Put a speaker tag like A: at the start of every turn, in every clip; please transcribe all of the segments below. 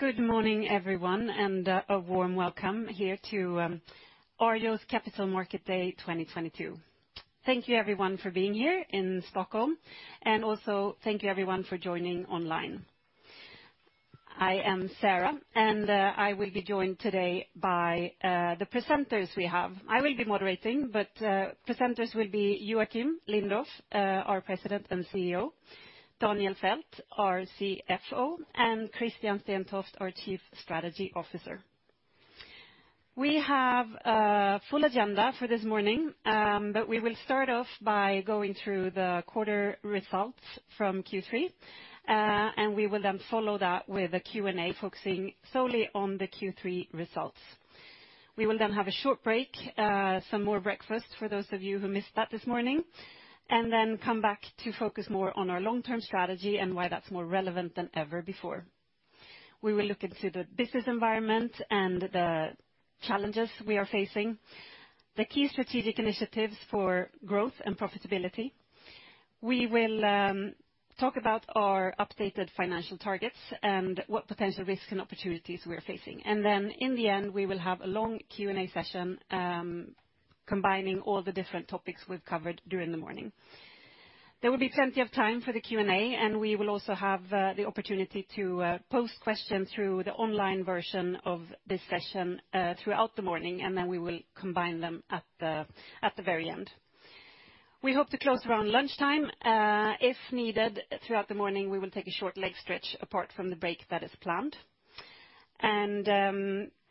A: Good morning, everyone, and a warm welcome here to Arjo's Capital Market Day 2022. Thank you everyone for being here in Stockholm, and also thank you everyone for joining online. I am Sara, and I will be joined today by the presenters we have. I will be moderating. Presenters will be Joacim Lindoff, our President and CEO, Daniel Fäldt, our CFO, and Christian Stentoft, our Chief Strategy Officer. We have a full agenda for this morning. We will start off by going through the quarter results from Q3. We will then follow that with a Q&A focusing solely on the Q3 results. We will then have a short break, some more breakfast for those of you who missed that this morning, and then come back to focus more on our long-term strategy and why that's more relevant than ever before. We will look into the business environment and the challenges we are facing, the key strategic initiatives for growth and profitability. We will talk about our updated financial targets and what potential risks and opportunities we are facing. In the end, we will have a long Q&A session, combining all the different topics we've covered during the morning. There will be plenty of time for the Q&A, and we will also have the opportunity to pose questions through the online version of this session throughout the morning, and then we will combine them at the very end. We hope to close around lunchtime. If needed throughout the morning, we will take a short leg stretch apart from the break that is planned.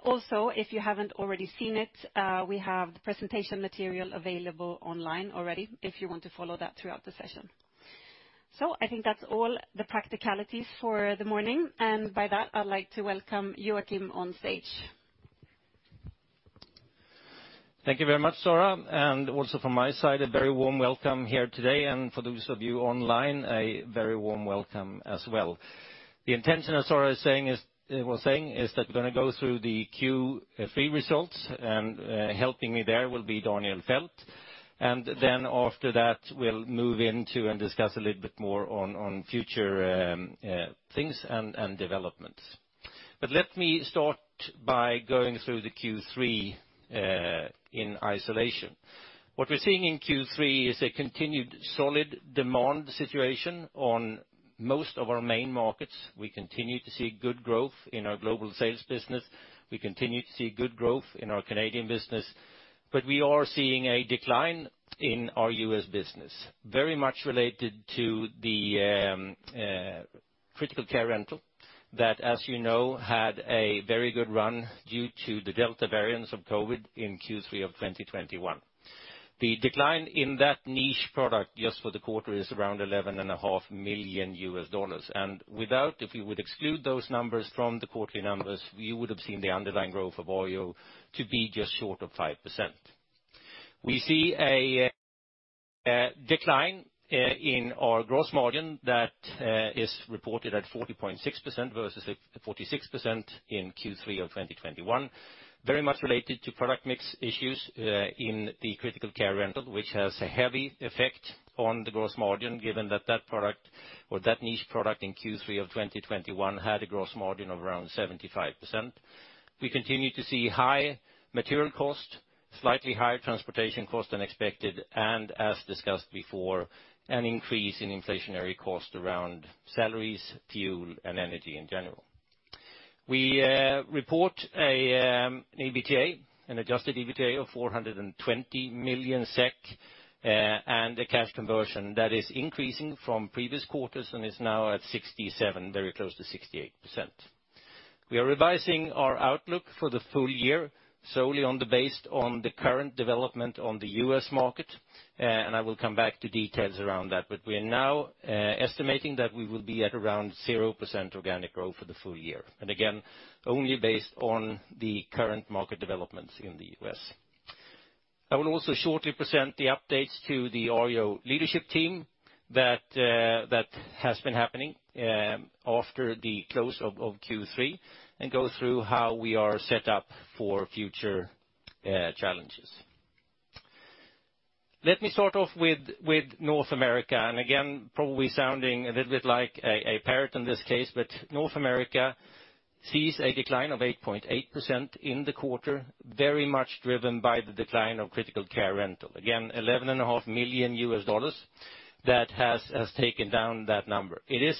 A: Also, if you haven't already seen it, we have the presentation material available online already if you want to follow that throughout the session. I think that's all the practicalities for the morning. By that, I'd like to welcome Joacim on stage.
B: Thank you very much, Sara. Also from my side, a very warm welcome here today. For those of you online, a very warm welcome as well. The intention, as Sara was saying, is that we're gonna go through the Q3 results, and helping me there will be Daniel Fäldt. Then after that, we'll move into and discuss a little bit more on future things and developments. But let me start by going through the Q3 in isolation. What we're seeing in Q3 is a continued solid demand situation on most of our main markets. We continue to see good growth in our global sales business. We continue to see good growth in our Canadian business. We are seeing a decline in our U.S. business, very much related to the critical care rental that, as you know, had a very good run due to the Delta variants of COVID in Q3 of 2021. The decline in that niche product just for the quarter is around $11.5 million. Without, if you would exclude those numbers from the quarterly numbers, you would have seen the underlying growth of Arjo to be just short of 5%. We see a decline in our gross margin that is reported at 40.6% versus 46% in Q3 of 2021. Very much related to product mix issues in the critical care rental, which has a heavy effect on the gross margin, given that that product or that niche product in Q3 of 2021 had a gross margin of around 75%. We continue to see high material cost, slightly higher transportation cost than expected, and as discussed before, an increase in inflationary cost around salaries, fuel, and energy in general. We report an adjusted EBITA of 420 million SEK and a cash conversion that is increasing from previous quarters and is now at 67, very close to 68%. We are revising our outlook for the full year solely based on the current development on the U.S. market. I will come back to details around that. We are now estimating that we will be at around 0% organic growth for the full year. Again, only based on the current market developments in the U.S. I will also shortly present the updates to the Arjo leadership team that has been happening after the close of Q3 and go through how we are set up for future challenges. Let me start off with North America. Again, probably sounding a little bit like a parrot in this case, but North America sees a decline of 8.8% in the quarter, very much driven by the decline of critical care rental. Again, $11.5 million that has taken down that number. It is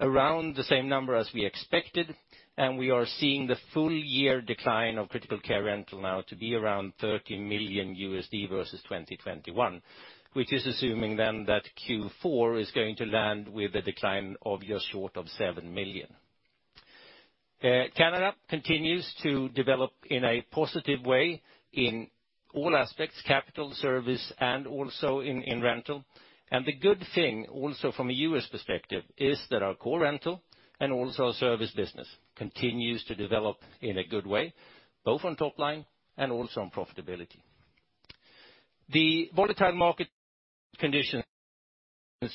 B: around the same number as we expected, and we are seeing the full year decline of critical care rental now to be around $30 million versus 2021, which is assuming then that Q4 is going to land with a decline of just short of $7 million. Canada continues to develop in a positive way in all aspects, capital, service, and also in rental. The good thing also from a U.S. perspective is that our core rental and also our service business continues to develop in a good way, both on top line and also on profitability. The volatile market conditions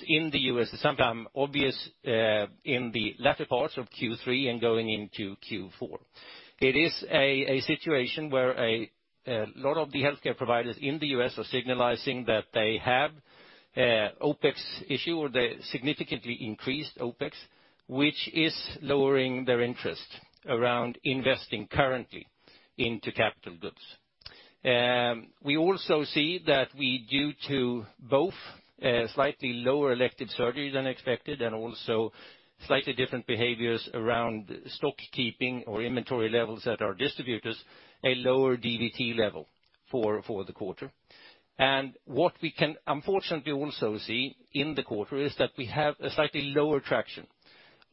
B: in the U.S. is sometimes obvious in the latter parts of Q3 and going into Q4. It is a situation where a lot of the healthcare providers in the U.S. are signaling that they have OpEx issue, or they significantly increased OpEx, which is lowering their interest around investing currently into capital goods. We also see that due to both slightly lower elective surgery than expected and also slightly different behaviors around stock keeping or inventory levels at our distributors, a lower DVT level for the quarter. What we can unfortunately also see in the quarter is that we have a slightly lower traction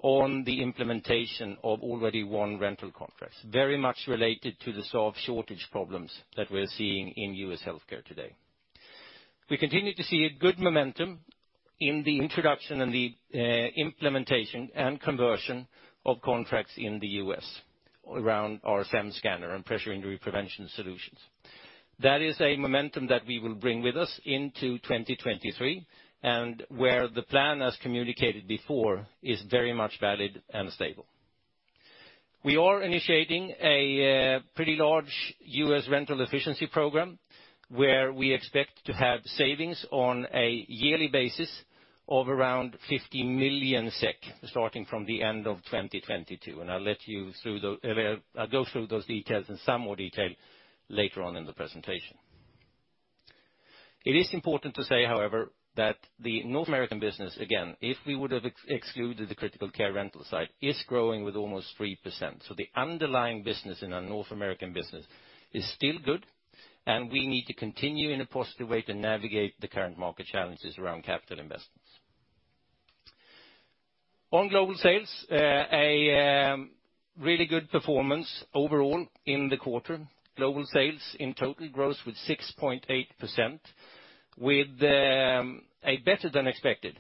B: on the implementation of already one rental contract, very much related to the staff shortage problems that we're seeing in U.S. healthcare today. We continue to see a good momentum in the introduction and the implementation and conversion of contracts in the U.S. around our SEM Scanner and pressure injury prevention solutions. That is a momentum that we will bring with us into 2023, and where the plan as communicated before is very much valid and stable. We are initiating a pretty large U.S. rental efficiency program, where we expect to have savings on a yearly basis of around 50 million SEK, starting from the end of 2022, and I'll go through those details in some more detail later on in the presentation. It is important to say, however, that the North American business, again, if we would have excluded the critical care rental side, is growing with almost 3%. The underlying business in our North American business is still good, and we need to continue in a positive way to navigate the current market challenges around capital investments. On global sales, really good performance overall in the quarter. Global sales in total grew with 6.8%, with a better than expected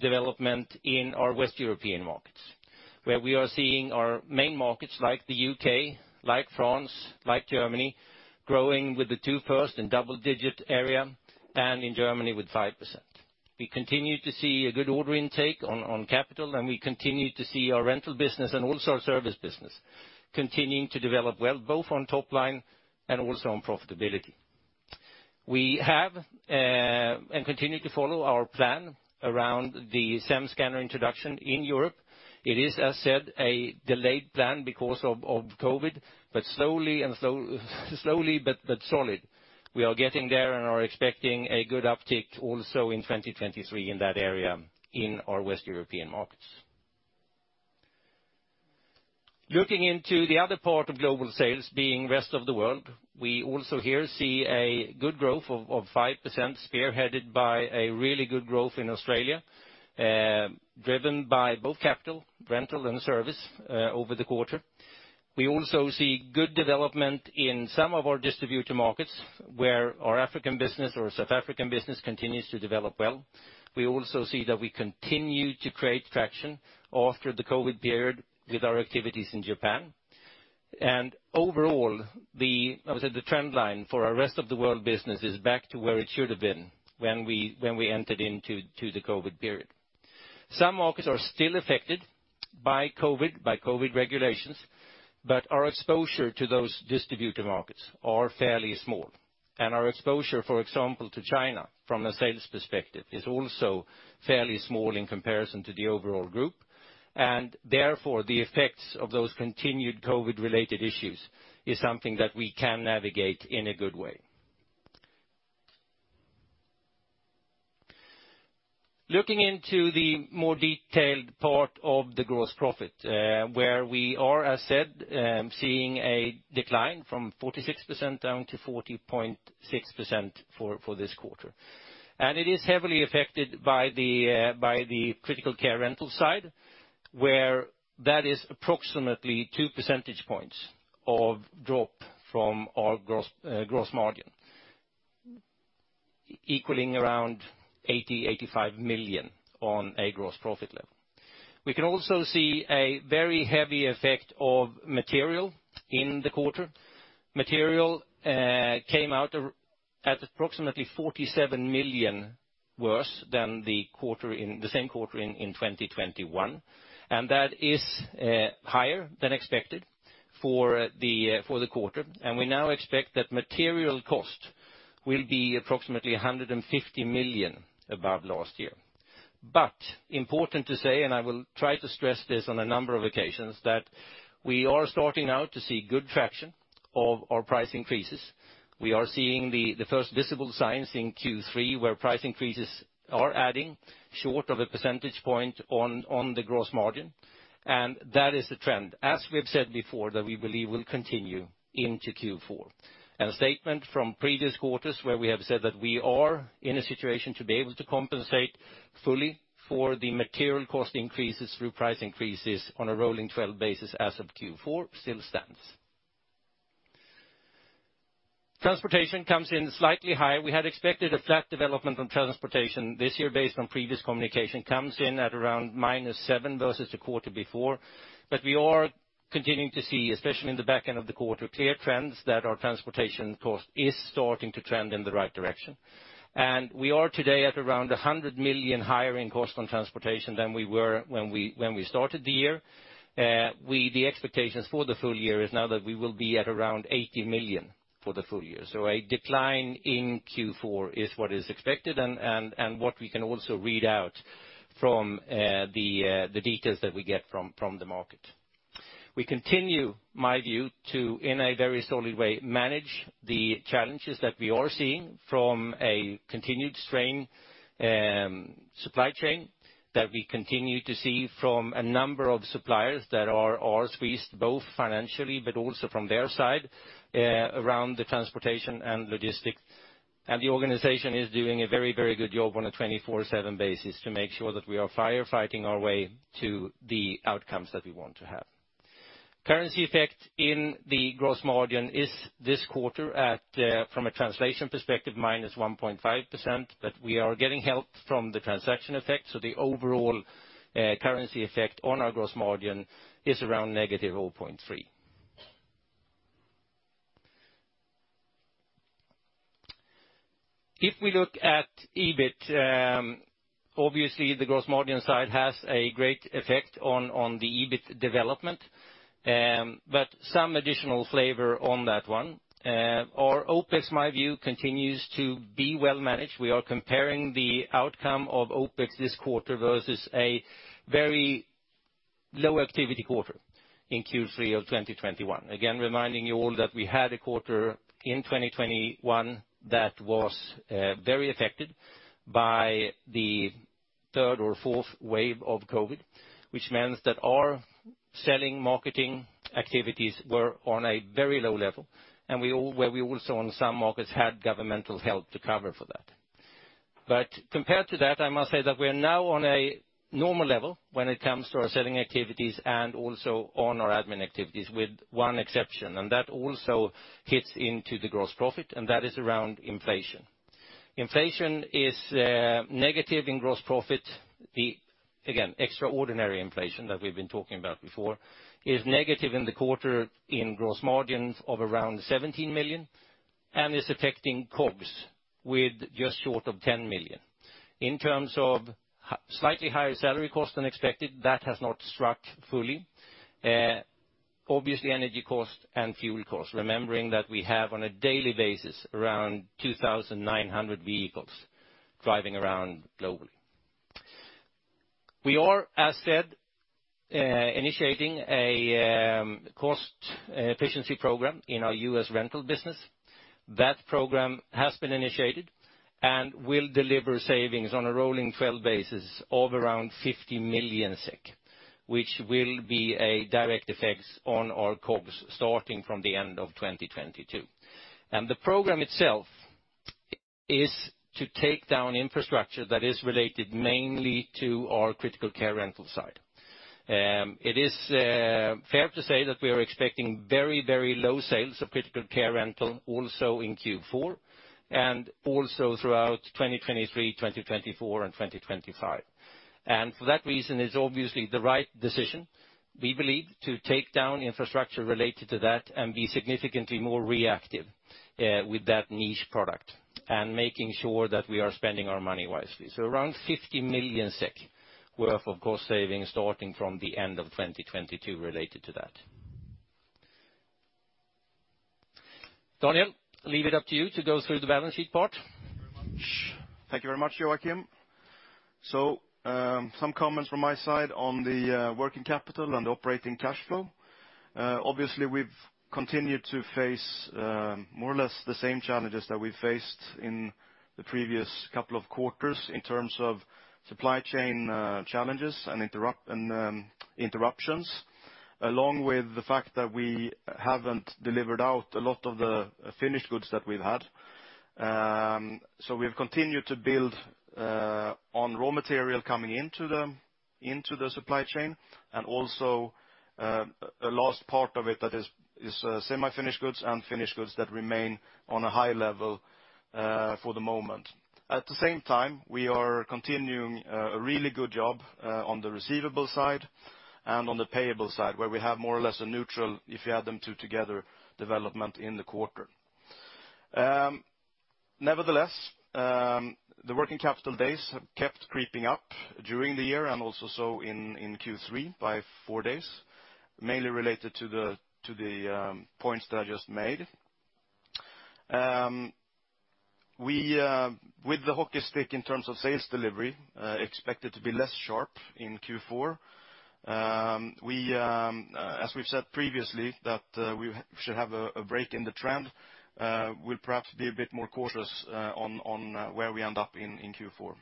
B: development in our West European markets, where we are seeing our main markets like the U.K., like France, like Germany, growing with the two first in double-digit area and in Germany with 5%. We continue to see a good order intake on capital, and we continue to see our rental business and also our service business continuing to develop well, both on top line and also on profitability. We continue to follow our plan around the SEM Scanner introduction in Europe. It is, as said, a delayed plan because of COVID, but slowly but solid. We are getting there and are expecting a good uptick also in 2023 in that area in our West European markets. Looking into the other part of global sales being rest of the world, we also here see a good growth of 5% spearheaded by a really good growth in Australia, driven by both capital, rental, and service over the quarter. We also see good development in some of our distributor markets, where our African business or South African business continues to develop well. We also see that we continue to create traction after the COVID period with our activities in Japan. Overall, I would say the trend line for our rest of the world business is back to where it should have been when we entered into the COVID period. Some markets are still affected by COVID regulations, but our exposure to those distributor markets are fairly small. Our exposure, for example, to China from a sales perspective is also fairly small in comparison to the overall group. Therefore, the effects of those continued COVID-related issues is something that we can navigate in a good way. Looking into the more detailed part of the gross profit, where we are, as said, seeing a decline from 46% down to 40.6% for this quarter. It is heavily affected by the critical care rental side, where that is approximately two percentage points of drop from our gross margin. Equaling around 85 million on a gross profit level. We can also see a very heavy effect of material in the quarter. Material came out at approximately 47 million worse than the same quarter in 2021, and that is higher than expected for the quarter. We now expect that material cost will be approximately 150 million above last year. Important to say, and I will try to stress this on a number of occasions, that we are starting now to see good traction of our price increases. We are seeing the first visible signs in Q3 where price increases are adding short of a percentage point on the gross margin. That is the trend, as we've said before, that we believe will continue into Q4. A statement from previous quarters where we have said that we are in a situation to be able to compensate fully for the material cost increases through price increases on a rolling twelve basis as of Q4 still stands. Transportation comes in slightly higher. We had expected a flat development on transportation this year based on previous communication, comes in at around -7% versus the quarter before. We are continuing to see, especially in the back end of the quarter, clear trends that our transportation cost is starting to trend in the right direction. We are today at around 100 million higher in cost on transportation than we were when we started the year. The expectations for the full year is now that we will be at around 80 million for the full year. A decline in Q4 is what is expected and what we can also read out from the details that we get from the market. We continue, my view, to in a very solid way manage the challenges that we are seeing from a continued strain supply chain that we continue to see from a number of suppliers that are squeezed both financially but also from their side around the transportation and logistics. The organization is doing a very, very good job on a 24/7 basis to make sure that we are firefighting our way to the outcomes that we want to have. Currency effect in the gross margin is this quarter at, from a translation perspective, -1.5%, but we are getting help from the transaction effect. The overall currency effect on our gross margin is around -0.3%. If we look at EBIT, obviously the gross margin side has a great effect on the EBIT development, but some additional flavor on that one. Our OpEx, my view, continues to be well managed. We are comparing the outcome of OpEx this quarter versus a very low activity quarter in Q3 of 2021. Again, reminding you all that we had a quarter in 2021 that was very affected by the third or fourth wave of COVID, which means that our selling marketing activities were on a very low level. Where we also in some markets had governmental help to cover for that. Compared to that, I must say that we are now on a normal level when it comes to our selling activities and also on our admin activities with one exception, and that also hits into the gross profit, and that is around inflation. Inflation is negative in gross profit. Again, the extraordinary inflation that we've been talking about before is negative in the quarter in gross margins of around 17 million and is affecting COGS with just short of 10 million. In terms of slightly higher salary costs than expected, that has not struck fully. Obviously energy costs and fuel costs, remembering that we have on a daily basis around 2,900 vehicles driving around globally. We are, as said, initiating a cost efficiency program in our U.S. rental business. That program has been initiated and will deliver savings on a rolling 12 basis of around 50 million SEK, which will be a direct effects on our COGS starting from the end of 2022. The program itself is to take down infrastructure that is related mainly to our critical care rental side. It is fair to say that we are expecting very, very low sales of critical care rental also in Q4 and also throughout 2023, 2024, and 2025. For that reason, it's obviously the right decision, we believe, to take down infrastructure related to that and be significantly more reactive, with that niche product and making sure that we are spending our money wisely. Around 50 million SEK worth of cost savings starting from the end of 2022 related to that. Daniel, leave it up to you to go through the balance sheet part.
C: Thank you very much. Thank you very much, Joacim. Some comments from my side on the working capital and operating cash flow. Obviously, we've continued to face more or less the same challenges that we faced in the previous couple of quarters in terms of supply chain challenges and interruptions, along with the fact that we haven't delivered out a lot of the finished goods that we've had. We've continued to build on raw material coming into the supply chain and also a last part of it that is semi-finished goods and finished goods that remain on a high level for the moment. At the same time, we are continuing a really good job on the receivable side and on the payable side, where we have more or less a neutral, if you add them two together, development in the quarter. Nevertheless, the working capital days have kept creeping up during the year and also so in Q3 by four days, mainly related to the points that I just made. With the hockey stick in terms of sales delivery expected to be less sharp in Q4, we as we've said previously that we should have a break in the trend. We'll perhaps be a bit more cautious on where we end up in Q4.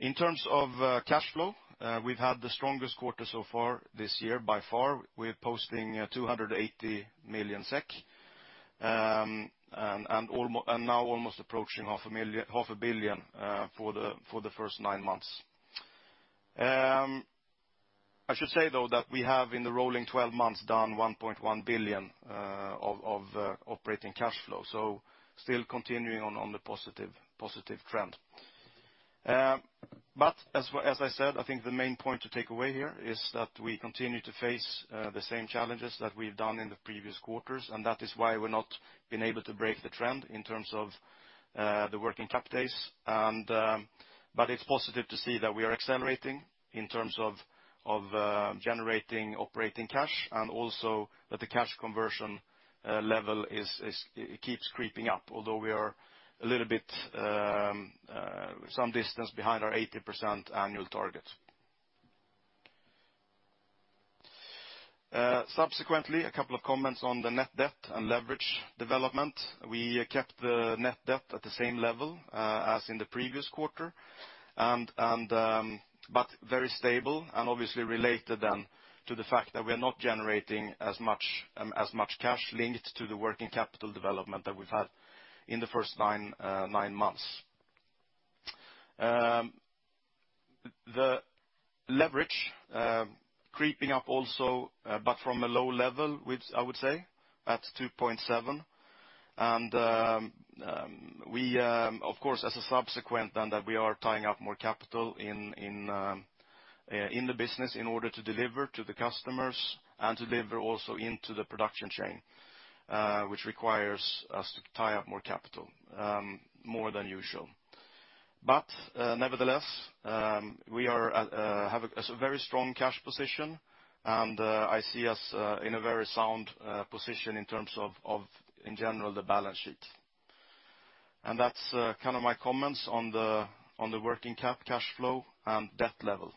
C: In terms of cash flow, we've had the strongest quarter so far this year by far. We're posting 280 million SEK, and now almost approaching 500,000,000 for the first nine months. I should say though that we have in the rolling 12 months done 1.1 billion of operating cash flow. Still continuing on the positive trend. As I said, I think the main point to take away here is that we continue to face the same challenges that we've done in the previous quarters, and that is why we're not been able to break the trend in terms of the working cap days. It's positive to see that we are accelerating in terms of generating operating cash and also that the cash conversion level is. It keeps creeping up, although we are a little bit some distance behind our 80% annual target. Subsequently, a couple of comments on the net debt and leverage development. We kept the net debt at the same level as in the previous quarter but very stable and obviously related then to the fact that we are not generating as much cash linked to the working capital development that we've had in the first nine months. The leverage creeping up also but from a low level, which I would say at 2.7. Of course, as a consequence of that we are tying up more capital in the business in order to deliver to the customers and to deliver also into the production chain, which requires us to tie up more capital more than usual. Nevertheless, we have a very strong cash position, and I see us in a very sound position in terms of in general the balance sheet. That's kind of my comments on the working capital cash flow and debt level.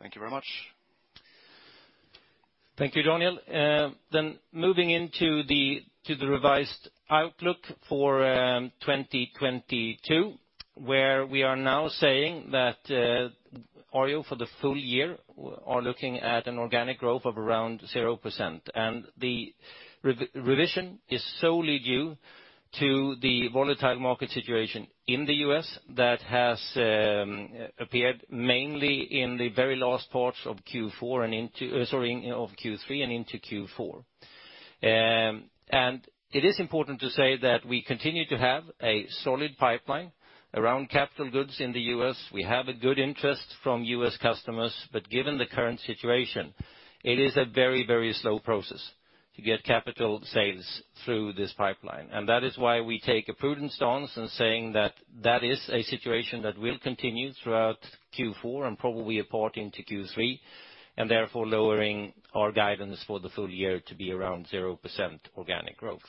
C: Thank you very much.
B: Thank you, Daniel. Moving into the revised outlook for 2022, where we are now saying that Arjo for the full year is looking at an organic growth of around 0%. The revision is solely due to the volatile market situation in the U.S. that has appeared mainly in the very last parts of Q3 and into Q4. It is important to say that we continue to have a solid pipeline around capital goods in the U.S.. We have a good interest from U.S. customers, but given the current situation, it is a very, very slow process to get capital sales through this pipeline. That is why we take a prudent stance in saying that that is a situation that will continue throughout Q4 and probably a part into Q3, and therefore lowering our guidance for the full year to be around 0% organic growth.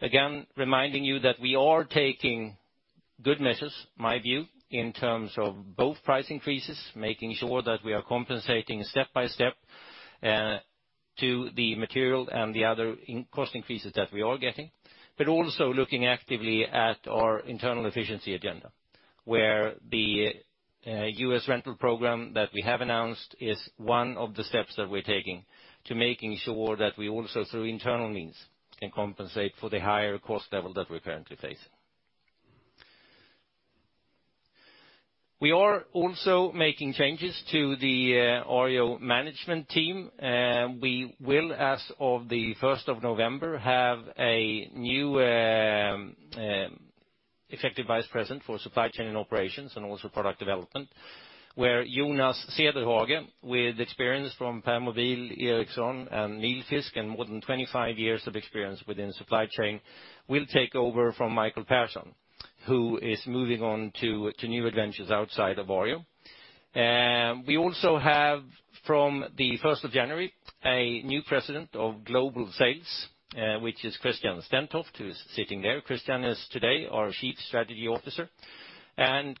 B: Again, reminding you that we are taking good measures, my view, in terms of both price increases, making sure that we are compensating step by step to the material and the other input cost increases that we are getting. But also looking actively at our internal efficiency agenda, where the U.S. rental program that we have announced is one of the steps that we're taking to making sure that we also through internal means can compensate for the higher cost level that we're currently facing. We are also making changes to the Arjo management team. We will, as of the November 1st, have a new Executive Vice President for supply chain and operations and also product development, where Jonas Cederhage, with experience from Permobil, Ericsson, and Nilfisk, and more than 25 years of experience within supply chain, will take over from Mikael Persson, who is moving on to new adventures outside of Arjo. We also have, from the first of January, a new president of global sales, which is Christian Stentoft, who is sitting there. Christian is today our chief strategy officer.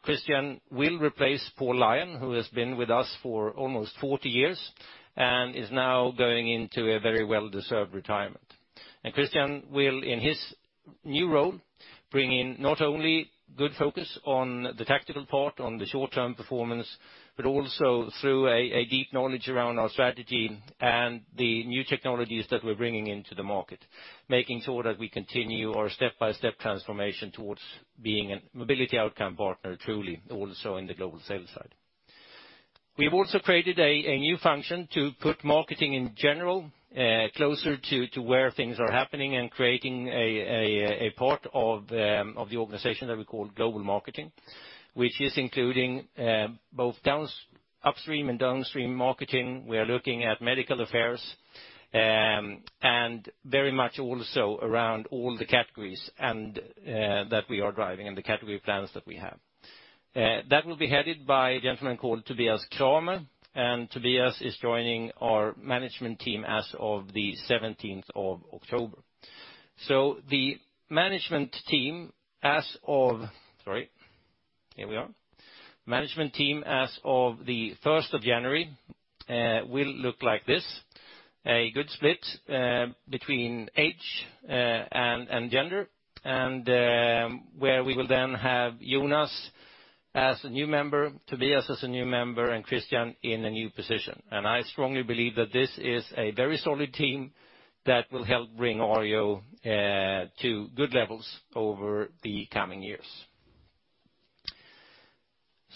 B: Christian will replace Paul Lyon, who has been with us for almost 40 years and is now going into a very well-deserved retirement. Christian will, in his new role, bring in not only good focus on the tactical part, on the short-term performance, but also through a deep knowledge around our strategy and the new technologies that we're bringing into the market, making sure that we continue our step-by-step transformation towards being a mobility outcome partner truly also in the global sales side. We have also created a new function to put marketing in general closer to where things are happening and creating a part of the organization that we call global marketing, which is including both upstream and downstream marketing. We are looking at medical affairs, and very much also around all the categories and that we are driving and the category plans that we have. That will be headed by a gentleman called Tobias Kramer, and Tobias is joining our management team as of the seventeenth of October. The management team as of the first of January will look like this. A good split between age and gender, and where we will then have Jonas as a new member, Tobias as a new member, and Christian in a new position. I strongly believe that this is a very solid team that will help bring Arjo to good levels over the coming years.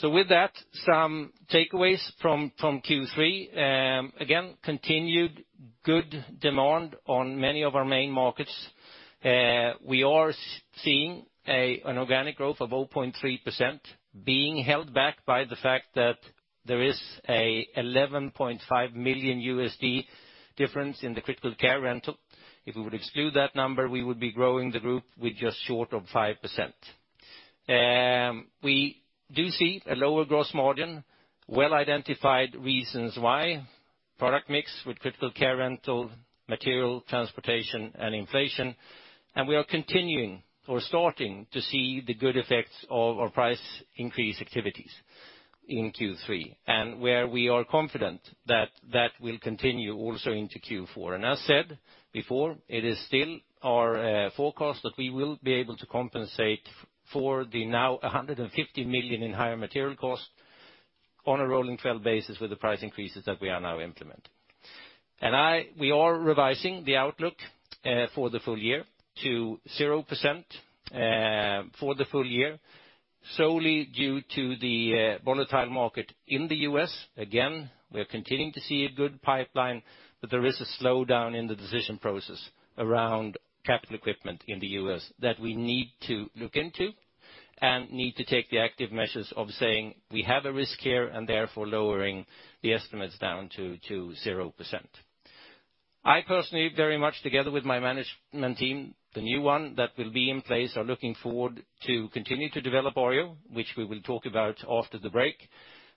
B: With that, some takeaways from Q3. Again, continued good demand on many of our main markets. We are seeing an organic growth of 0.3% being held back by the fact that there is a $11.5 million difference in the critical care rental. If we would exclude that number, we would be growing the group with just short of 5%. We do see a lower gross margin, well-identified reasons why, product mix with critical care rental, material transportation, and inflation. We are continuing or starting to see the good effects of our price increase activities in Q3, and we are confident that that will continue also into Q4. As said before, it is still our forecast that we will be able to compensate for the now 150 million in higher material costs on a rolling 12 basis with the price increases that we are now implementing. We are revising the outlook for the full year to 0%, solely due to the volatile market in the U.S.. Again, we are continuing to see a good pipeline, but there is a slowdown in the decision process around capital equipment in the U.S. that we need to look into and need to take the active measures of saying, "We have a risk here," and therefore lowering the estimates down to 0%. I personally very much together with my management team, the new one that will be in place are looking forward to continue to develop Arjo, which we will talk about after the break,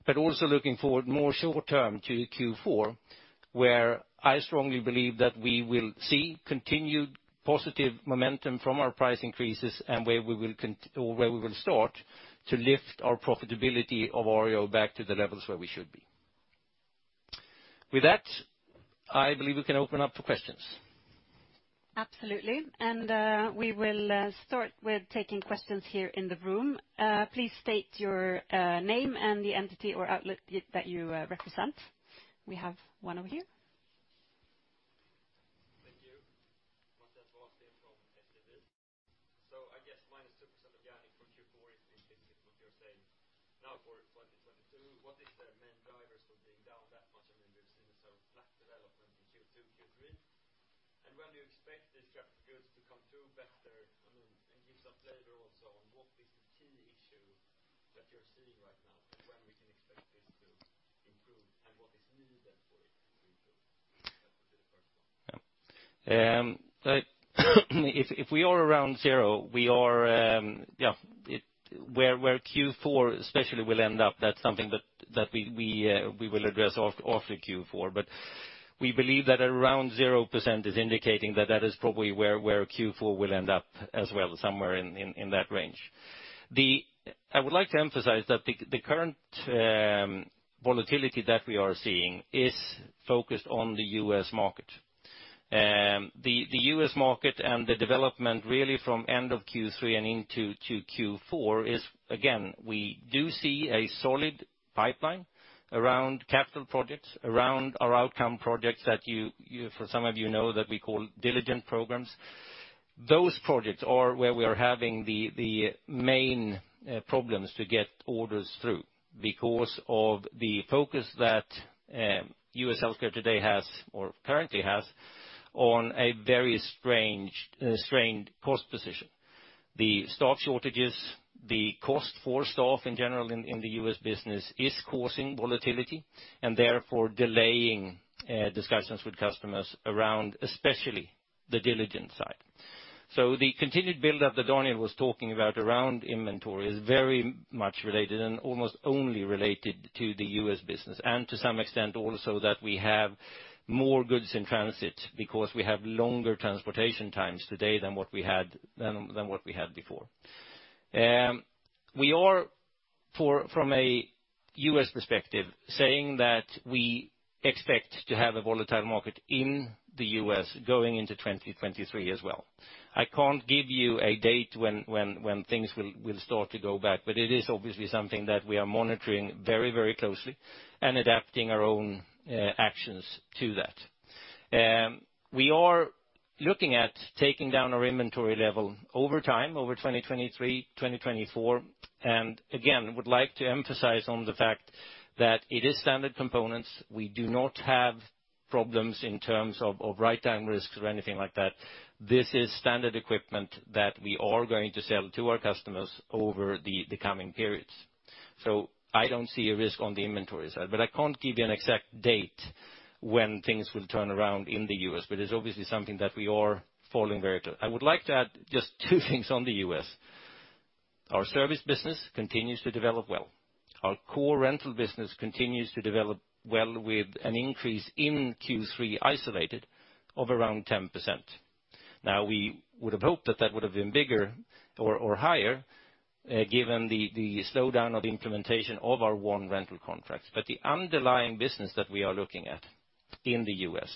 B: but also looking forward more short-term to Q4, where I strongly believe that we will see continued positive momentum from our price increases and where we will start to lift our profitability of Arjo back to the levels where we should be. With that, I believe we can open up to questions.
A: Absolutely. We will start with taking questions here in the room. Please state your name and the entity or outlet that you represent. We have one over here.
D: Thank you. Mattias Vadsten fro SEB. I guess -2% organic from Q4 is basically what you're saying now for 2022. What is the main drivers for being down that much? I mean, we've seen some flat development in Q2, Q3. When do you expect these headwinds to come through better and give some flavor also on what is the key issue that you're seeing right now, and when we can expect this to improve, and what is needed for it to improve? That would be the first one.
B: If we are around 0%, where Q4 especially will end up, that's something that we will address after Q4. We believe that around 0% is indicating that that is probably where Q4 will end up as well, somewhere in that range. I would like to emphasize that the current volatility that we are seeing is focused on the U.S. market. The U.S. market and the development really from end of Q3 and into Q4 is, again, we do see a solid pipeline around capital projects, around our outcome projects that you, for some of you know, that we call Diligent programs. Those projects are where we are having the main problems to get orders through because of the focus that U.S. healthcare today has or currently has on a very strange strained cost position. The stock shortages, the cost for stock in general in the U.S. business is causing volatility and therefore delaying discussions with customers around especially the Diligent side. The continued buildup that Daniel was talking about around inventory is very much related and almost only related to the U.S. business, and to some extent also that we have more goods in transit because we have longer transportation times today than what we had before. From a U.S. perspective, we are saying that we expect to have a volatile market in the U.S. going into 2023 as well. I can't give you a date when things will start to go back, but it is obviously something that we are monitoring very closely and adapting our own actions to that. We are looking at taking down our inventory level over time, over 2023, 2024, and again, would like to emphasize on the fact that it is standard components. We do not have problems in terms of write-down risks or anything like that. This is standard equipment that we are going to sell to our customers over the coming periods. I don't see a risk on the inventory side, but I can't give you an exact date when things will turn around in the U.S., but it's obviously something that we are following very closely. I would like to add just two things on the U.S.. Our service business continues to develop well. Our core rental business continues to develop well with an increase in Q3, isolated, of around 10%. Now, we would have hoped that that would have been bigger or higher, given the slowdown of implementation of our own rental contracts. The underlying business that we are looking at in the U.S.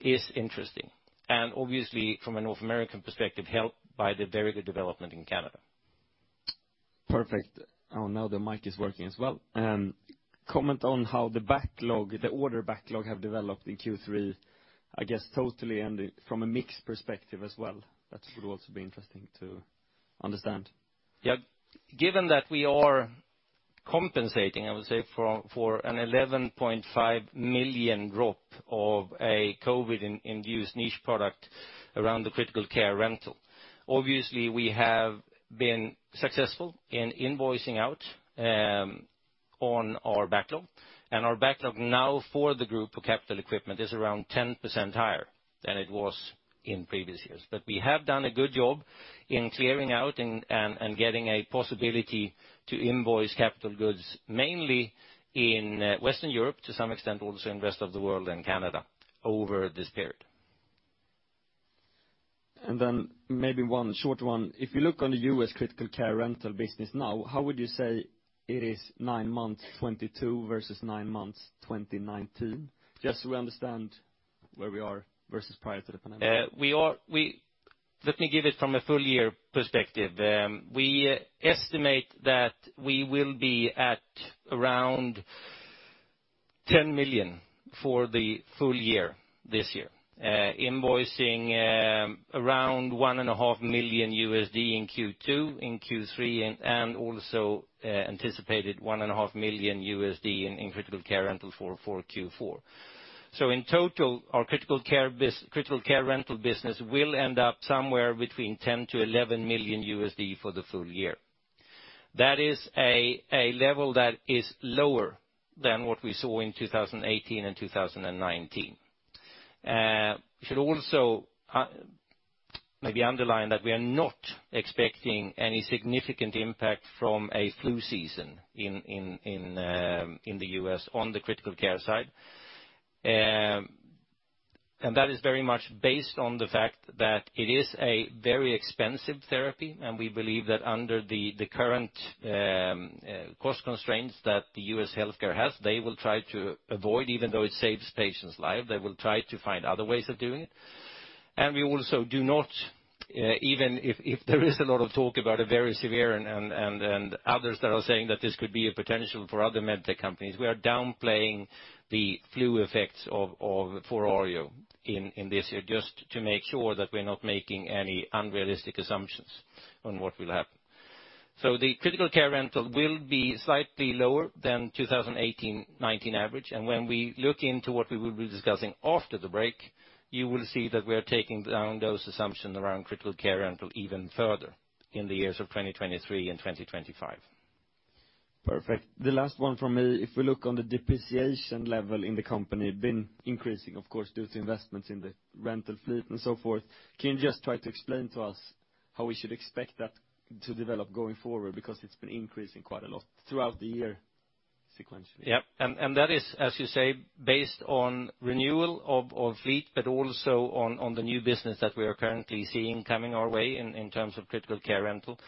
B: is interesting, and obviously from a North American perspective, helped by the very good development in Canada.
D: Perfect. Oh, now the mic is working as well. Comment on how the backlog, the order backlog have developed in Q3, I guess, totally and from a mix perspective as well? That would also be interesting to understand.
B: Yeah. Given that we are compensating, I would say, for an 11.5 million drop of a COVID-induced niche product around the critical care rental. Obviously, we have been successful in invoicing out on our backlog, and our backlog now for the group for capital equipment is around 10% higher than it was in previous years. We have done a good job in clearing out and getting a possibility to invoice capital goods, mainly in Western Europe to some extent, also in rest of the world and Canada over this period.
D: Maybe one short one. If you look on the U.S. critical care rental business now, how would you say it is nine months 2022 versus nine months 2019? Just so we understand where we are versus prior to the pandemic.
B: Let me give it from a full year perspective. We estimate that we will be at around $10 million for the full year this year, invoicing around $1.5 million in Q2, in Q3, and also anticipated $1.5 million in critical care rental for Q4. In total, our critical care rental business will end up somewhere between $10-11 million for the full year. That is a level that is lower than what we saw in 2018 and 2019. We should also maybe underline that we are not expecting any significant impact from a flu season in the U.S. on the critical care side. That is very much based on the fact that it is a very expensive therapy, and we believe that under the current cost constraints that the U.S. healthcare has, they will try to avoid, even though it saves patients' life, they will try to find other ways of doing it. We also do not, even if there is a lot of talk about a very severe and others that are saying that this could be a potential for other med tech companies, we are downplaying the flu effects of Arjo in this year, just to make sure that we're not making any unrealistic assumptions on what will happen. The critical care rental will be slightly lower than the 2018 and 2019 average. When we look into what we will be discussing after the break, you will see that we are taking down those assumptions around critical care rental even further in the years of 2023 and 2025.
D: Perfect. The last one from me. If we look on the depreciation level in the company been increasing, of course, due to investments in the rental fleet and so forth. Can you just try to explain to us how we should expect that to develop going forward? Because it's been increasing quite a lot throughout the year sequentially.
B: Yeah. That is, as you say, based on renewal of fleet, but also on the new business that we are currently seeing coming our way in terms of critical care rental.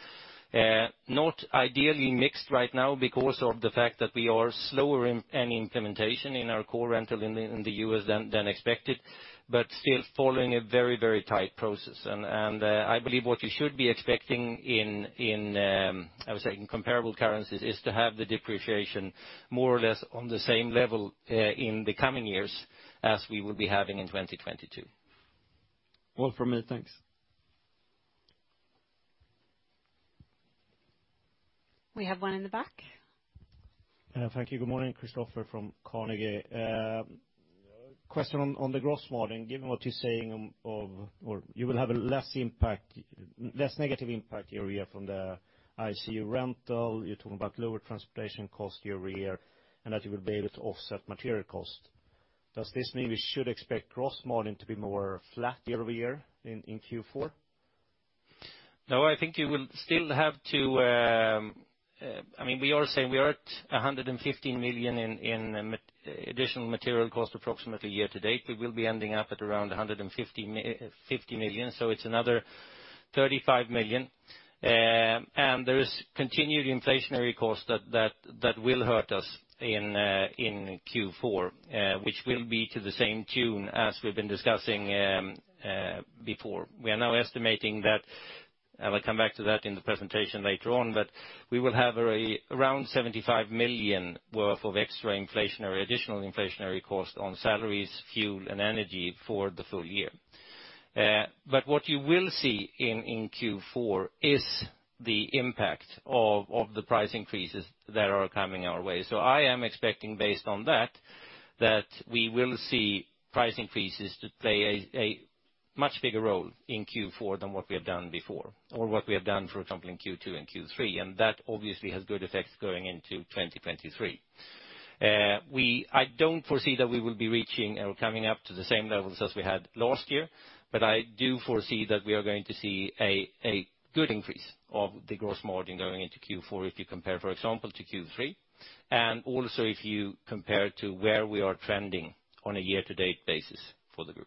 B: Not ideally mixed right now because of the fact that we are slower in any implementation in our core rental in the U.S. than expected, but still following a very tight process. I believe what you should be expecting, I would say in comparable currencies, is to have the depreciation more or less on the same level in the coming years as we will be having in 2022.
D: All from me. Thanks.
A: We have one in the back.
E: Thank you. Good morning. Kristofer from Carnegie. Question on the gross margin, given what you're saying, or you will have a less impact, less negative impact YoY from the ICU rental, you're talking about lower transportation cost YoY, and that you will be able to offset material cost. Does this mean we should expect gross margin to be more flat YoY in Q4?
B: No, I think you will still have to. I mean, we are saying we are at 115 million in additional material cost approximately year to date. We will be ending up at around 150 million, so it's another 35 million. There is continued inflationary cost that will hurt us in Q4, which will be to the same tune as we've been discussing before. We are now estimating that. I will come back to that in the presentation later on, but we will have around 75 million worth of extra inflationary, additional inflationary cost on salaries, fuel, and energy for the full year. What you will see in Q4 is the impact of the price increases that are coming our way. I am expecting based on that we will see price increases to play a much bigger role in Q4 than what we have done before or what we have done, for example, in Q2 and Q3. And that obviously has good effects going into 2023. I don't foresee that we will be reaching or coming up to the same levels as we had last year, but I do foresee that we are going to see a good increase of the gross margin going into Q4 if you compare, for example, to Q3, and also if you compare to where we are trending on a year-to-date basis for the group.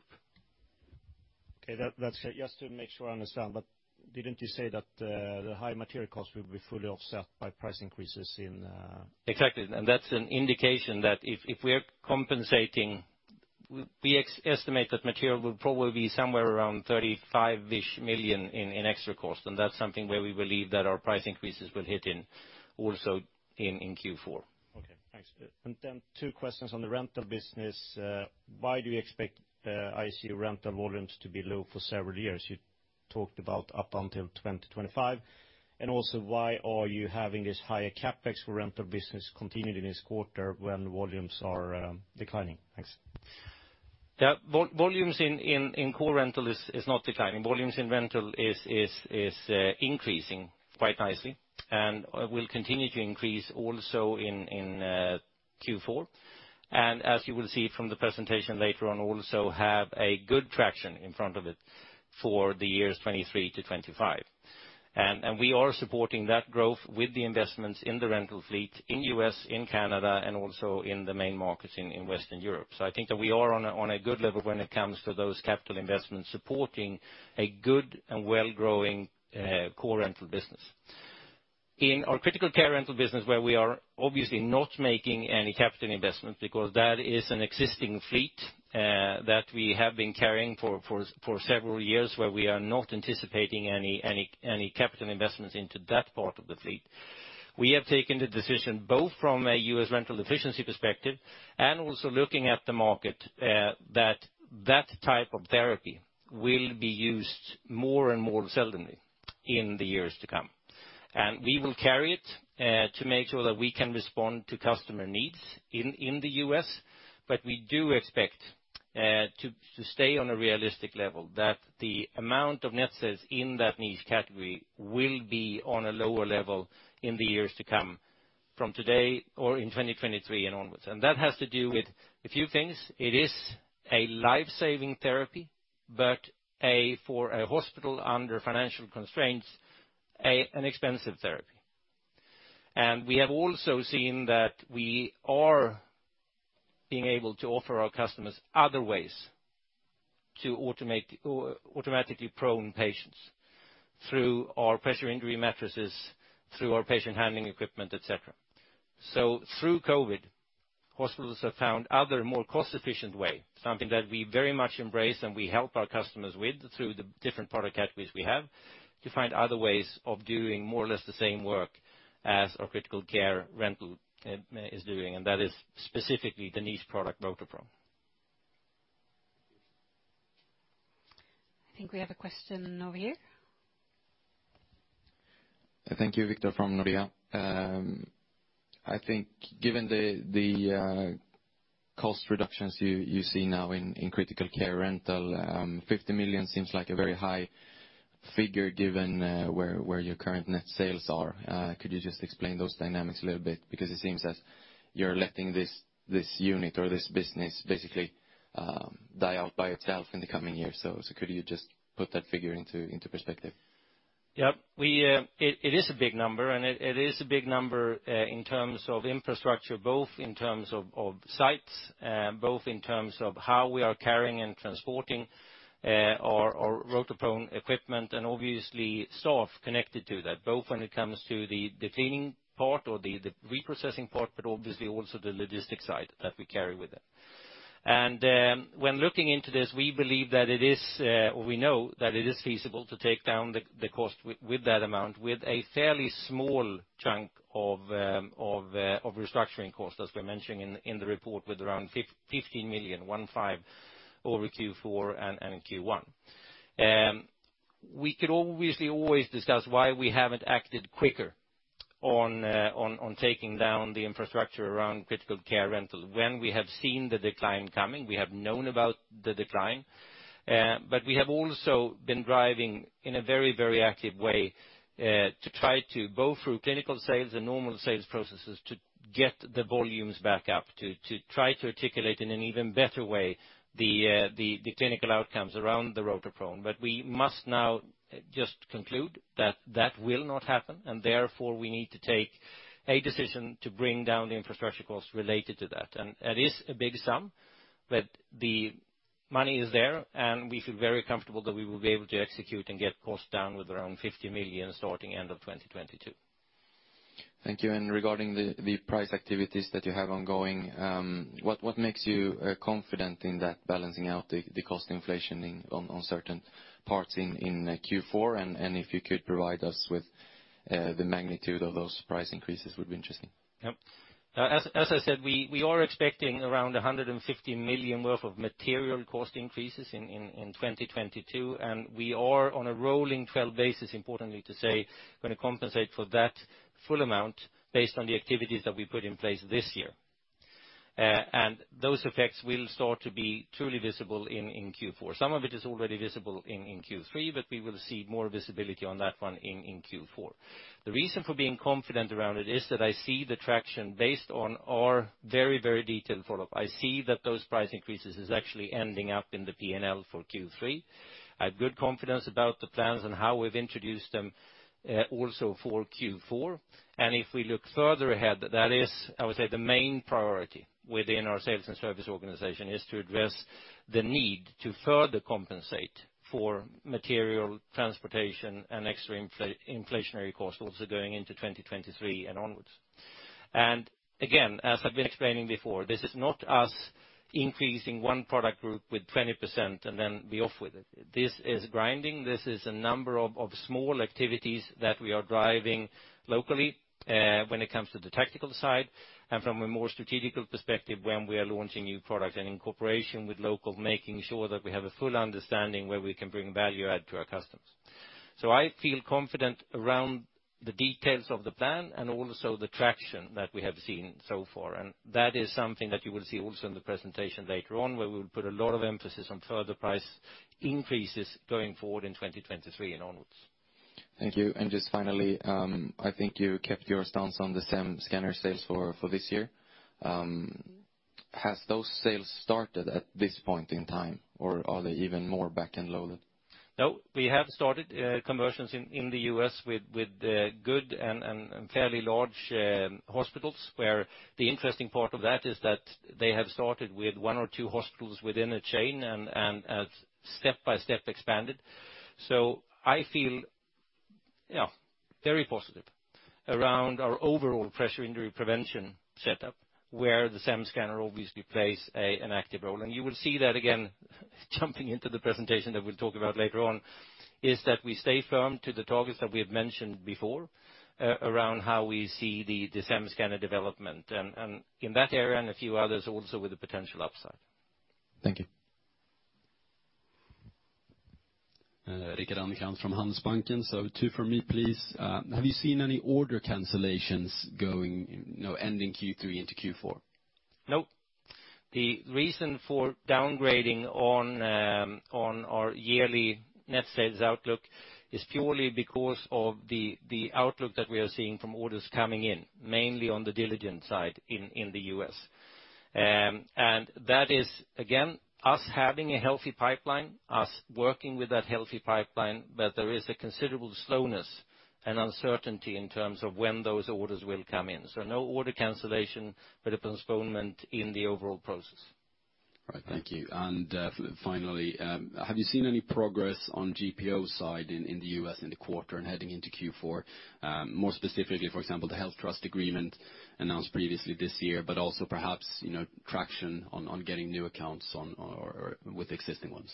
E: Okay, that's fair. Just to make sure I understand. Didn't you say that the high material cost will be fully offset by price increases in?
B: Exactly. That's an indication that if we are compensating. We estimate that material will probably be somewhere around 35-ish million in extra cost. That's something where we believe that our price increases will hit in also in Q4.
E: Okay, thanks. Two questions on the rental business. Why do you expect ICU rental volumes to be low for several years? You talked about up until 2025. Also, why are you having this higher CapEx for rental business continued in this quarter when volumes are declining? Thanks.
B: Yeah. Volumes in core rental is not declining. Volumes in rental is increasing quite nicely and will continue to increase also in Q4. As you will see from the presentation later on, also have a good traction in front of it for the years 2023-2025. We are supporting that growth with the investments in the rental fleet in U.S., in Canada, and also in the main markets in Western Europe. I think that we are on a good level when it comes to those capital investments supporting a good and well growing core rental business. In our critical care rental business, where we are obviously not making any capital investment because that is an existing fleet, that we have been carrying for several years, where we are not anticipating any capital investments into that part of the fleet. We have taken the decision both from a U.S. rental efficiency perspective and also looking at the market, that type of therapy will be used more and more seldomly in the years to come. We will carry it to make sure that we can respond to customer needs in the U.S., but we do expect to stay on a realistic level that the amount of net sales in that niche category will be on a lower level in the years to come from today or in 2023 and onwards. That has to do with a few things. It is a life-saving therapy, but for a hospital under financial constraints, an expensive therapy. We have also seen that we are being able to offer our customers other ways to automate automatically prone patients through our pressure injury mattresses, through our patient handling equipment, et cetera. Through COVID, hospitals have found other more cost-efficient way, something that we very much embrace and we help our customers with through the different product categories we have, to find other ways of doing more or less the same work as our critical care rental is doing, and that is specifically the niche product RotoProne.
A: I think we have a question over here.
F: Thank you, Viktor Forssell from Nordea. I think given the cost reductions you see now in critical care rental, 50 million seems like a very high figure given where your current net sales are. Could you just explain those dynamics a little bit? Because it seems as you're letting this unit or this business basically die out by itself in the coming years. Could you just put that figure into perspective?
B: Yeah. It is a big number in terms of infrastructure, both in terms of sites, both in terms of how we are carrying and transporting our RotoProne equipment and obviously staff connected to that, both when it comes to the cleaning part or the reprocessing part, but obviously also the logistic side that we carry with it. When looking into this, we believe that it is, or we know that it is feasible to take down the cost with that amount, with a fairly small chunk of restructuring costs, as we're mentioning in the report, with around 15 million, one five, over Q4 and Q1. We could obviously always discuss why we haven't acted quicker on taking down the infrastructure around critical care rental when we have seen the decline coming. We have known about the decline, but we have also been driving in a very active way to try to both through clinical sales and normal sales processes to get the volumes back up, to try to articulate in an even better way the clinical outcomes around the RotoProne. We must now just conclude that that will not happen, and therefore we need to take a decision to bring down the infrastructure costs related to that. That is a big sum, but the money is there, and we feel very comfortable that we will be able to execute and get costs down with around 50 million starting end of 2022.
F: Thank you. Regarding the price activities that you have ongoing, what makes you confident in that balancing out the cost inflation on certain parts in Q4? If you could provide us with the magnitude of those price increases would be interesting.
B: Yep. As I said, we are expecting around 150 million worth of material cost increases in 2022, and we are on a rolling twelve basis, importantly to say, gonna compensate for that full amount based on the activities that we put in place this year. Those effects will start to be truly visible in Q4. Some of it is already visible in Q3, but we will see more visibility on that one in Q4. The reason for being confident around it is that I see the traction based on our very, very detailed follow-up. I see that those price increases is actually ending up in the P&L for Q3. I have good confidence about the plans and how we've introduced them, also for Q4. If we look further ahead, that is, I would say, the main priority within our sales and service organization, is to address the need to further compensate for material transportation and extra inflationary costs also going into 2023 and onwards. Again, as I've been explaining before, this is not us increasing one product group with 20% and then be off with it. This is grinding. This is a number of small activities that we are driving locally, when it comes to the tactical side and from a more strategic perspective when we are launching new products and in cooperation with local, making sure that we have a full understanding where we can bring value add to our customers. I feel confident around the details of the plan and also the traction that we have seen so far. That is something that you will see also in the presentation later on, where we'll put a lot of emphasis on further price increases going forward in 2023 and onwards.
F: Thank you. Just finally, I think you kept your stance on the SEM Scanner sales for this year. Has those sales started at this point in time, or are they even more back-end loaded?
B: No, we have started conversions in the U.S. with good and fairly large hospitals, where the interesting part of that is that they have started with one or two hospitals within a chain and as step-by-step expanded. I feel, yeah, very positive around our overall pressure injury prevention setup, where the SEM scanner obviously plays an active role. You will see that again, jumping into the presentation that we'll talk about later on, is that we stay firm to the targets that we have mentioned before, around how we see the SEM scanner development and in that area and a few others also with the potential upside.
F: Thank you.
G: Rickard Andekrans from Handelsbanken. Two for me, please. Have you seen any order cancellations going, you know, ending Q3 into Q4?
B: No. The reason for downgrading on our yearly net sales outlook is purely because of the outlook that we are seeing from orders coming in, mainly on the Diligent side in the U.S. That is again us having a healthy pipeline, us working with that healthy pipeline, but there is a considerable slowness and uncertainty in terms of when those orders will come in. No order cancellation, but a postponement in the overall process.
G: Right. Thank you. Finally, have you seen any progress on GPO side in the U.S. in the quarter and heading into Q4? More specifically, for example, the HealthTrust agreement announced previously this year, but also perhaps, you know, traction on getting new accounts on or with existing ones.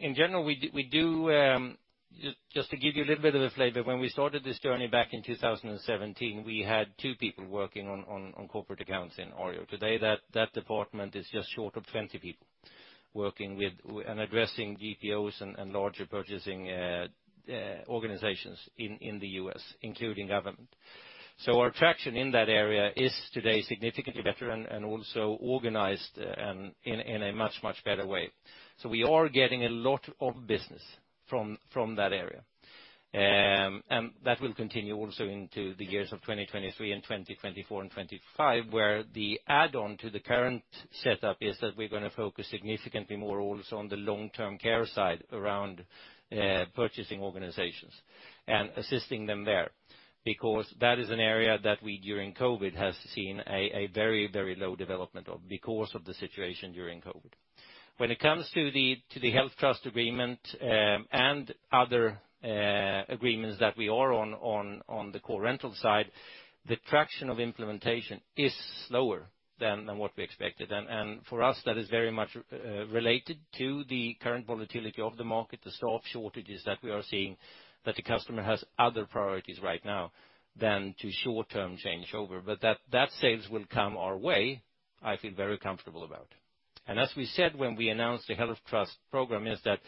B: In general, we do just to give you a little bit of a flavor, when we started this journey back in 2017, we had two people working on corporate accounts in Arjo. Today, that department is just short of 20 people working with and addressing GPOs and larger purchasing organizations in the U.S., including government. Our traction in that area is today significantly better and also organized in a much better way. We are getting a lot of business from that area. That will continue also into the years of 2023 and 2024 and 2025, where the add-on to the current setup is that we're gonna focus significantly more also on the long-term care side around purchasing organizations and assisting them there. Because that is an area that we during COVID has seen a very, very low development of because of the situation during COVID. When it comes to the HealthTrust agreement and other agreements that we are on the core rental side, the traction of implementation is slower than what we expected. For us, that is very much related to the current volatility of the market, the staff shortages that we are seeing, that the customer has other priorities right now than to short-term changeover. That sales will come our way, I feel very comfortable about. As we said when we announced the HealthTrust program is that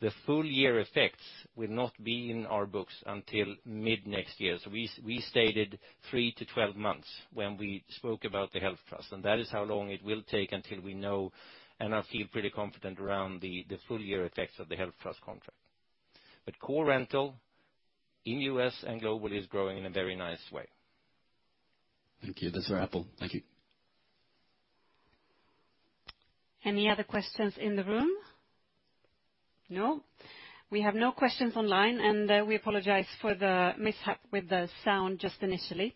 B: the full year effects will not be in our books until mid-next year. We stated three-12 months when we spoke about the HealthTrust, and that is how long it will take until we know and I feel pretty confident around the full year effects of the HealthTrust contract. Core rental in U.S. and globally is growing in a very nice way.
G: Thank you. That's very helpful. Thank you.
A: Any other questions in the room? No. We have no questions online, and we apologize for the mishap with the sound just initially.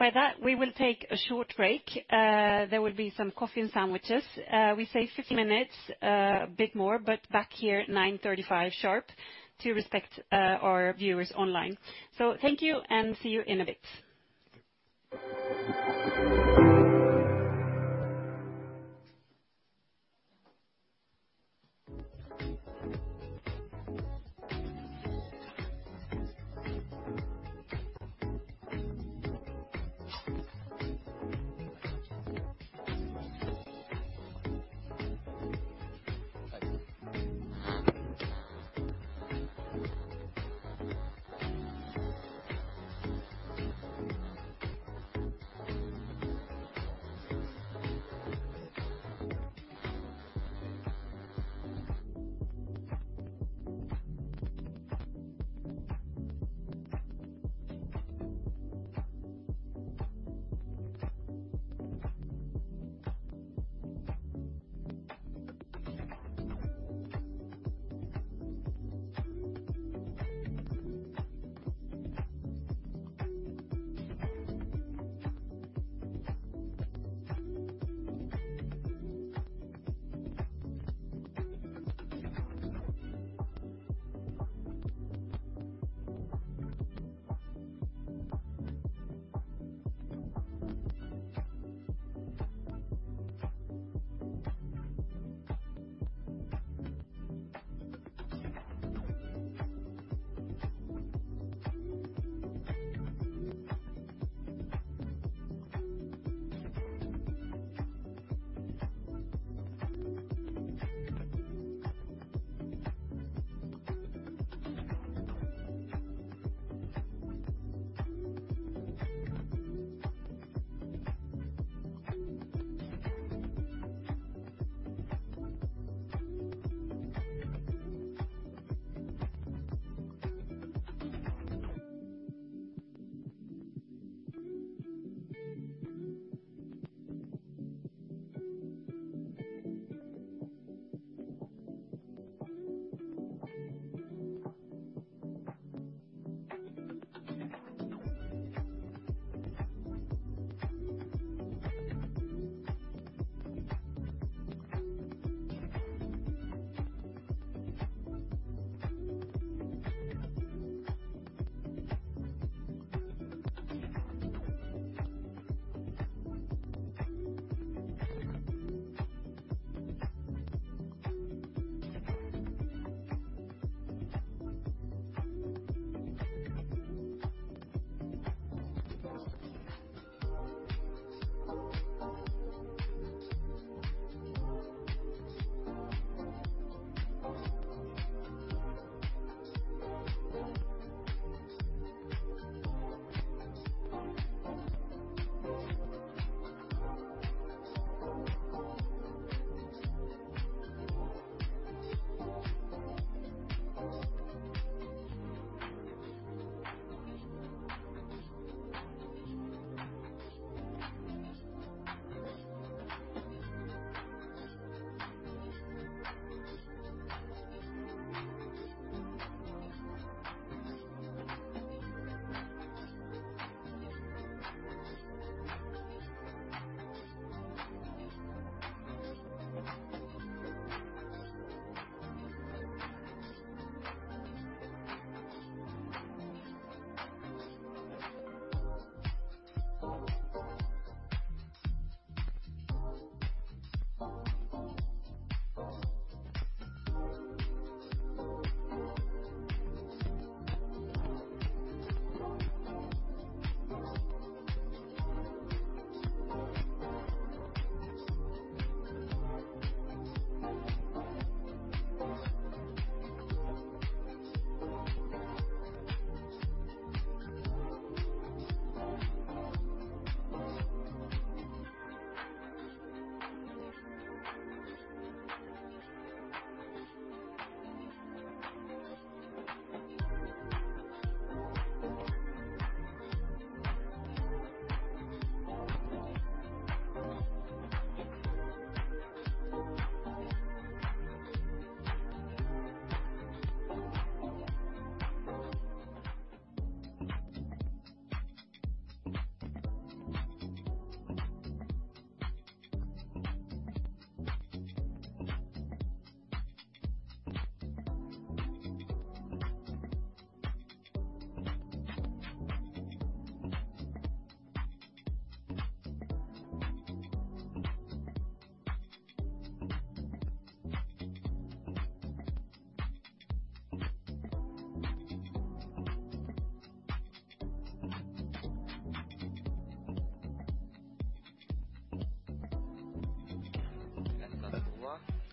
A: With that, we will take a short break. There will be some coffee and sandwiches. We say 15 minutes, a bit more, but back here at 9:35 sharp to respect our viewers online. Thank you and see you in a bit.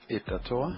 B: Thank you.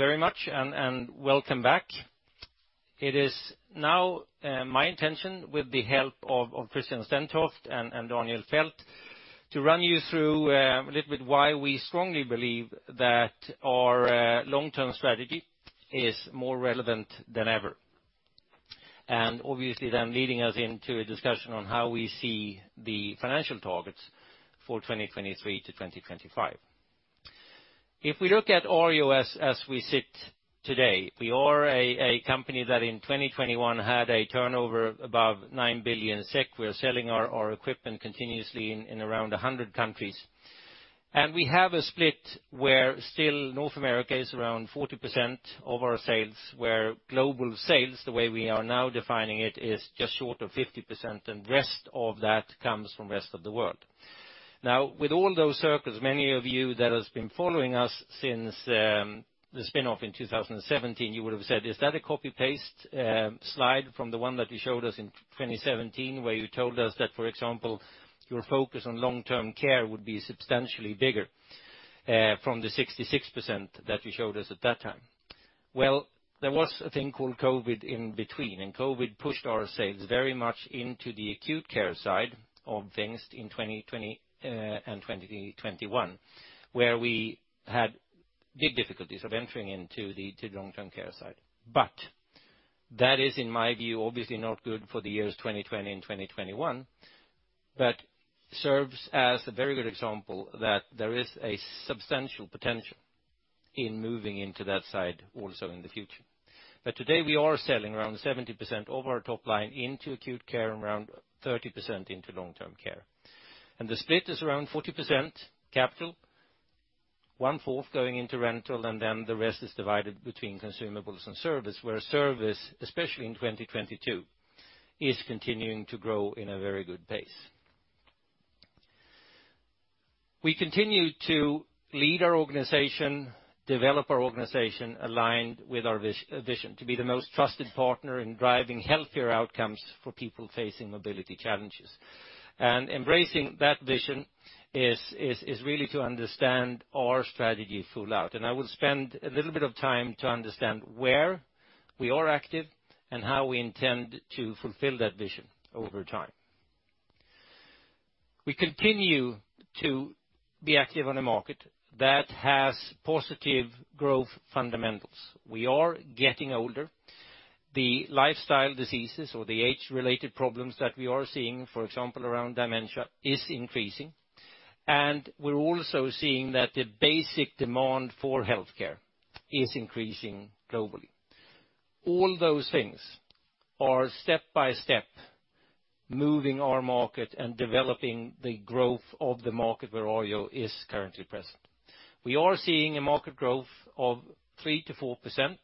B: Thank you very much and welcome back. It is now my intention with the help of Christian Stentoft and Daniel Fäldt to run you through a little bit why we strongly believe that our long-term strategy is more relevant than ever. Obviously then leading us into a discussion on how we see the financial targets for 2023 to 2025. If we look at Arjo as we sit today, we are a company that in 2021 had a turnover above 9 billion SEK. We're selling our equipment continuously in around 100 countries. We have a split where still North America is around 40% of our sales, where global sales, the way we are now defining it, is just short of 50%, and rest of that comes from rest of the world. Now, with all those circles, many of you that has been following us since the spin-off in 2017, you would have said, "Is that a copy-paste slide from the one that you showed us in 2017, where you told us that, for example, your focus on long-term care would be substantially bigger from the 66% that you showed us at that time?" Well, there was a thing called COVID in between, and COVID pushed our sales very much into the acute care side of things in 2020 and 2021, where we had big difficulties of entering into the long-term care side. That is, in my view, obviously not good for the years 2020 and 2021, but serves as a very good example that there is a substantial potential in moving into that side also in the future. Today we are selling around 70% of our top line into acute care and around 30% into long-term care. The split is around 40% capital, one-fourth going into rental, and then the rest is divided between consumables and service, where service, especially in 2022, is continuing to grow in a very good pace. We continue to lead our organization, develop our organization aligned with our vision to be the most trusted partner in driving healthier outcomes for people facing mobility challenges. Embracing that vision is really to understand our strategy full out. I will spend a little bit of time to understand where we are active and how we intend to fulfill that vision over time. We continue to be active on a market that has positive growth fundamentals. We are getting older. The lifestyle diseases or the age-related problems that we are seeing, for example around dementia, is increasing. We're also seeing that the basic demand for healthcare is increasing globally. All those things are step by step moving our market and developing the growth of the market where Arjo is currently present. We are seeing a market growth of 3%-4%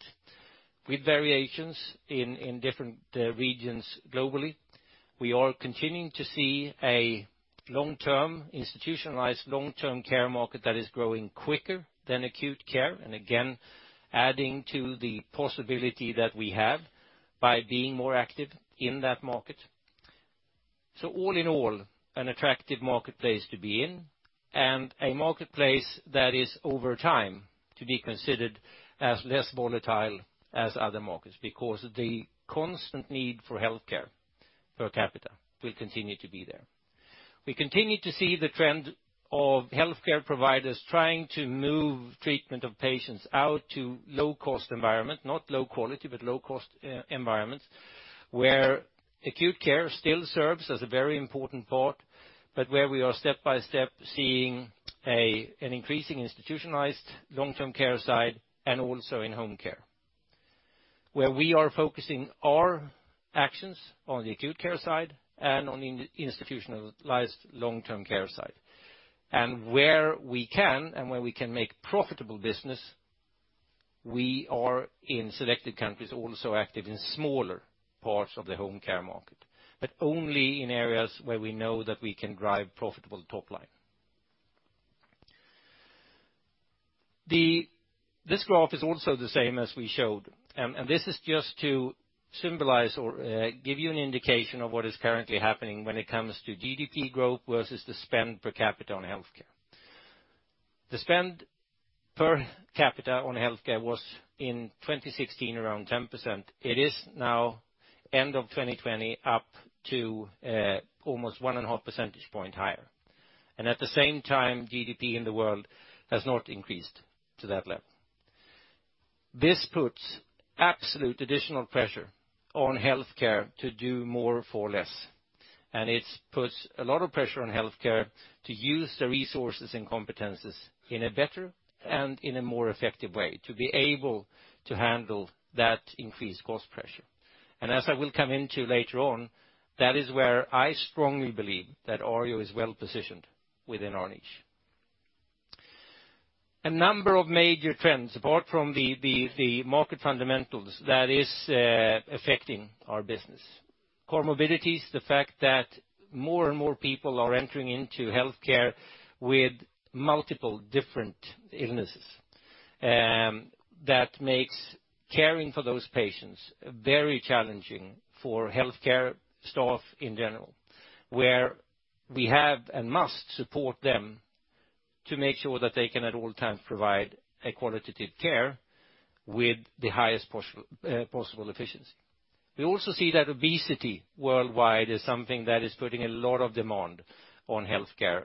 B: with variations in different regions globally. We are continuing to see a long-term institutionalized long-term care market that is growing quicker than acute care, and again adding to the possibility that we have by being more active in that market. All in all, an attractive marketplace to be in and a marketplace that is over time to be considered as less volatile as other markets, because the constant need for healthcare per capita will continue to be there. We continue to see the trend of healthcare providers trying to move treatment of patients out to low cost environment, not low quality, but low cost, environments, where acute care still serves as a very important part, but where we are step by step seeing an increasing institutionalized long-term care side and also in home care. We are focusing our actions on the acute care side and on institutionalized long-term care side. Where we can make profitable business, we are in selected countries also active in smaller parts of the home care market, but only in areas where we know that we can drive profitable top line. This graph is also the same as we showed, and this is just to symbolize or give you an indication of what is currently happening when it comes to GDP growth versus the spend per capita on healthcare. The spend per capita on healthcare was in 2016 around 10%. It is now end of 2020 up to almost one and a half percentage point higher. At the same time, GDP in the world has not increased to that level. This puts absolute additional pressure on healthcare to do more for less, and it puts a lot of pressure on healthcare to use the resources and competencies in a better and in a more effective way to be able to handle that increased cost pressure. As I will come into later on, that is where I strongly believe that Arjo is well-positioned within our niche. A number of major trends, apart from the market fundamentals that is affecting our business. Comorbidities, the fact that more and more people are entering into healthcare with multiple different illnesses, that makes caring for those patients very challenging for healthcare staff in general, where we have and must support them to make sure that they can at all times provide a qualitative care with the highest possible efficiency. We also see that obesity worldwide is something that is putting a lot of demand on healthcare,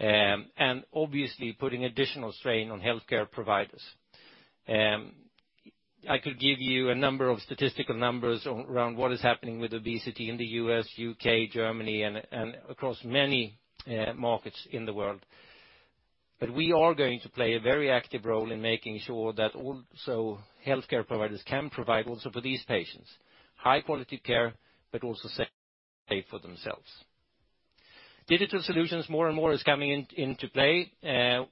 B: and obviously putting additional strain on healthcare providers. I could give you a number of statistical numbers around what is happening with obesity in the U.S. U.K., Germany, and across many markets in the world. We are going to play a very active role in making sure that also healthcare providers can provide also for these patients high quality care, but also safely pay for themselves. Digital solutions more and more is coming in, into play.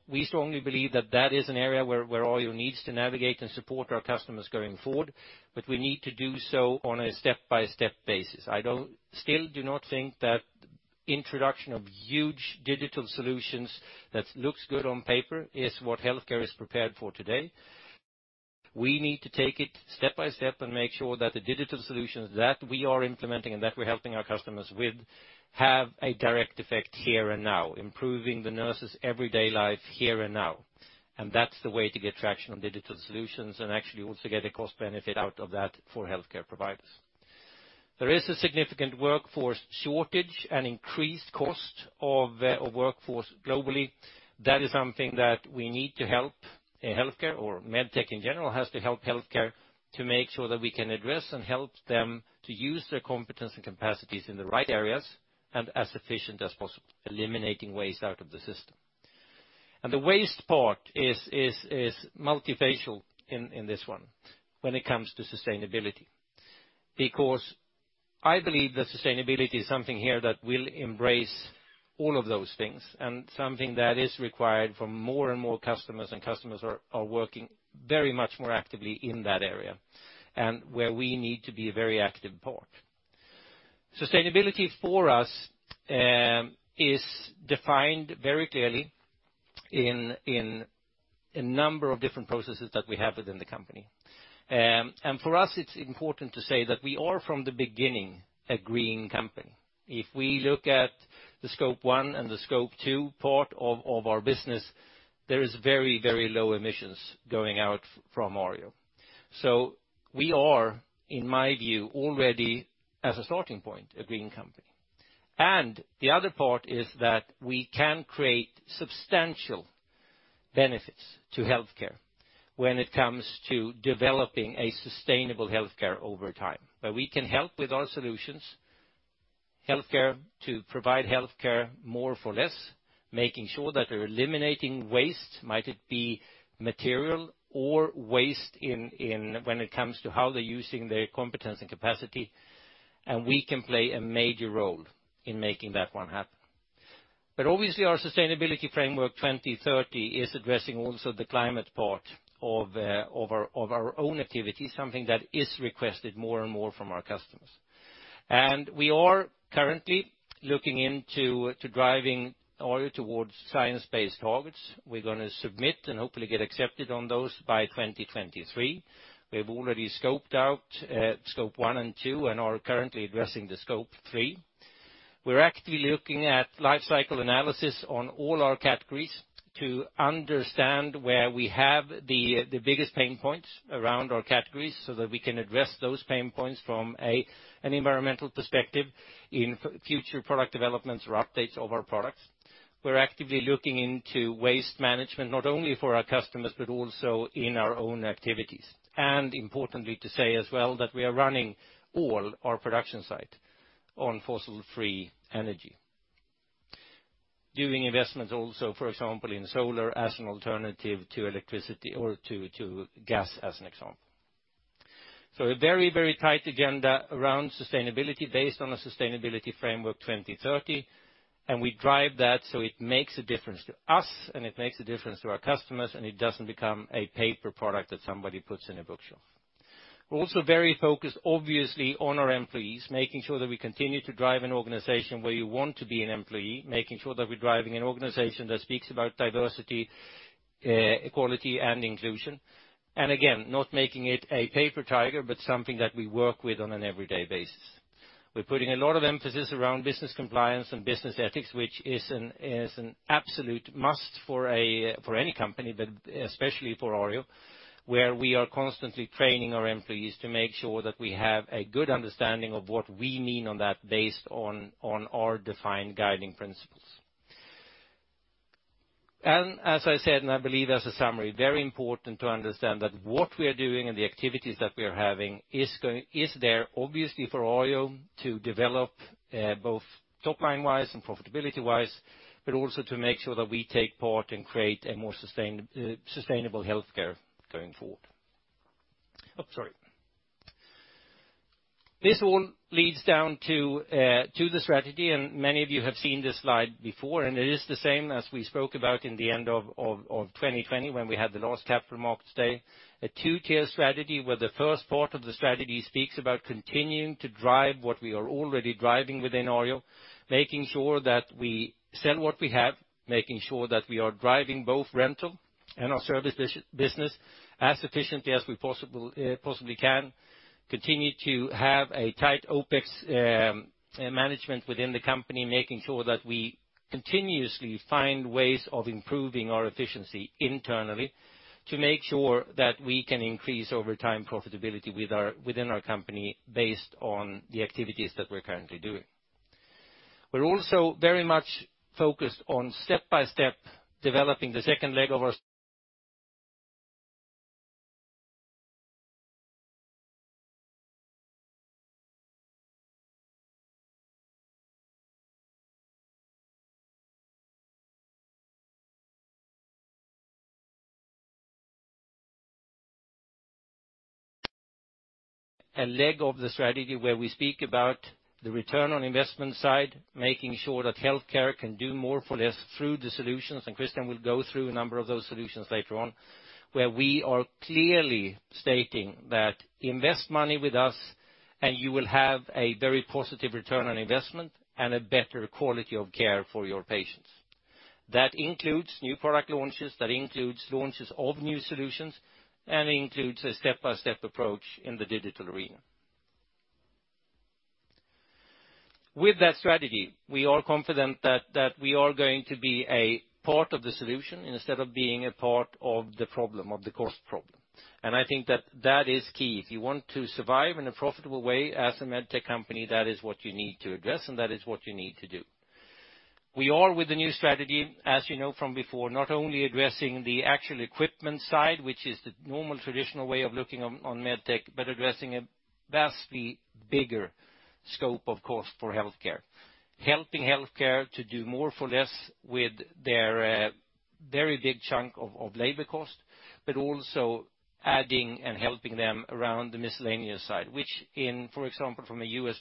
B: We strongly believe that is an area where Arjo needs to navigate and support our customers going forward, but we need to do so on a step-by-step basis. I still do not think that introduction of huge digital solutions that looks good on paper is what healthcare is prepared for today. We need to take it step by step and make sure that the digital solutions that we are implementing and that we're helping our customers with have a direct effect here and now, improving the nurses everyday life here and now. That's the way to get traction on digital solutions and actually also get a cost benefit out of that for healthcare providers. There is a significant workforce shortage and increased cost of workforce globally. That is something that we need to help healthcare or med tech in general has to help healthcare to make sure that we can address and help them to use their competence and capacities in the right areas and as efficient as possible, eliminating waste out of the system. The waste part is multifaceted in this one when it comes to sustainability. Because I believe that sustainability is something here that will embrace all of those things and something that is required from more and more customers, and customers are working very much more actively in that area and where we need to be a very active part. Sustainability for us is defined very clearly in number of different processes that we have within the company. For us, it's important to say that we are from the beginning, a green company. If we look at the Scope 1 and the Scope 2 part of our business, there is very low emissions going out from Arjo. So we are, in my view, already as a starting point, a green company. The other part is that we can create substantial benefits to healthcare when it comes to developing a sustainable healthcare over time. We can help with our solutions, healthcare to provide healthcare more for less, making sure that we're eliminating waste, might it be material or waste when it comes to how they're using their competence and capacity, and we can play a major role in making that one happen. Obviously, our Sustainability Framework 2030 is addressing also the climate part of our own activity, something that is requested more and more from our customers. We are currently looking into driving Arjo towards Science Based Targets. We're gonna submit and hopefully get accepted on those by 2023. We have already scoped out Scope 1 and 2, and are currently addressing the Scope 3. We're actively looking at Life Cycle Analysis on all our categories to understand where we have the biggest pain points around our categories so that we can address those pain points from an environmental perspective in future product developments or updates of our products. We're actively looking into waste management, not only for our customers, but also in our own activities. Importantly to say as well, that we are running all our production site on fossil-free energy. Doing investment also, for example, in solar as an alternative to electricity or to gas as an example. A very, very tight agenda around sustainability based on a Sustainability Framework 2030, and we drive that so it makes a difference to us, and it makes a difference to our customers, and it doesn't become a paper product that somebody puts in a bookshelf. Also very focused, obviously, on our employees, making sure that we continue to drive an organization where you want to be an employee, making sure that we're driving an organization that speaks about diversity, equality and inclusion. Again, not making it a paper tiger, but something that we work with on an everyday basis. We're putting a lot of emphasis around business compliance and business ethics, which is an absolute must for any company, but especially for Arjo, where we are constantly training our employees to make sure that we have a good understanding of what we mean on that based on our defined guiding principles. As I said, I believe as a summary, very important to understand that what we are doing and the activities that we are having is there obviously for Arjo to develop both top line-wise and profitability-wise, but also to make sure that we take part and create a more sustainable healthcare going forward. This all leads down to the strategy, and many of you have seen this slide before, and it is the same as we spoke about in the end of 2020 when we had the last capital market day. A two-tier strategy, where the first part of the strategy speaks about continuing to drive what we are already driving within Arjo, making sure that we sell what we have, making sure that we are driving both rental and our service business as efficiently as we possibly can. Continue to have a tight OpEx management within the company, making sure that we continuously find ways of improving our efficiency internally to make sure that we can increase over time profitability within our company based on the activities that we're currently doing. We're also very much focused on step-by-step developing the second leg of our strategy where we speak about the return on investment side, making sure that healthcare can do more for less through the solutions, and Christian will go through a number of those solutions later on. We're clearly stating that invest money with us, and you will have a very positive return on investment and a better quality of care for your patients. That includes new product launches, that includes launches of new solutions, and includes a step-by-step approach in the digital arena. With that strategy, we are confident that we are going to be a part of the solution instead of being a part of the problem, of the cost problem. I think that is key. If you want to survive in a profitable way as a med tech company, that is what you need to address, and that is what you need to do. We are with the new strategy, as you know from before, not only addressing the actual equipment side, which is the normal traditional way of looking on med tech, but addressing a vastly bigger scope of cost for healthcare. Helping healthcare to do more for less with their very big chunk of labor cost, but also adding and helping them around the miscellaneous side, which in, for example, from a U.S.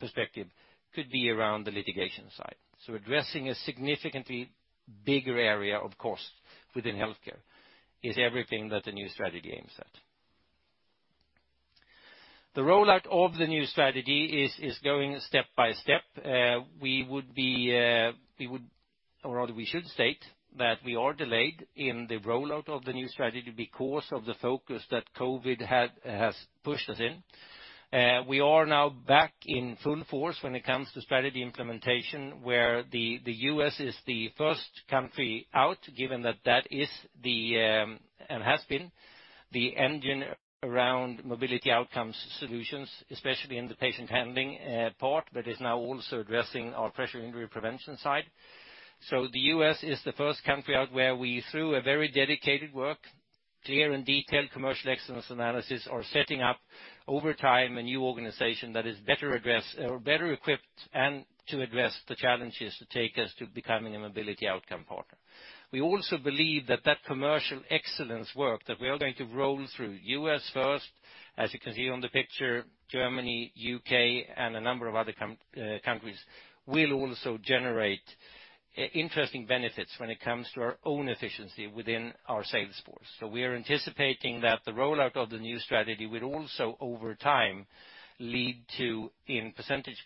B: perspective, could be around the litigation side. Addressing a significantly bigger area of cost within healthcare is everything that the new strategy aims at. The rollout of the new strategy is going step by step. Or rather we should state that we are delayed in the rollout of the new strategy because of the focus that COVID has pushed us in. We are now back in full force when it comes to strategy implementation, where the U.S. is the first country out, given that is the and has been the engine around mobility outcomes solutions, especially in the patient handling part, but is now also addressing our pressure injury prevention side. The U.S. is the first country out where we, through a very dedicated work, clear and detailed commercial excellence analysis, are setting up over time a new organization that is better addressed or better equipped and to address the challenges to take us to becoming a mobility outcome partner. We also believe that commercial excellence work that we are going to roll out through U.S. first, as you can see on the picture, Germany, U.K., and a number of other countries, will also generate interesting benefits when it comes to our own efficiency within our sales force. We are anticipating that the rollout of the new strategy will also over time lead to, in percentage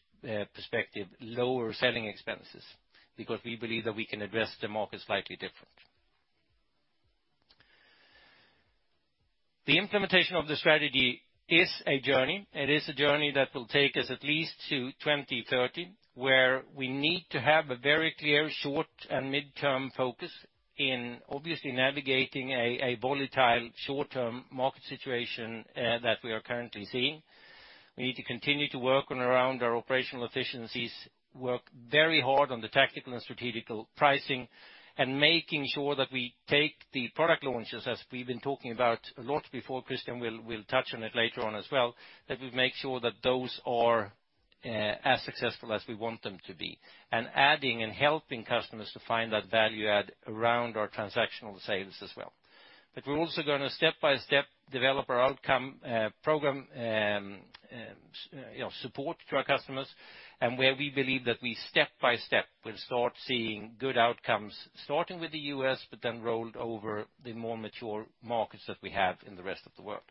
B: perspective, lower selling expenses, because we believe that we can address the market slightly different. The implementation of the strategy is a journey. It is a journey that will take us at least to 2030, where we need to have a very clear short and midterm focus in obviously navigating a volatile short-term market situation that we are currently seeing. We need to continue to work on around our operational efficiencies, work very hard on the tactical and strategical pricing, and making sure that we take the product launches, as we've been talking about a lot before, Christian will touch on it later on as well, that we make sure that those are as successful as we want them to be, and adding and helping customers to find that value add around our transactional sales as well. We're also gonna step-by-step develop our outcome program, you know, support to our customers, and where we believe that we step-by-step will start seeing good outcomes, starting with the U.S., but then rolled over the more mature markets that we have in the rest of the world.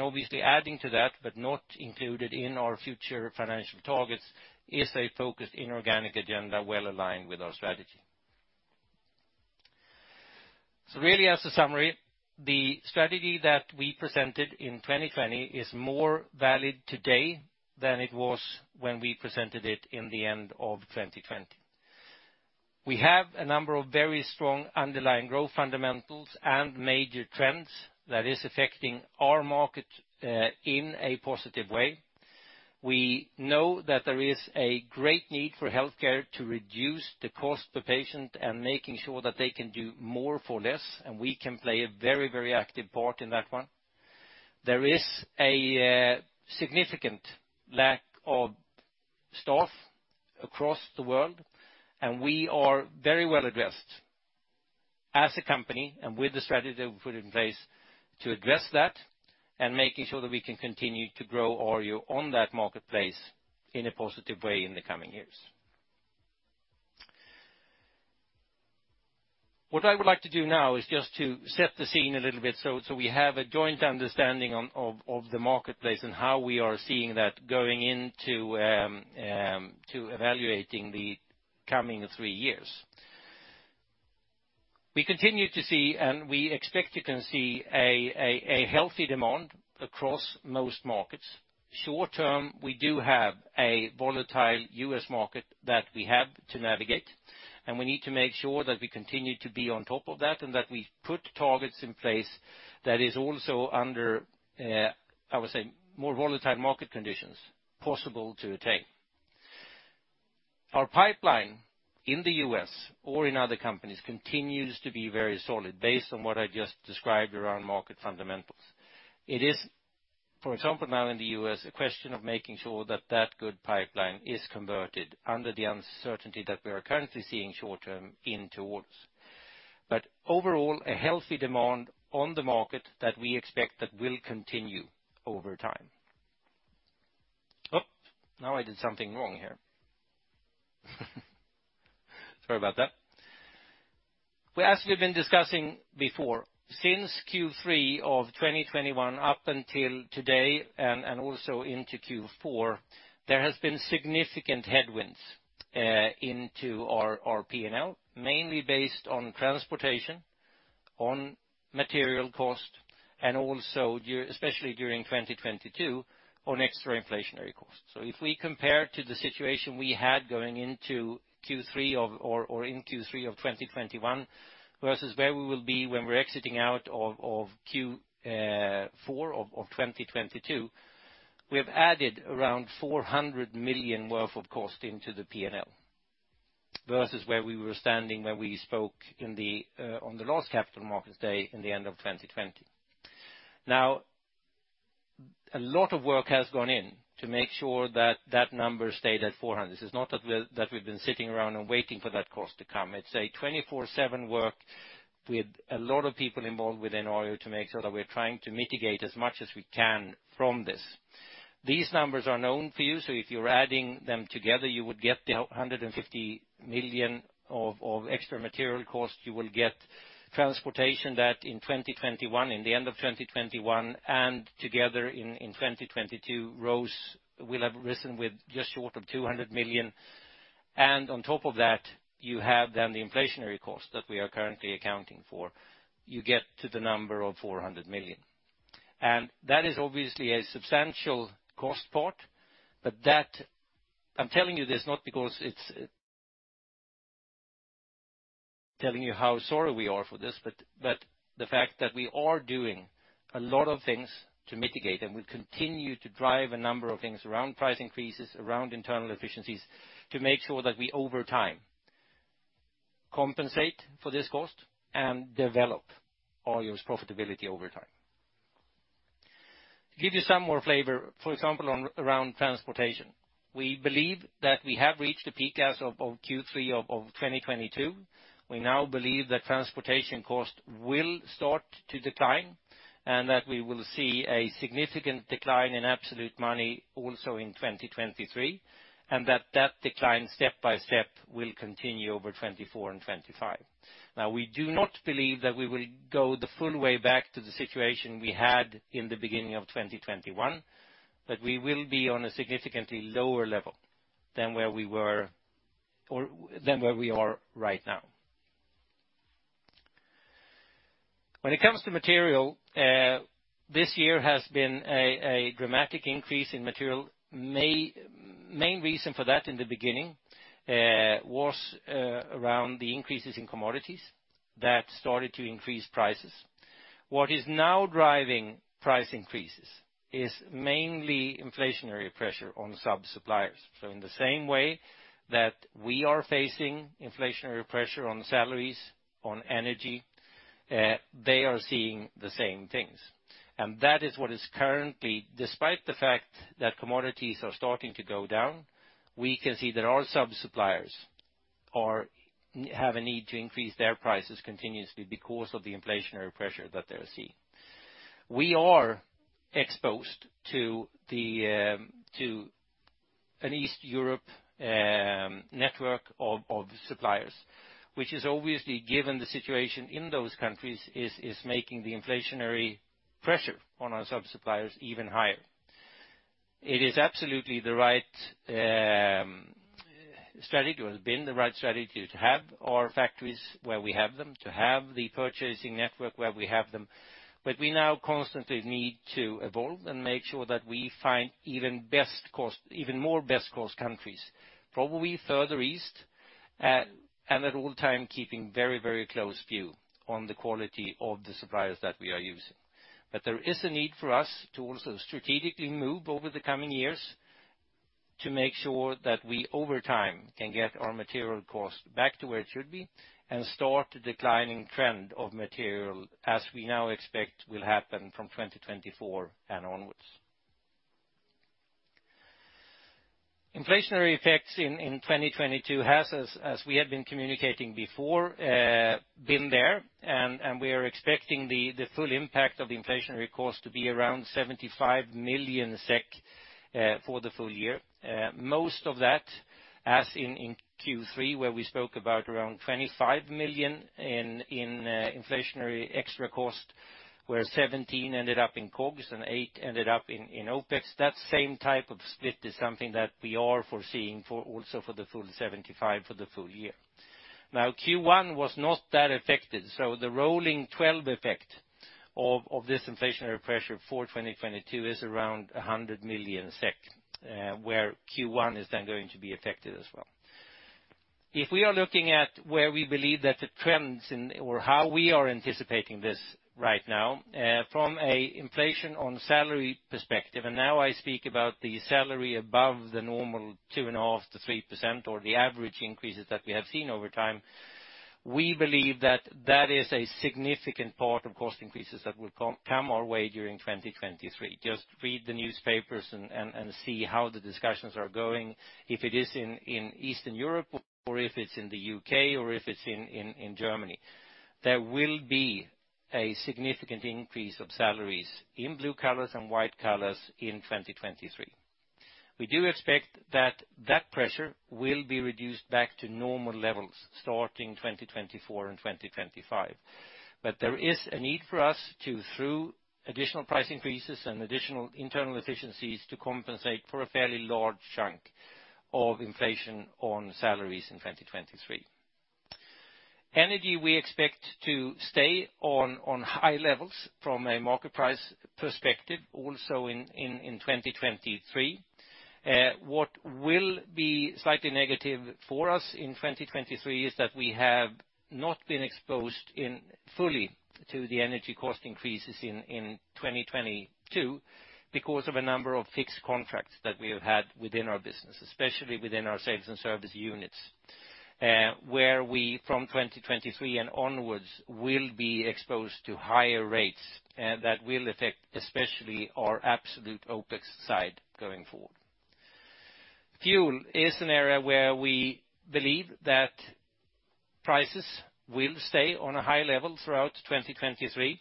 B: Obviously adding to that, but not included in our future financial targets is a focused inorganic agenda well aligned with our strategy. Really as a summary, the strategy that we presented in 2020 is more valid today than it was when we presented it in the end of 2020. We have a number of very strong underlying growth fundamentals and major trends that is affecting our market in a positive way. We know that there is a great need for healthcare to reduce the cost per patient and making sure that they can do more for less, and we can play a very, very active part in that one. There is a significant lack of staff across the world, and we are very well addressed as a company and with the strategy that we put in place to address that and making sure that we can continue to grow Arjo on that marketplace in a positive way in the coming years. What I would like to do now is just to set the scene a little bit so we have a joint understanding of the marketplace and how we are seeing that going into evaluating the coming three years. We continue to see, and we expect you can see a healthy demand across most markets. Short term, we do have a volatile U.S. market that we have to navigate, and we need to make sure that we continue to be on top of that and that we put targets in place that is also under, I would say, more volatile market conditions possible to attain. Our pipeline in the U.S. or in other countries continues to be very solid based on what I just described around market fundamentals. It is, for example, now in the U.S., a question of making sure that that good pipeline is converted under the uncertainty that we are currently seeing short term in towards. Overall, a healthy demand on the market that we expect that will continue over time. Oh, now I did something wrong here. Sorry about that. Well, as we've been discussing before, since Q3 of 2021 up until today and also into Q4, there has been significant headwinds into our P&L, mainly based on transportation, on material cost, and also especially during 2022, on extra inflationary costs. If we compare to the situation we had going into Q3 or in Q3 of 2021 versus where we will be when we're exiting out of Q4 of 2022, we have added around 400 million worth of cost into the P&L versus where we were standing when we spoke on the last Capital Markets Day in the end of 2020. Now, a lot of work has gone in to make sure that that number stayed at 400 million. This is not that we've been sitting around and waiting for that cost to come. It's a 24/7 work with a lot of people involved within Arjo to make sure that we're trying to mitigate as much as we can from this. These numbers are known for you, so if you're adding them together, you would get 150 million of extra material costs. You will get transportation that in 2021, in the end of 2021, and together in 2022 will have risen with just short of 200 million. On top of that, you have then the inflationary cost that we are currently accounting for. You get to the number of 400 million. That is obviously a substantial cost part. I'm telling you this not because it's telling you how sorry we are for this, but the fact that we are doing a lot of things to mitigate, and we continue to drive a number of things around price increases, around internal efficiencies to make sure that we over time compensate for this cost and develop Arjo's profitability over time. To give you some more flavor, for example, around transportation. We believe that we have reached a peak as of Q3 of 2022. We now believe that transportation costs will start to decline, and that we will see a significant decline in absolute money also in 2023, and that decline step by step will continue over 2024 and 2025. Now, we do not believe that we will go the full way back to the situation we had in the beginning of 2021, but we will be on a significantly lower level than where we were or than where we are right now. When it comes to material, this year has been a dramatic increase in material. Main reason for that in the beginning was around the increases in commodities that started to increase prices. What is now driving price increases is mainly inflationary pressure on sub-suppliers. In the same way that we are facing inflationary pressure on salaries, on energy, they are seeing the same things. That is what is currently, despite the fact that commodities are starting to go down, we can see sub-suppliers have a need to increase their prices continuously because of the inflationary pressure that they're seeing. We are exposed to an Eastern Europe network of suppliers, which is obviously, given the situation in those countries, making the inflationary pressure on our sub-suppliers even higher. It is absolutely the right strategy, or has been the right strategy to have our factories where we have them, to have the purchasing network where we have them. But we now constantly need to evolve and make sure that we find even best cost, even more best cost countries, probably further east, and at all times keeping very, very close view on the quality of the suppliers that we are using. There is a need for us to also strategically move over the coming years to make sure that we over time can get our material costs back to where it should be and start a declining trend of material as we now expect will happen from 2024 and onwards. Inflationary effects in 2022 has, as we had been communicating before, been there. We are expecting the full impact of the inflationary costs to be around 75 million SEK for the full year. Most of that, as in Q3, where we spoke about around 25 million in inflationary extra cost, where 17 ended up in COGS and eight ended up in OpEx. That same type of split is something that we are foreseeing also for the full 75 for the full year. Now, Q1 was not that affected, so the rolling twelve effect of this inflationary pressure for 2022 is around 100 million SEK, where Q1 is then going to be affected as well. If we are looking at where we believe that the trends or how we are anticipating this right now, from an inflation on salary perspective, and now I speak about the salary above the normal 2.5%-3% or the average increases that we have seen over time, we believe that that is a significant part of cost increases that will come our way during 2023. Just read the newspapers and see how the discussions are going. If it is in Eastern Europe or if it's in the U.K. or if it's in Germany, there will be a significant increase of salaries in blue collars and white collars in 2023. We do expect that pressure will be reduced back to normal levels starting 2024 and 2025. There is a need for us to, through additional price increases and additional internal efficiencies, to compensate for a fairly large chunk of inflation on salaries in 2023. Energy, we expect to stay on high levels from a market price perspective also in 2023. What will be slightly negative for us in 2023 is that we have not been exposed fully to the energy cost increases in 2022 because of a number of fixed contracts that we have had within our business, especially within our sales and service units, where we from 2023 and onwards will be exposed to higher rates that will affect especially our absolute OpEx side going forward. Fuel is an area where we believe that prices will stay on a high level throughout 2023.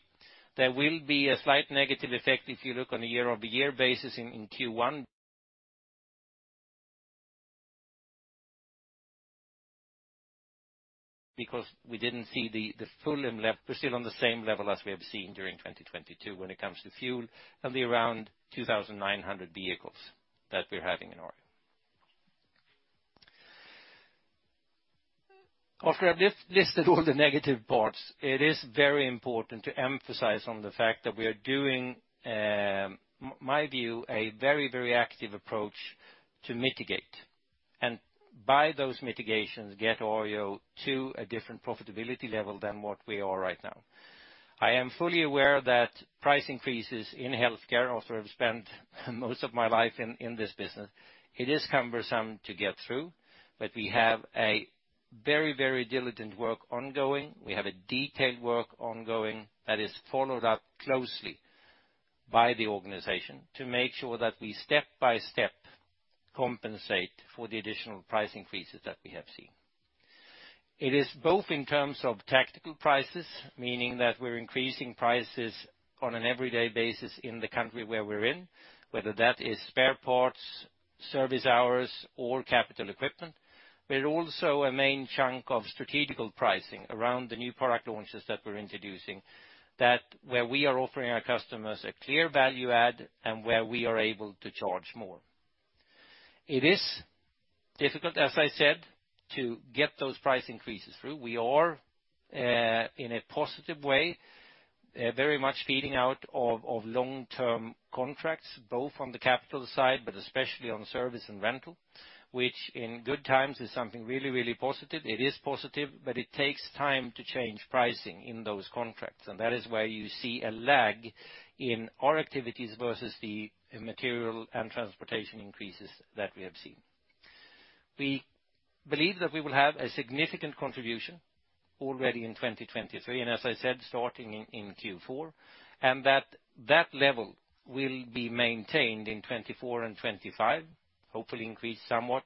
B: There will be a slight negative effect if you look on a YoY basis in Q1. Because we didn't see the full impact, we're still on the same level as we have seen during 2022 when it comes to fuel. It'll be around 2,900 vehicles that we're having in Arjo. After I've listed all the negative parts, it is very important to emphasize on the fact that we are doing, in my view, a very, very active approach to mitigate. By those mitigations, get Arjo to a different profitability level than what we are right now. I am fully aware that price increases in healthcare, after I've spent most of my life in this business, it is cumbersome to get through. We have a very, very diligent work ongoing. We have a detailed work ongoing that is followed up closely by the organization to make sure that we step-by-step compensate for the additional price increases that we have seen. It is both in terms of tactical prices, meaning that we're increasing prices on an every day basis in the country where we're in, whether that is spare parts, service hours or capital equipment. Also a main chunk of strategic pricing around the new product launches that we're introducing, that where we are offering our customers a clear value add and where we are able to charge more. It is difficult, as I said, to get those price increases through. We are, in a positive way, very much feeding off of long-term contracts, both on the capital side, but especially on service and rental, which in good times is something really positive. It is positive, but it takes time to change pricing in those contracts, and that is where you see a lag in our activities versus the material and transportation increases that we have seen. We believe that we will have a significant contribution already in 2023, and as I said, starting in Q4, and that level will be maintained in 2024 and 2025, hopefully increase somewhat.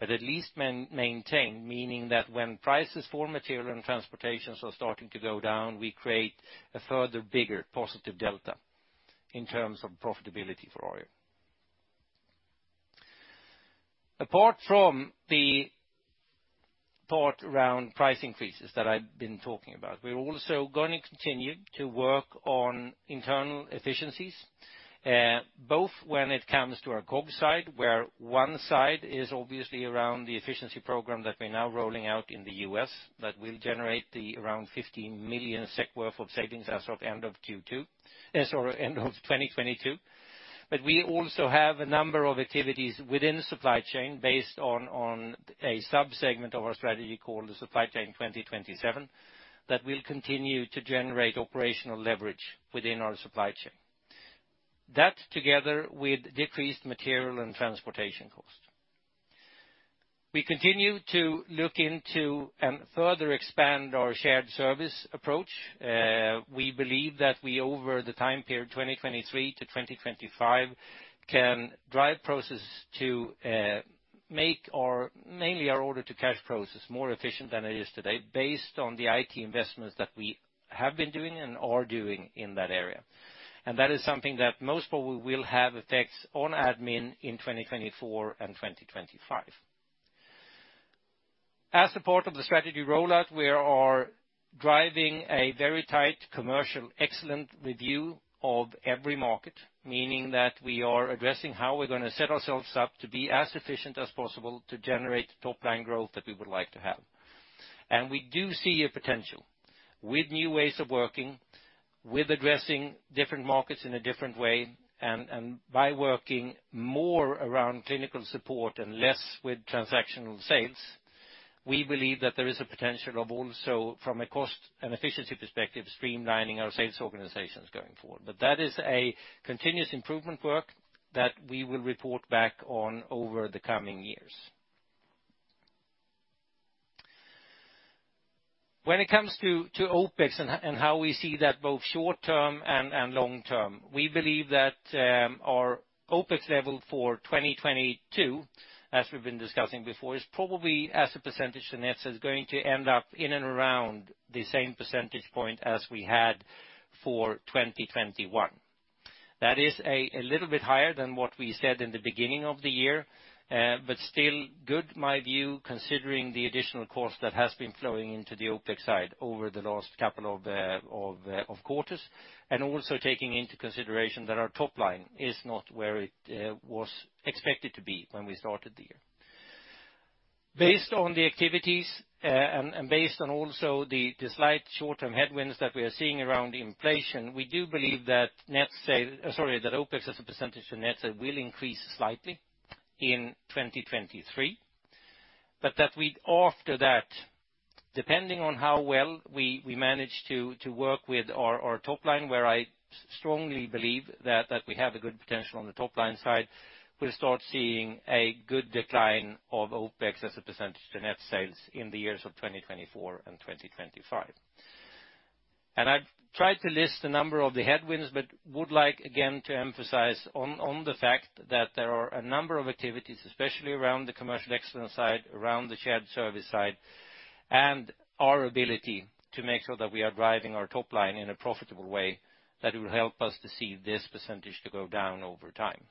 B: At least maintain, meaning that when prices for material and transportation are starting to go down, we create a further bigger positive delta in terms of profitability for Arjo. Apart from the part around price increases that I've been talking about, we're also gonna continue to work on internal efficiencies, both when it comes to our COGS side, where one side is obviously around the efficiency program that we're now rolling out in the U.S. that will generate around 15 million SEK worth of savings as of end of 2022. We also have a number of activities within the supply chain based on a sub-segment of our strategy called the Supply Chain 2027, that will continue to generate operational leverage within our supply chain. That, together with decreased material and transportation costs. We continue to look into and further expand our shared service approach. We believe that we, over the time period 2023-2025, can drive processes to make our, mainly our order to cash process more efficient than it is today based on the IT investments that we have been doing and are doing in that area. That is something that most probably will have effects on admin in 2024 and 2025. As support of the strategy rollout, we are driving a very tight commercial excellence review of every market, meaning that we are addressing how we're gonna set ourselves up to be as efficient as possible to generate the top line growth that we would like to have. We do see a potential with new ways of working, with addressing different markets in a different way, and by working more around clinical support and less with transactional sales, we believe that there is a potential of also, from a cost and efficiency perspective, streamlining our sales organizations going forward. That is a continuous improvement work that we will report back on over the coming years. When it comes to OpEx and how we see that both short-term and long-term, we believe that our OpEx level for 2022, as we've been discussing before, is probably as a percentage to net going to end up in and around the same percentage point as we had for 2021. That is a little bit higher than what we said in the beginning of the year, but still good, my view, considering the additional cost that has been flowing into the OpEx side over the last couple of quarters, and also taking into consideration that our top line is not where it was expected to be when we started the year. Based on the activities, and based on also the slight short-term headwinds that we are seeing around inflation, we do believe that OpEx as a percentage to net sales will increase slightly in 2023, but that we after that, depending on how well we manage to work with our top line, where I strongly believe that we have a good potential on the top line side, we'll start seeing a good decline of OpEx as a percentage to net sales in the years of 2024 and 2025. I've tried to list a number of the headwinds, but would like again to emphasize on the fact that there are a number of activities, especially around the commercial excellence side, around the shared service side, and our ability to make sure that we are driving our top line in a profitable way that will help us to see this percentage to go down over time.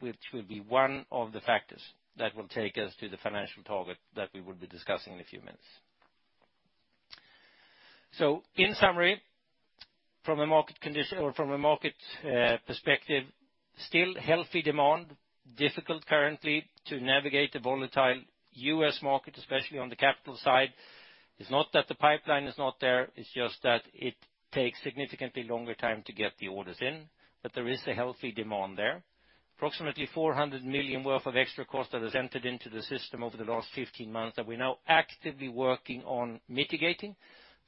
B: Which will be one of the factors that will take us to the financial target that we will be discussing in a few minutes. In summary, from a market condition or from a market perspective, still healthy demand, difficult currently to navigate the volatile U.S. market, especially on the capital side. It's not that the pipeline is not there, it's just that it takes significantly longer time to get the orders in. But there is a healthy demand there. Approximately 400 million worth of extra cost that has entered into the system over the last 15 months that we're now actively working on mitigating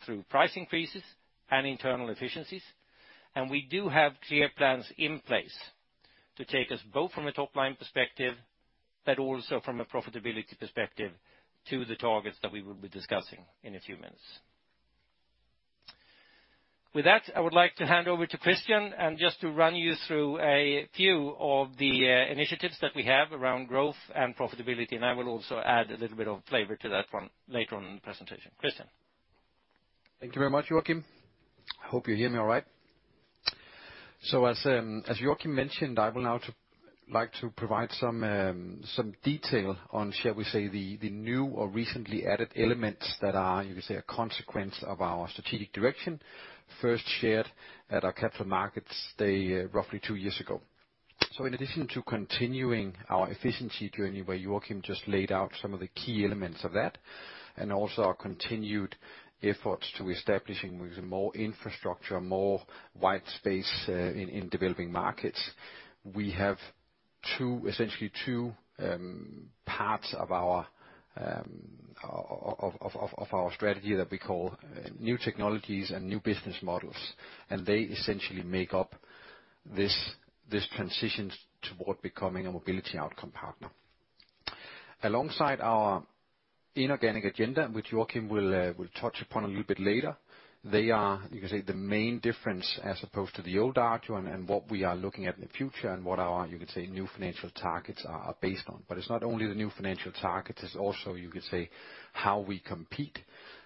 B: through price increases and internal efficiencies. We do have clear plans in place to take us both from a top-line perspective, but also from a profitability perspective, to the targets that we will be discussing in a few minutes. With that, I would like to hand over to Christian and just to run you through a few of the initiatives that we have around growth and profitability. I will also add a little bit of flavor to that one later on in the presentation. Christian.
H: Thank you very much, Joacim. I hope you hear me all right. As Joacim mentioned, I will now like to provide some detail on, shall we say, the new or recently added elements that are, you could say, a consequence of our strategic direction, first shared at our Capital Markets Day roughly two years ago. In addition to continuing our efficiency journey, where Joacim just laid out some of the key elements of that, and also our continued efforts to establishing with more infrastructure, more white space in developing markets. We have two, essentially two parts of our strategy that we call new technologies and new business models, and they essentially make up this transition toward becoming a mobility outcome partner. Alongside our inorganic agenda, which Joacim will touch upon a little bit later, they are, you could say, the main difference as opposed to the old Arjo and what we are looking at in the future and what our, you could say, new financial targets are based on. It's not only the new financial targets, it's also, you could say, how we compete,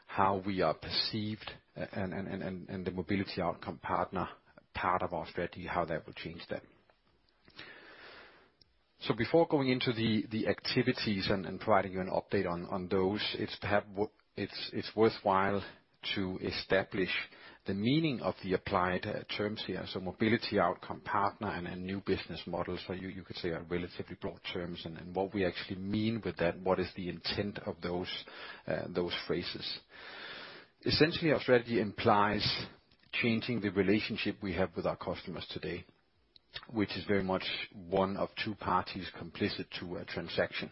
H: how we are perceived and the mobility outcome partner part of our strategy, how that will change that. Before going into the activities and providing you an update on those, it's worthwhile to establish the meaning of the applied terms here. Mobility outcome partner and new business models where you could say are relatively broad terms. What we actually mean with that, what is the intent of those phrases. Essentially, our strategy implies changing the relationship we have with our customers today, which is very much one of two parties complicit to a transaction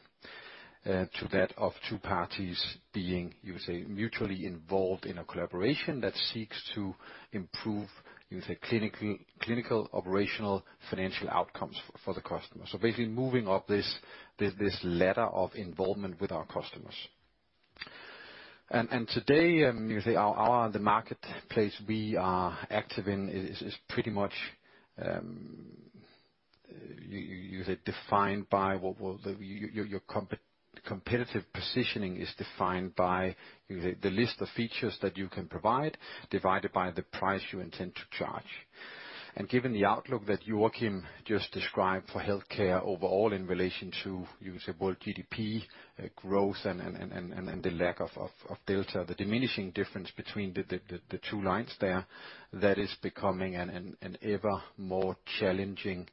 H: to that of two parties being, you could say, mutually involved in a collaboration that seeks to improve, you could say, clinical operational, financial outcomes for the customer. Basically moving up this ladder of involvement with our customers. Today, you could say the marketplace we are active in is pretty much, you could say, defined by. Your competitive positioning is defined by, you could say, the list of features that you can provide divided by the price you intend to charge. Given the outlook that Joacim just described for healthcare overall in relation to, you could say, world GDP growth and the lack of delta, the diminishing difference between the two lines there, that is becoming an ever more challenging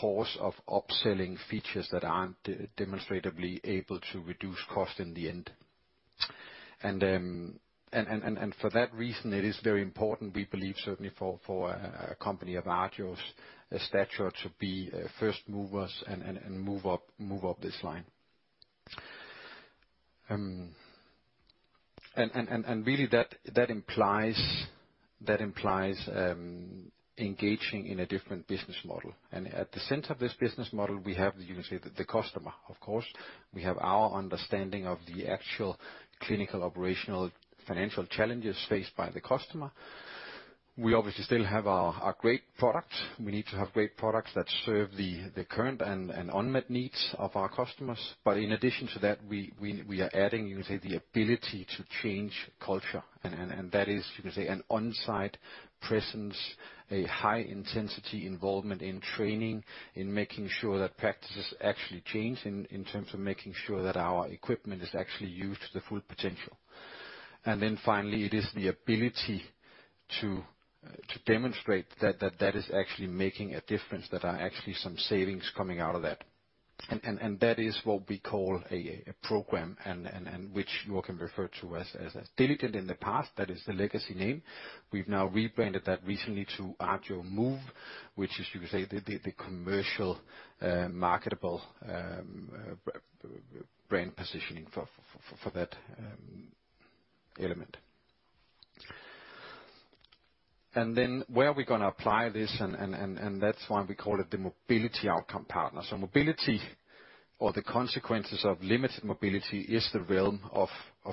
H: course of upselling features that aren't demonstratively able to reduce cost in the end. For that reason, it is very important, we believe, certainly for a company of Arjo's stature to be first movers and move up this line. Really that implies engaging in a different business model. At the center of this business model, we have, you could say the customer, of course. We have our understanding of the actual clinical, operational, financial challenges faced by the customer. We obviously still have our great product. We need to have great products that serve the current and unmet needs of our customers. In addition to that, we are adding, you could say, the ability to change culture. That is, you could say, an on-site presence, a high intensity involvement in training, in making sure that practices actually change in terms of making sure that our equipment is actually used to the full potential. Then finally, it is the ability to demonstrate that that is actually making a difference, that are actually some savings coming out of that. That is what we call a program and which Joacim referred to as Diligent in the past. That is the legacy name. We've now rebranded that recently to Arjo Move, which is, you could say, the commercial, marketable, brand positioning for that element. Then where are we going to apply this? That's why we call it the mobility outcome partner. Mobility or the consequences of limited mobility is the realm of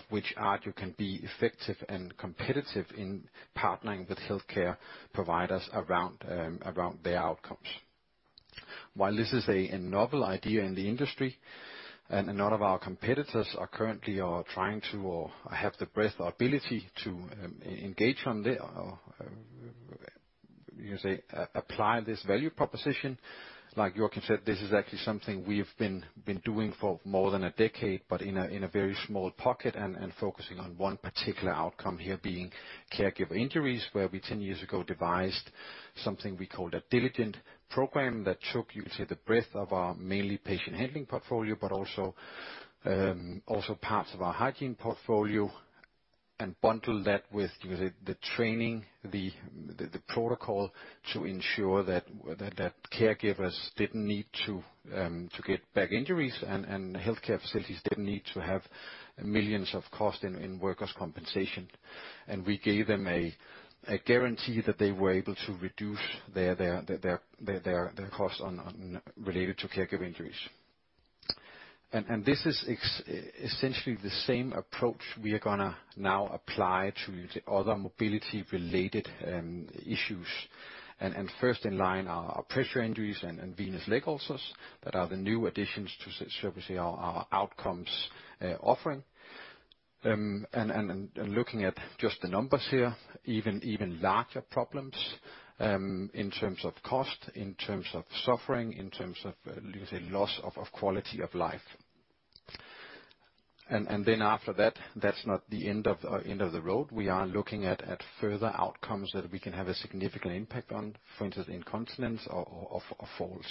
H: which Arjo can be effective and competitive in partnering with healthcare providers around their outcomes. While this is a novel idea in the industry, and a lot of our competitors are currently trying to or have the breadth or ability to engage on the. You can say apply this value proposition. Like Joacim said, this is actually something we've been doing for more than a decade, but in a very small pocket and focusing on one particular outcome here being caregiver injuries, where we 10 years ago devised something we called a Diligent program that took, you could say, the breadth of our mainly Patient Handling portfolio, but also parts of our hygiene portfolio, and bundle that with, you could say, the training, the protocol to ensure that caregivers didn't need to get back injuries and healthcare facilities didn't need to have millions of cost in workers' compensation. We gave them a guarantee that they were able to reduce their costs related to caregiver injuries. This is essentially the same approach we are gonna now apply to the other mobility-related issues. First in line are pressure injuries and venous leg ulcers that are the new additions to, shall we say, our outcomes offering. Looking at just the numbers here, even larger problems in terms of cost, in terms of suffering, in terms of loss of quality of life. After that's not the end of the road. We are looking at further outcomes that we can have a significant impact on, for instance, incontinence or falls.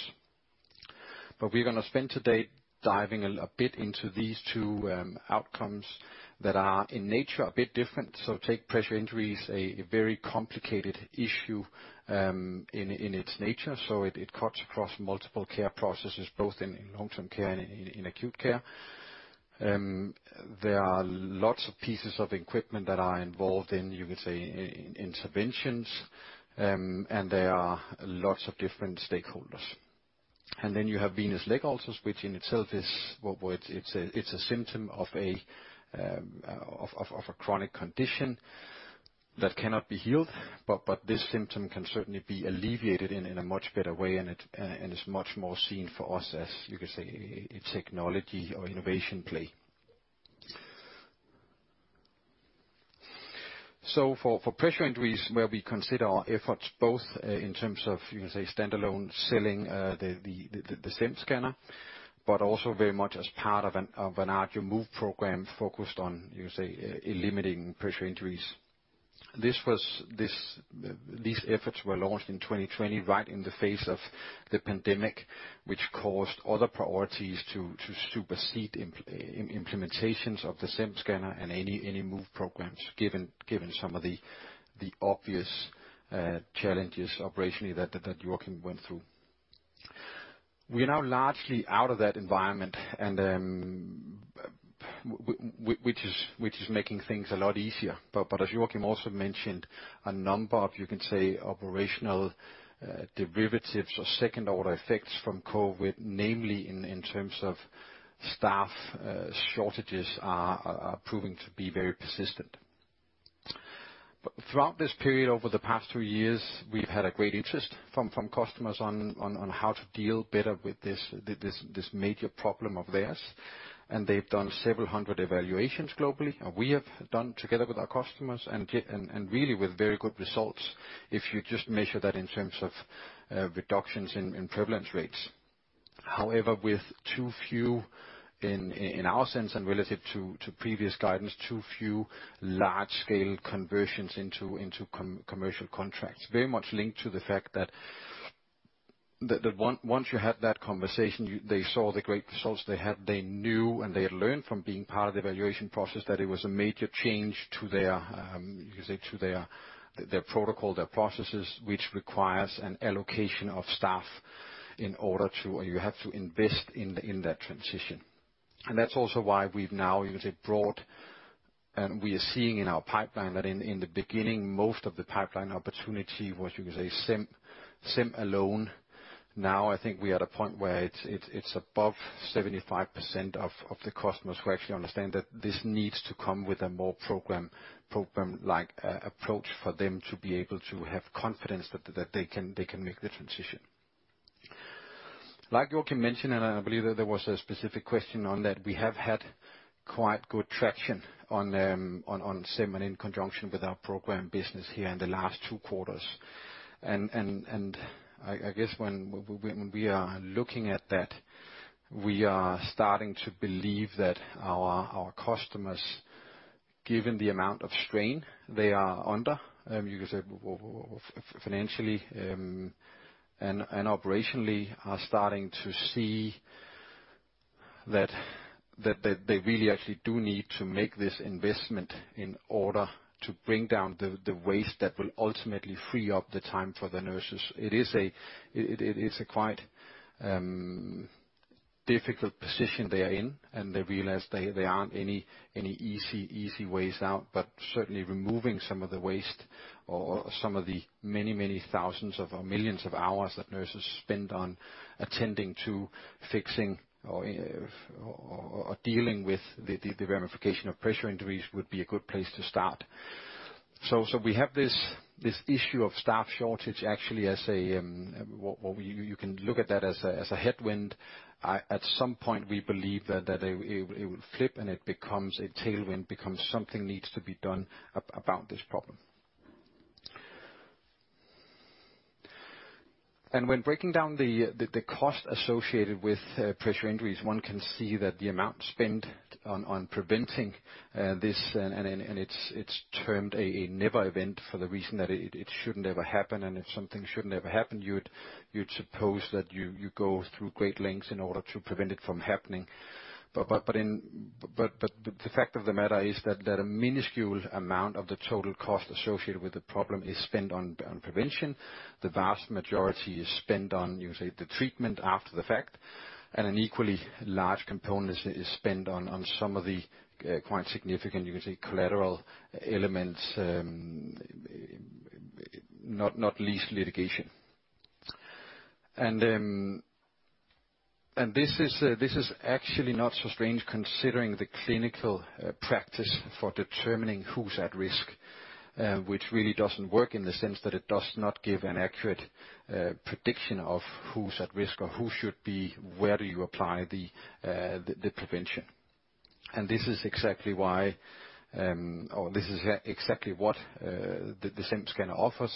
H: We're gonna spend today diving a bit into these two outcomes that are in nature a bit different. Take pressure injuries, a very complicated issue, in its nature. It cuts across multiple care processes, both in long-term care and in acute care. There are lots of pieces of equipment that are involved in, you could say, interventions, and there are lots of different stakeholders. Then you have venous leg ulcers, which in itself is, well, it's a symptom of a chronic condition that cannot be healed, but this symptom can certainly be alleviated in a much better way, and it's much more seen for us as, you could say, a technology or innovation play. For pressure injuries, where we consider our efforts both in terms of, you can say, standalone selling, the SEM scanner, but also very much as part of an Arjo Move program focused on, you say, eliminating pressure injuries. These efforts were launched in 2020 right in the face of the pandemic, which caused other priorities to supersede implementations of the SEM Scanner and any Move programs, given some of the obvious challenges operationally that Joacim went through. We are now largely out of that environment, which is making things a lot easier. As Joacim also mentioned, a number of, you can say, operational derivatives or second-order effects from COVID, namely in terms of staff shortages are proving to be very persistent. Throughout this period, over the past two years, we've had a great interest from customers on how to deal better with this major problem of theirs. They've done several hundred evaluations globally. We have done together with our customers and really with very good results if you just measure that in terms of reductions in prevalence rates. However, with too few in our sense and relative to previous guidance, too few large-scale conversions into commercial contracts, very much linked to the fact that once you had that conversation, they saw the great results they had, they knew and they learned from being part of the evaluation process that it was a major change to their, you could say, to their protocol, their processes, which requires an allocation of staff or you have to invest in that transition. That's also why we've now, you could say, brought, and we are seeing in our pipeline that in the beginning, most of the pipeline opportunity was, you could say, SEM alone. Now, I think we are at a point where it's above 75% of the customers who actually understand that this needs to come with a more program-like approach for them to be able to have confidence that they can make the transition. Like Joacim mentioned, and I believe that there was a specific question on that, we have had quite good traction on SEM and in conjunction with our program business here in the last two quarters. I guess when we are looking at that, we are starting to believe that our customers, given the amount of strain they are under, you could say, financially, and operationally, are starting to see that they really actually do need to make this investment in order to bring down the waste that will ultimately free up the time for the nurses. It is a quite difficult position they are in, and they realize they aren't any easy ways out, but certainly removing some of the waste or some of the many thousands of, or millions of hours that nurses spend on attending to fixing or dealing with the verification of pressure injuries would be a good place to start. We have this issue of staff shortage actually as a what you can look at that as a headwind. At some point, we believe that it would flip and it becomes a tailwind, becomes something needs to be done about this problem. When breaking down the cost associated with pressure injuries, one can see that the amount spent on preventing this and it's termed a Never Event for the reason that it shouldn't ever happen. If something should never happen, you'd suppose that you go through great lengths in order to prevent it from happening. The fact of the matter is that a minuscule amount of the total cost associated with the problem is spent on prevention. The vast majority is spent on, you can say, the treatment after the fact, and an equally large component is spent on some of the quite significant, you can say, collateral elements, not least litigation. This is actually not so strange considering the clinical practice for determining who's at risk, which really doesn't work in the sense that it does not give an accurate prediction of who's at risk or who should be, where do you apply the prevention. This is exactly what the SEM Scanner offers,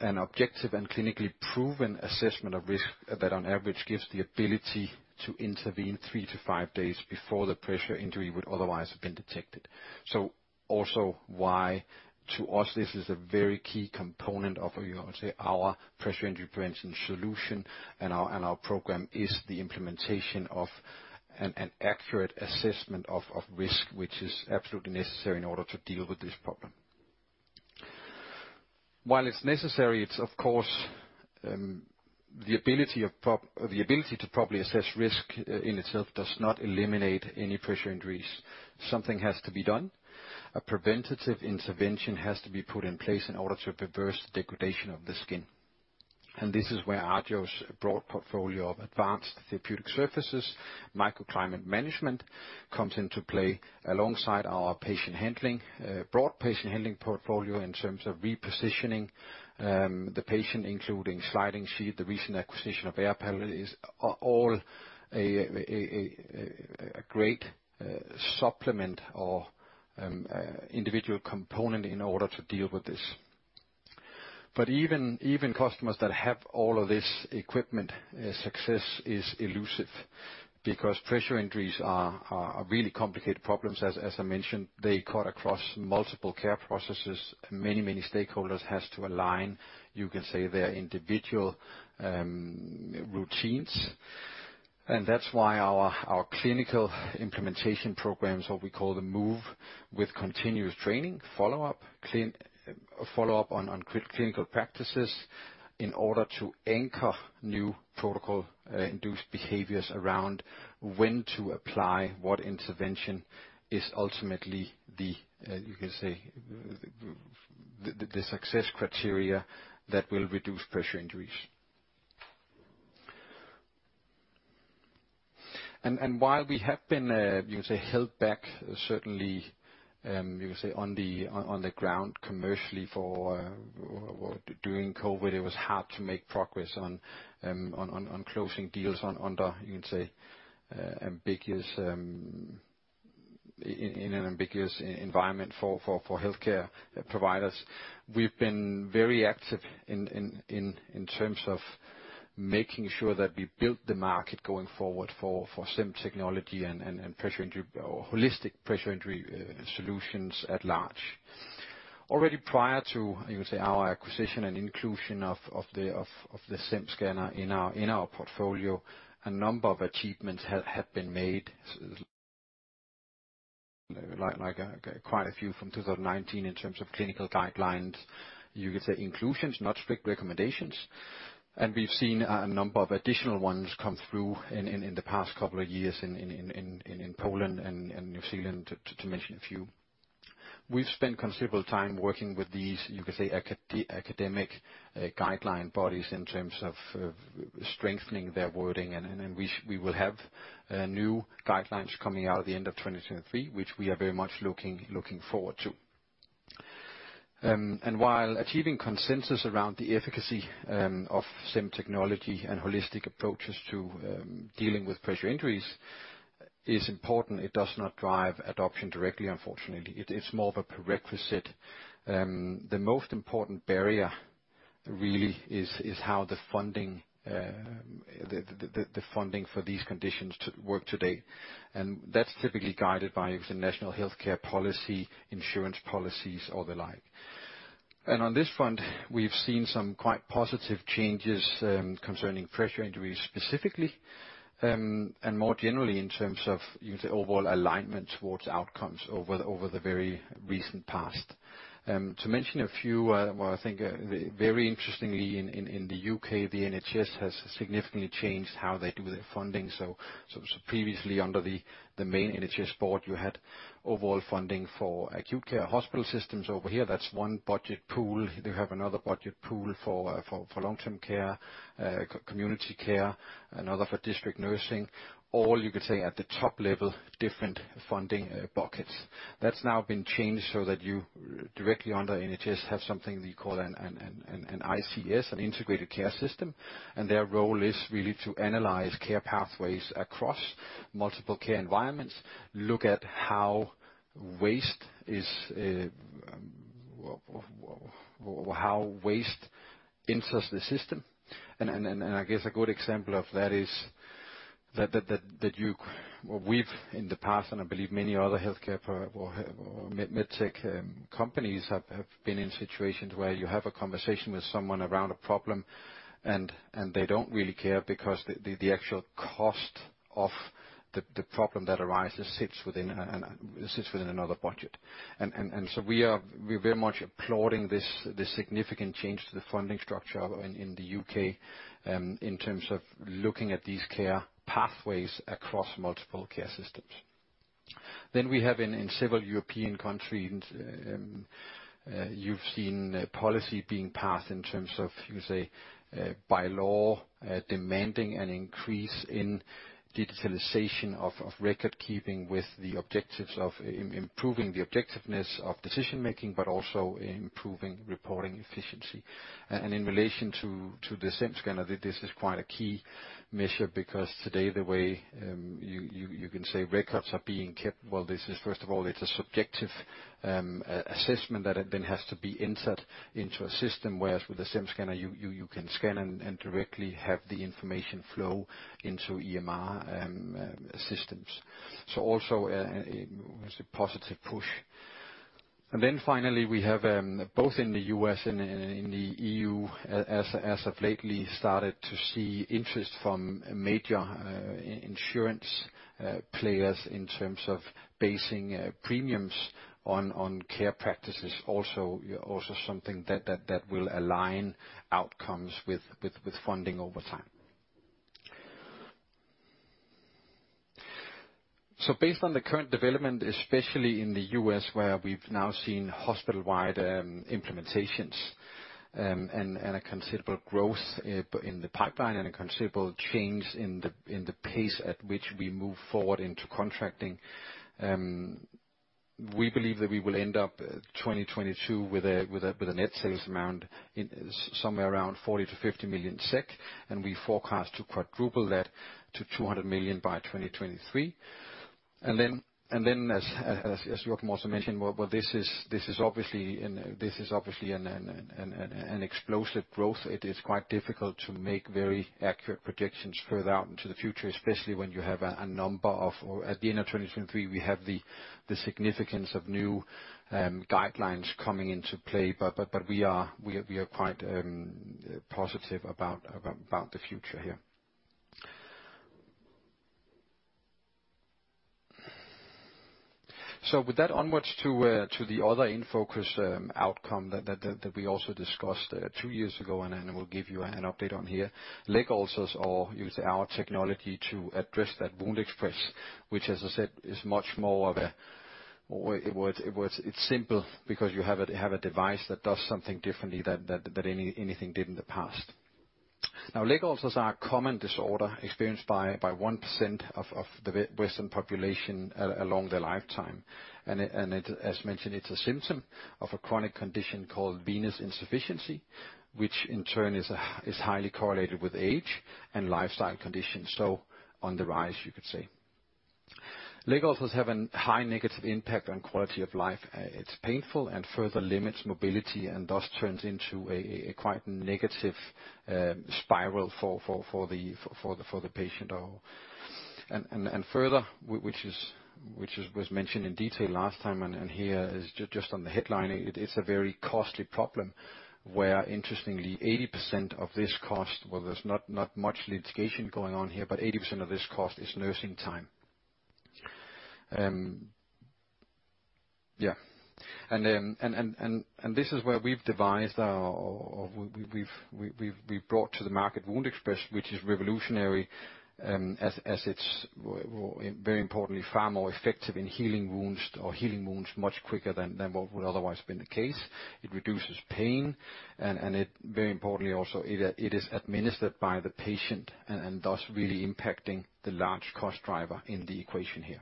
H: an objective and clinically proven assessment of risk that on average gives the ability to intervene three to five days before the pressure injury would otherwise have been detected. Also why to us, this is a very key component of, you know, say our pressure injury prevention solution and our program is the implementation of an accurate assessment of risk, which is absolutely necessary in order to deal with this problem. While it's necessary, it's of course the ability to properly assess risk in itself does not eliminate any pressure injuries. Something has to be done. A preventative intervention has to be put in place in order to reverse the degradation of the skin. This is where Arjo's broad portfolio of advanced therapeutic surfaces, microclimate management comes into play alongside our patient handling broad patient handling portfolio in terms of repositioning the patient, including sliding sheet. The recent acquisition of AirPal is a great supplement or individual component in order to deal with this. But even customers that have all of this equipment, success is elusive because pressure injuries are really complicated problems. As I mentioned, they cut across multiple care processes. Many stakeholders has to align, you can say, their individual routines. That's why our clinical implementation programs, what we call the move with continuous training, follow-up on clinical practices in order to anchor new protocol induced behaviors around when to apply what intervention is ultimately the, you can say the success criteria that will reduce pressure injuries. While we have been you can say held back certainly you can say on the ground commercially during COVID, it was hard to make progress on closing deals under you can say ambiguous in an ambiguous environment for healthcare providers. We've been very active in terms of making sure that we build the market going forward for SEM technology and pressure injury or holistic pressure injury solutions at large. Already prior to you could say our acquisition and inclusion of the SEM Scanner in our portfolio, a number of achievements have been made, like quite a few from 2019 in terms of clinical guidelines you could say inclusions, not strict recommendations. We've seen a number of additional ones come through in the past couple of years in Poland and New Zealand, to mention a few. We've spent considerable time working with these, you could say, the academic guideline bodies in terms of strengthening their wording. We will have new guidelines coming out at the end of 2023, which we are very much looking forward to. While achieving consensus around the efficacy of SEM technology and holistic approaches to dealing with pressure injuries is important, it does not drive adoption directly, unfortunately. It is more of a prerequisite. The most important barrier really is how the funding for these conditions works today. That's typically guided by the national healthcare policy, insurance policies or the like. On this front, we've seen some quite positive changes concerning pressure injuries specifically, and more generally in terms of, you would say, overall alignment towards outcomes over the very recent past. To mention a few, well, I think very interestingly, in the U.K., the NHS has significantly changed how they do their funding. Previously under the main NHS board, you had overall funding for acute care hospital systems over here. That's one budget pool. They have another budget pool for long-term care, community care, another for district nursing. All you could say at the top level, different funding buckets. That's now been changed so that you directly under NHS have something that you call an ICS, an integrated care system. Their role is really to analyze care pathways across multiple care environments, look at how waste enters the system. I guess a good example of that is that you or we've in the past, and I believe many other healthcare or medtech companies have been in situations where you have a conversation with someone around a problem and they don't really care because the actual cost of the problem that arises sits within another budget. We're very much applauding this significant change to the funding structure in the U.K. in terms of looking at these care pathways across multiple care systems. We have in several European countries you've seen policy being passed in terms of, as you say, by law demanding an increase in digitalization of record keeping with the objectives of improving the objectivity of decision-making, but also improving reporting efficiency. In relation to the SEM Scanner, this is quite a key measure because today the way you can say records are being kept, well, this is first of all, it's a subjective assessment that then has to be entered into a system, whereas with the SEM Scanner, you can scan and directly have the information flow into EMR systems. Also a positive push. Then finally, we have both in the U.S. and in the E.U. as of lately started to see interest from major insurance players in terms of basing premiums on care practices also. Also something that will align outcomes with funding over time. Based on the current development, especially in the U.S. where we've now seen hospital-wide implementations, and a considerable growth in the pipeline and a considerable change in the pace at which we move forward into contracting, we believe that we will end up 2022 with a net sales amount in somewhere around 40-50 million SEK, and we forecast to quadruple that to 200 million by 2023. Then as Joacim also mentioned, this is obviously an explosive growth. It is quite difficult to make very accurate predictions further out into the future, especially when you have a number of. At the end of 2023, we have the significance of new guidelines coming into play. We are quite positive about the future here. With that onward to the other in focus outcome that we also discussed two years ago, and then we'll give you an update on here. Leg ulcers we use our technology to address that WoundExpress, which as I said, is much more of a, in other words it's simple because you have a device that does something differently than anything did in the past. Now, leg ulcers are a common disorder experienced by 1% of the Western population along their lifetime. As mentioned, it's a symptom of a chronic condition called venous insufficiency, which in turn is highly correlated with age and lifestyle conditions. On the rise, you could say. Leg ulcers have a high negative impact on quality of life. It's painful and further limits mobility and thus turns into a quite negative spiral for the patient. Further, which was mentioned in detail last time and here is just on the headlining, it is a very costly problem where interestingly 80% of this cost, well there's not much litigation going on here, but 80% of this cost is nursing time. And this is where we've brought to the market WoundExpress, which is revolutionary, as it's very importantly far more effective in healing wounds or healing wounds much quicker than what would otherwise been the case. It reduces pain and it very importantly also is administered by the patient and thus really impacting the large cost driver in the equation here.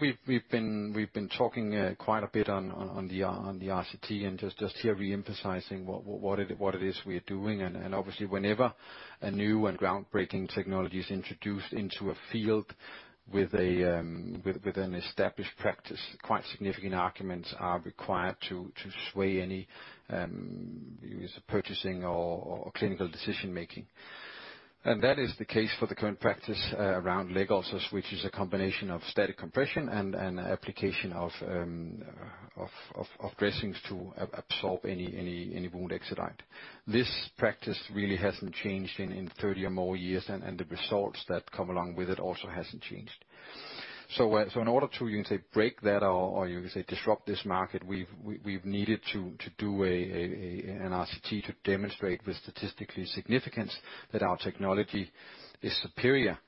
H: We've been talking quite a bit on the RCT and just here re-emphasizing what it is we are doing. Obviously, whenever a new and groundbreaking technology is introduced into a field with an established practice, quite significant arguments are required to sway any purchasing or clinical decision-making. That is the case for the current practice around leg ulcers, which is a combination of static compression and application of dressings to absorb any wound exudate. This practice really hasn't changed in 30 or more years, and the results that come along with it also hasn't changed. In order to, you can say, break that or you can say disrupt this market, we've needed to do an RCT to demonstrate with statistical significance that our technology is superior.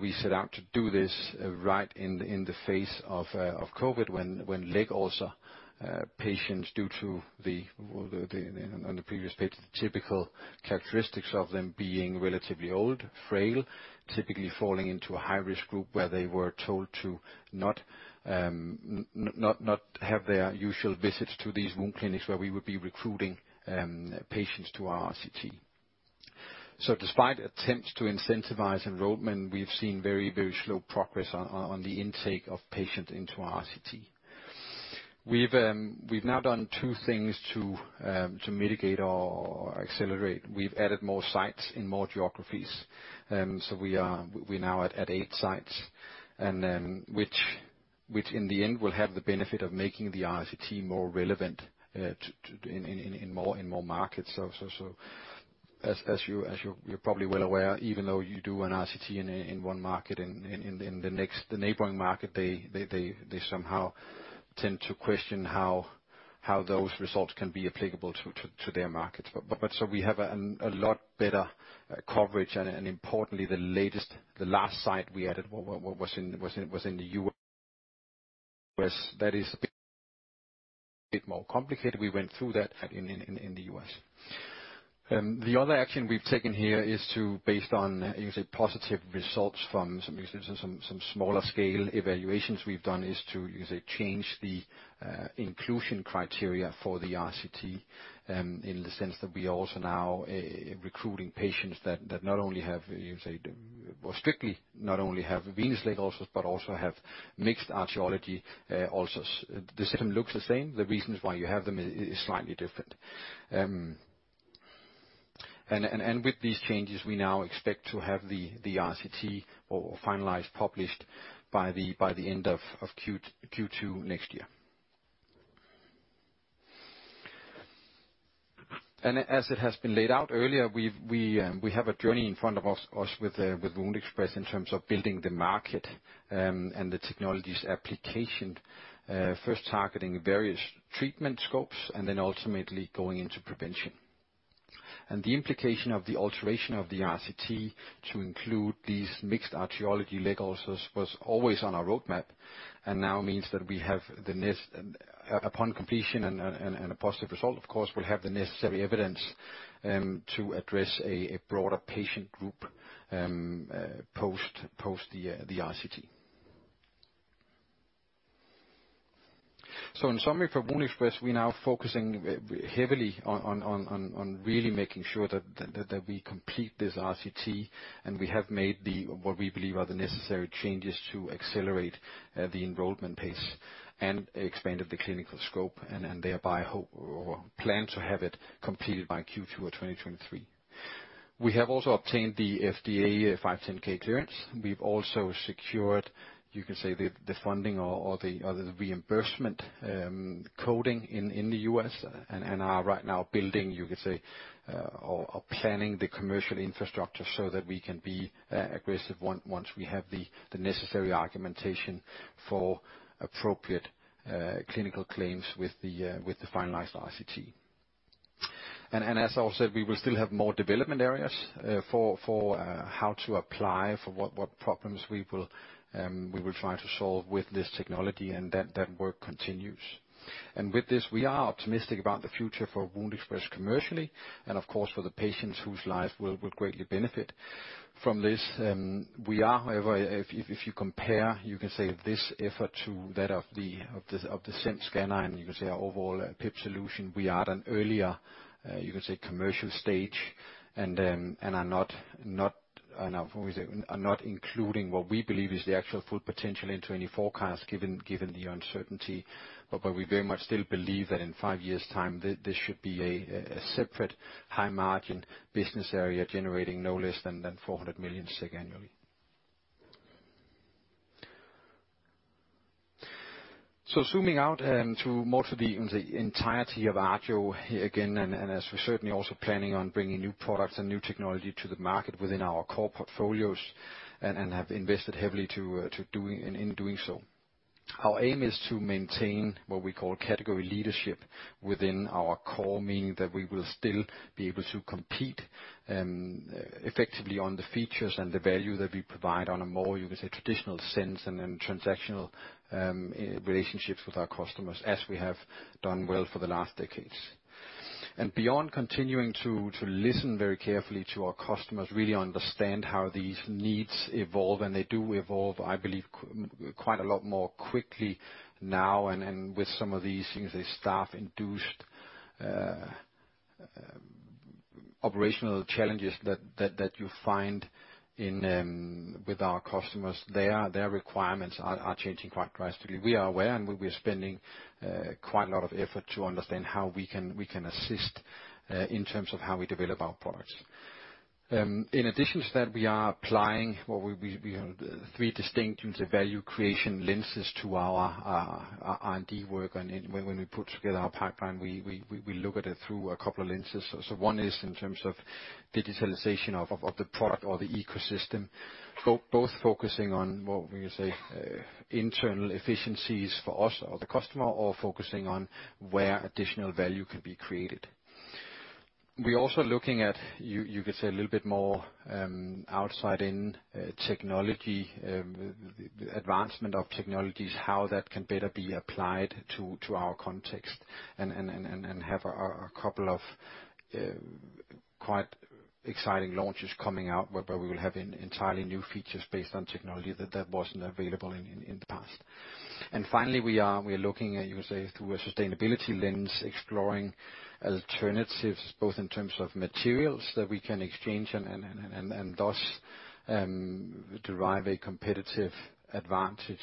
H: We set out to do this right in the face of COVID when leg ulcer patients, due to the typical characteristics on the previous page of them being relatively old, frail, typically falling into a high-risk group where they were told to not have their usual visits to these wound clinics where we would be recruiting patients to our RCT. Despite attempts to incentivize enrollment, we've seen very, very slow progress on the intake of patients into our RCT. We've now done two things to mitigate or accelerate. We've added more sites in more geographies. We're now at eight sites, and which in the end will have the benefit of making the RCT more relevant to in more markets. As you're probably well aware, even though you do an RCT in one market, in the next the neighboring market they somehow tend to question how those results can be applicable to their markets. We have a lot better coverage and importantly, the last site we added was in the U.S. that is a bit more complicated. We went through that in the U.S. The other action we've taken here is to, based on, you can say, positive results from some smaller scale evaluations we've done, change the inclusion criteria for the RCT, in the sense that we are also now recruiting patients that not only have, you can say, or strictly not only have venous leg ulcers but also have mixed etiology ulcers. The symptom looks the same. The reasons why you have them is slightly different. With these changes, we now expect to have the RCT finalized, published by the end of Q2 next year. As it has been laid out earlier, we have a journey in front of us with WoundExpress in terms of building the market and the technology's application, first targeting various treatment scopes and then ultimately going into prevention. The implication of the alteration of the RCT to include these mixed etiology leg ulcers was always on our roadmap and now means that upon completion and a positive result, of course, we'll have the necessary evidence to address a broader patient group post the RCT. In summary for WoundExpress, we're now focusing heavily on really making sure that we complete this RCT, and we have made what we believe are the necessary changes to accelerate the enrollment pace and expanded the clinical scope and thereby hope or plan to have it completed by Q2 of 2023. We have also obtained the FDA 510(k) clearance. We've also secured, you can say, the funding or the reimbursement coding in the U.S. and are right now building, you could say, or planning the commercial infrastructure so that we can be aggressive once we have the necessary argumentation for appropriate clinical claims with the finalized RCT. As I also said, we will still have more development areas for how to apply for what problems we will try to solve with this technology and that work continues. With this, we are optimistic about the future for WoundExpress commercially and of course, for the patients whose life will greatly benefit from this. We are however, if you compare, you can say this effort to that of the SEM Scanner, and you can say our overall PIP solution, we are at an earlier, you can say commercial stage and are not, what would we say, are not including what we believe is the actual full potential into any forecast given the uncertainty. We very much still believe that in five years' time, this should be a separate high margin business area generating no less than 400 million SEK annually. Zooming out to the entirety of Arjo again, and as we're certainly also planning on bringing new products and new technology to the market within our core portfolios and have invested heavily to do so and in doing so. Our aim is to maintain what we call category leadership within our core, meaning that we will still be able to compete effectively on the features and the value that we provide on a more, you could say, traditional sense and transactional relationships with our customers as we have done well for the last decades. Beyond continuing to listen very carefully to our customers, really understand how these needs evolve, and they do evolve, I believe quite a lot more quickly now and with some of these things, the staff-induced operational challenges that you find in with our customers, their requirements are changing quite drastically. We are aware, and we're spending quite a lot of effort to understand how we can assist in terms of how we develop our products. In addition to that, we are applying what we three distinct value creation lenses to our R&D work. When we put together our pipeline, we look at it through a couple of lenses. One is in terms of digitalization of the product or the ecosystem, both focusing on what we say, internal efficiencies for us or the customer, or focusing on where additional value can be created. We're also looking at, you could say a little bit more outside in, technology advancement of technologies, how that can better be applied to our context and have a couple of quite exciting launches coming out, where we will have entirely new features based on technology that wasn't available in the past. Finally, we are looking at, you would say, through a sustainability lens, exploring alternatives, both in terms of materials that we can exchange and thus derive a competitive advantage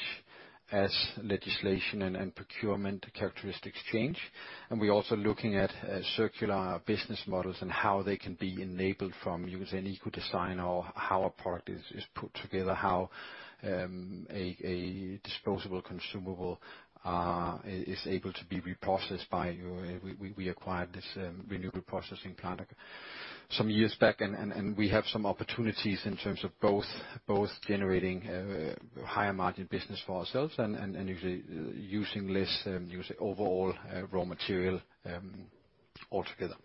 H: as legislation and procurement characteristics change. We're also looking at circular business models and how they can be enabled from using eco design or how a product is put together, how a disposable consumable is able to be reprocessed by you. We acquired this reprocessing plant some years back, and we have some opportunities in terms of both generating higher margin business for ourselves and usually using less overall raw material altogether.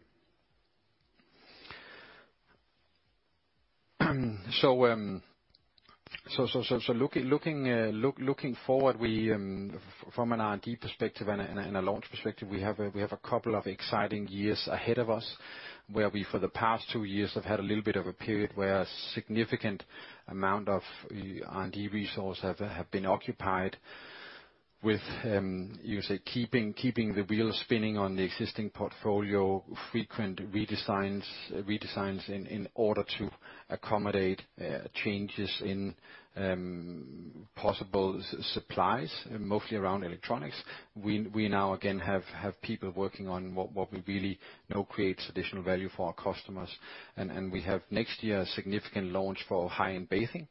H: Looking forward, from an R&D perspective and a launch perspective, we have a couple of exciting years ahead of us. Where we, for the past two years, have had a little bit of a period where a significant amount of R&D resource have been occupied with you say, keeping the wheels spinning on the existing portfolio, frequent redesigns in order to accommodate changes in possible supplies, mostly around electronics. We now again have people working on what we really know creates additional value for our customers. We have next year a significant launch for high-end bathing.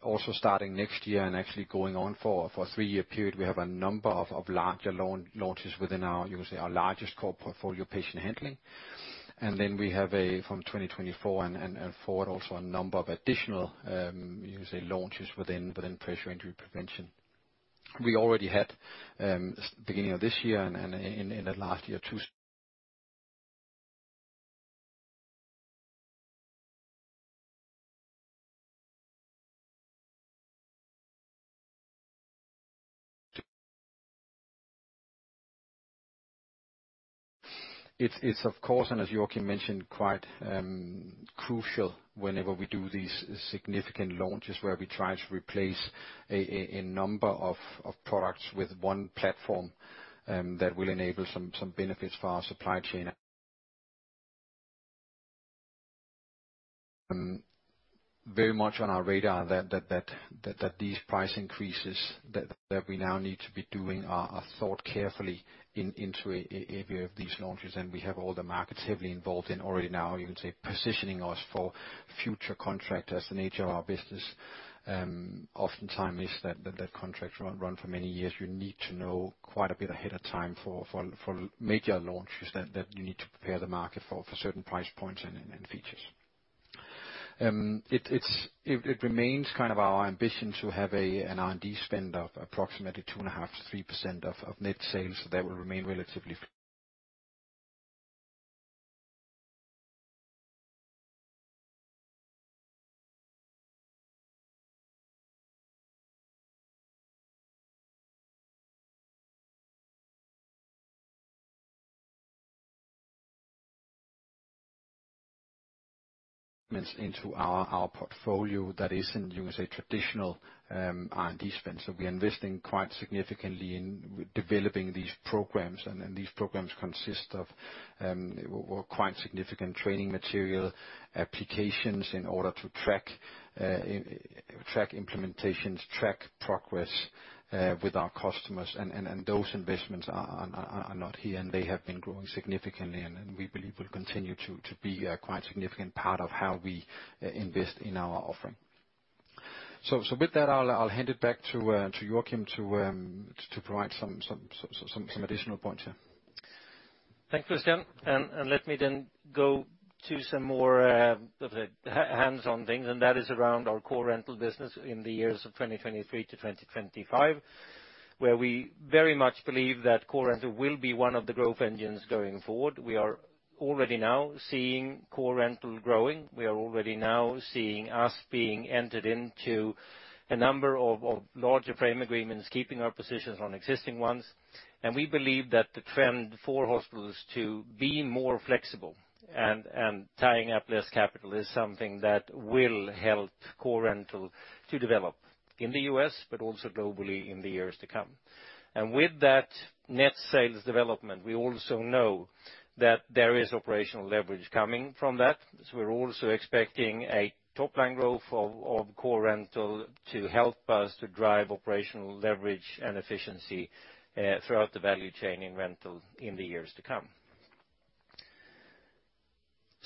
H: Also starting next year and actually going on for a three-year period, we have a number of larger launches within our you would say, our largest core portfolio, Patient Handling. Then we have from 2024 and forward, also a number of additional you say, launches within Pressure Injury Prevention. We already had, beginning of this year and in the last year too. It's of course, and as Joacim mentioned, quite crucial whenever we do these significant launches, where we try to replace a number of products with one platform that will enable some benefits for our supply chain. Very much on our radar that these price increases that we now need to be doing are thought carefully into these launches. We have all the markets heavily involved in already now, you can say, positioning us for future contracts. As the nature of our business oftentimes is that contracts run for many years. You need to know quite a bit ahead of time for major launches that you need to prepare the market for certain price points and features. It's our ambition to have an R&D spend of approximately 2.5%-3% of net sales. That will remain relatively. Investments into our portfolio that isn't using traditional R&D spend. We are investing quite significantly in developing these programs. These programs consist of quite significant training material applications in order to track implementations, track progress with our customers. Those investments are not here, they have been growing significantly, we believe will continue to be a quite significant part of how we invest in our offering. With that, I'll hand it back to Joacim to provide some additional points here.
B: Thanks, Christian. Let me then go to some more, let's say, hands-on things, and that is around our core rental business in the years of 2023-2025, where we very much believe that core rental will be one of the growth engines going forward. We are already now seeing core rental growing. We are already now seeing us being entered into a number of larger frame agreements, keeping our positions on existing ones. We believe that the trend for hospitals to be more flexible and tying up less capital is something that will help core rental to develop in the U.S., but also globally in the years to come. With that net sales development, we also know that there is operational leverage coming from that. We're also expecting a top-line growth of core rental to help us to drive operational leverage and efficiency throughout the value chain in rental in the years to come.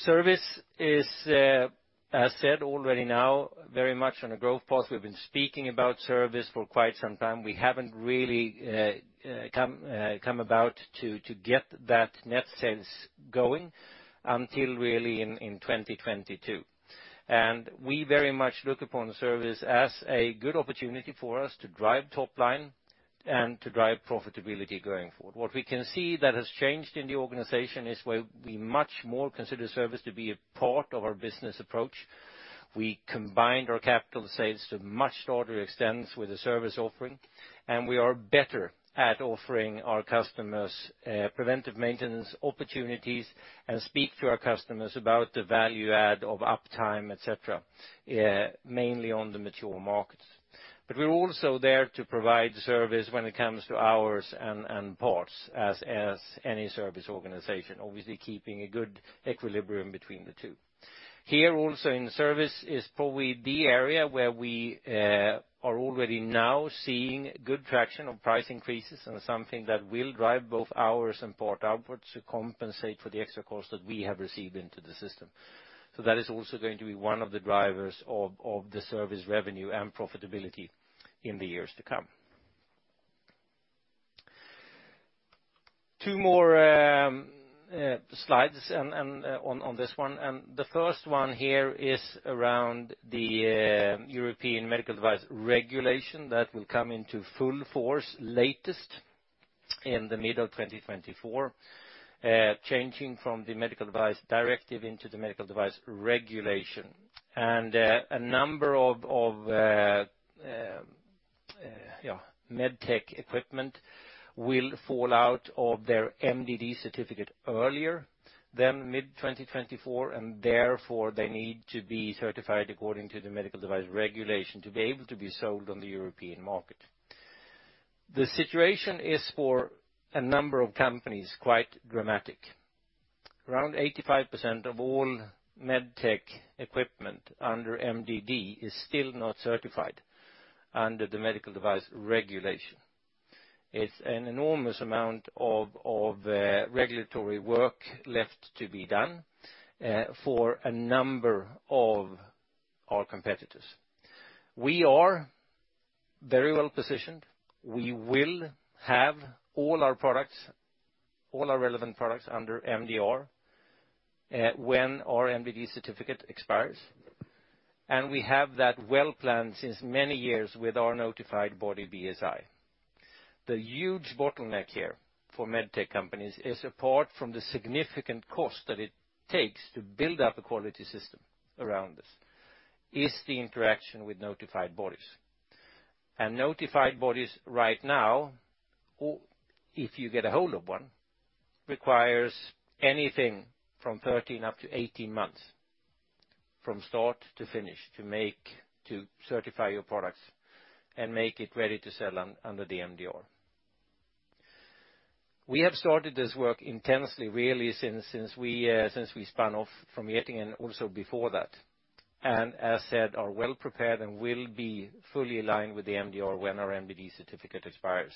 B: Service is as said already now very much on a growth path. We've been speaking about service for quite some time. We haven't really got around to get that net sales going until really in 2022. We very much look upon the service as a good opportunity for us to drive top-line and to drive profitability going forward. What we can see that has changed in the organization is where we much more consider service to be a part of our business approach. We combined our capital sales to much larger extents with the service offering, and we are better at offering our customers preventive maintenance opportunities and speak to our customers about the value add of uptime, et cetera, mainly on the mature markets. We're also there to provide service when it comes to hours and parts as any service organization, obviously keeping a good equilibrium between the two. Here also in service is probably the area where we are already now seeing good traction on price increases and something that will drive both hours and parts outputs to compensate for the extra cost that we have received into the system. That is also going to be one of the drivers of the service revenue and profitability in the years to come. Two more slides and on this one, and the first one here is around the European Medical Device Regulation that will come into full force latest in the middle 2024, changing from the Medical Device Directive into the Medical Device Regulation. A number of med tech equipment will fall out of their MDD certificate earlier than mid-2024, and therefore they need to be certified according to the Medical Device Regulation to be able to be sold on the European market. The situation is for a number of companies quite dramatic. Around 85% of all med tech equipment under MDD is still not certified under the Medical Device Regulation. It's an enormous amount of regulatory work left to be done for a number of our competitors. We are very well positioned. We will have all our products, all our relevant products under MDR when our MDD certificate expires, and we have that well planned since many years with our notified body BSI. The huge bottleneck here for med tech companies is apart from the significant cost that it takes to build up a quality system around this, is the interaction with notified bodies. Notified bodies right now, if you get a hold of one, requires anything from 13-18 months from start to finish to certify your products and make it ready to sell under the MDR. We have started this work intensely, really, since we spun off from Getinge and also before that, and as said, are well prepared and will be fully aligned with the MDR when our MDD certificate expires.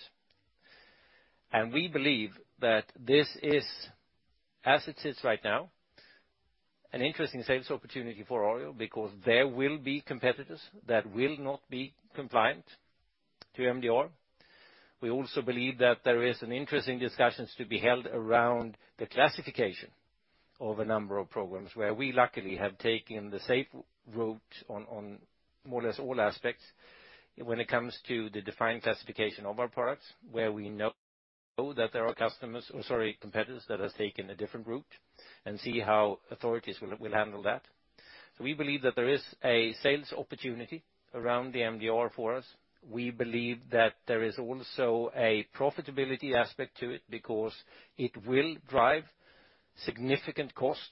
B: We believe that this is, as it sits right now, an interesting sales opportunity for Arjo because there will be competitors that will not be compliant to MDR. We also believe that there is an interesting discussions to be held around the classification of a number of programs where we luckily have taken the safe route on more or less all aspects when it comes to the defined classification of our products, where we know that there are customers, or sorry, competitors that has taken a different route and see how authorities will handle that. We believe that there is a sales opportunity around the MDR for us. We believe that there is also a profitability aspect to it because it will drive significant cost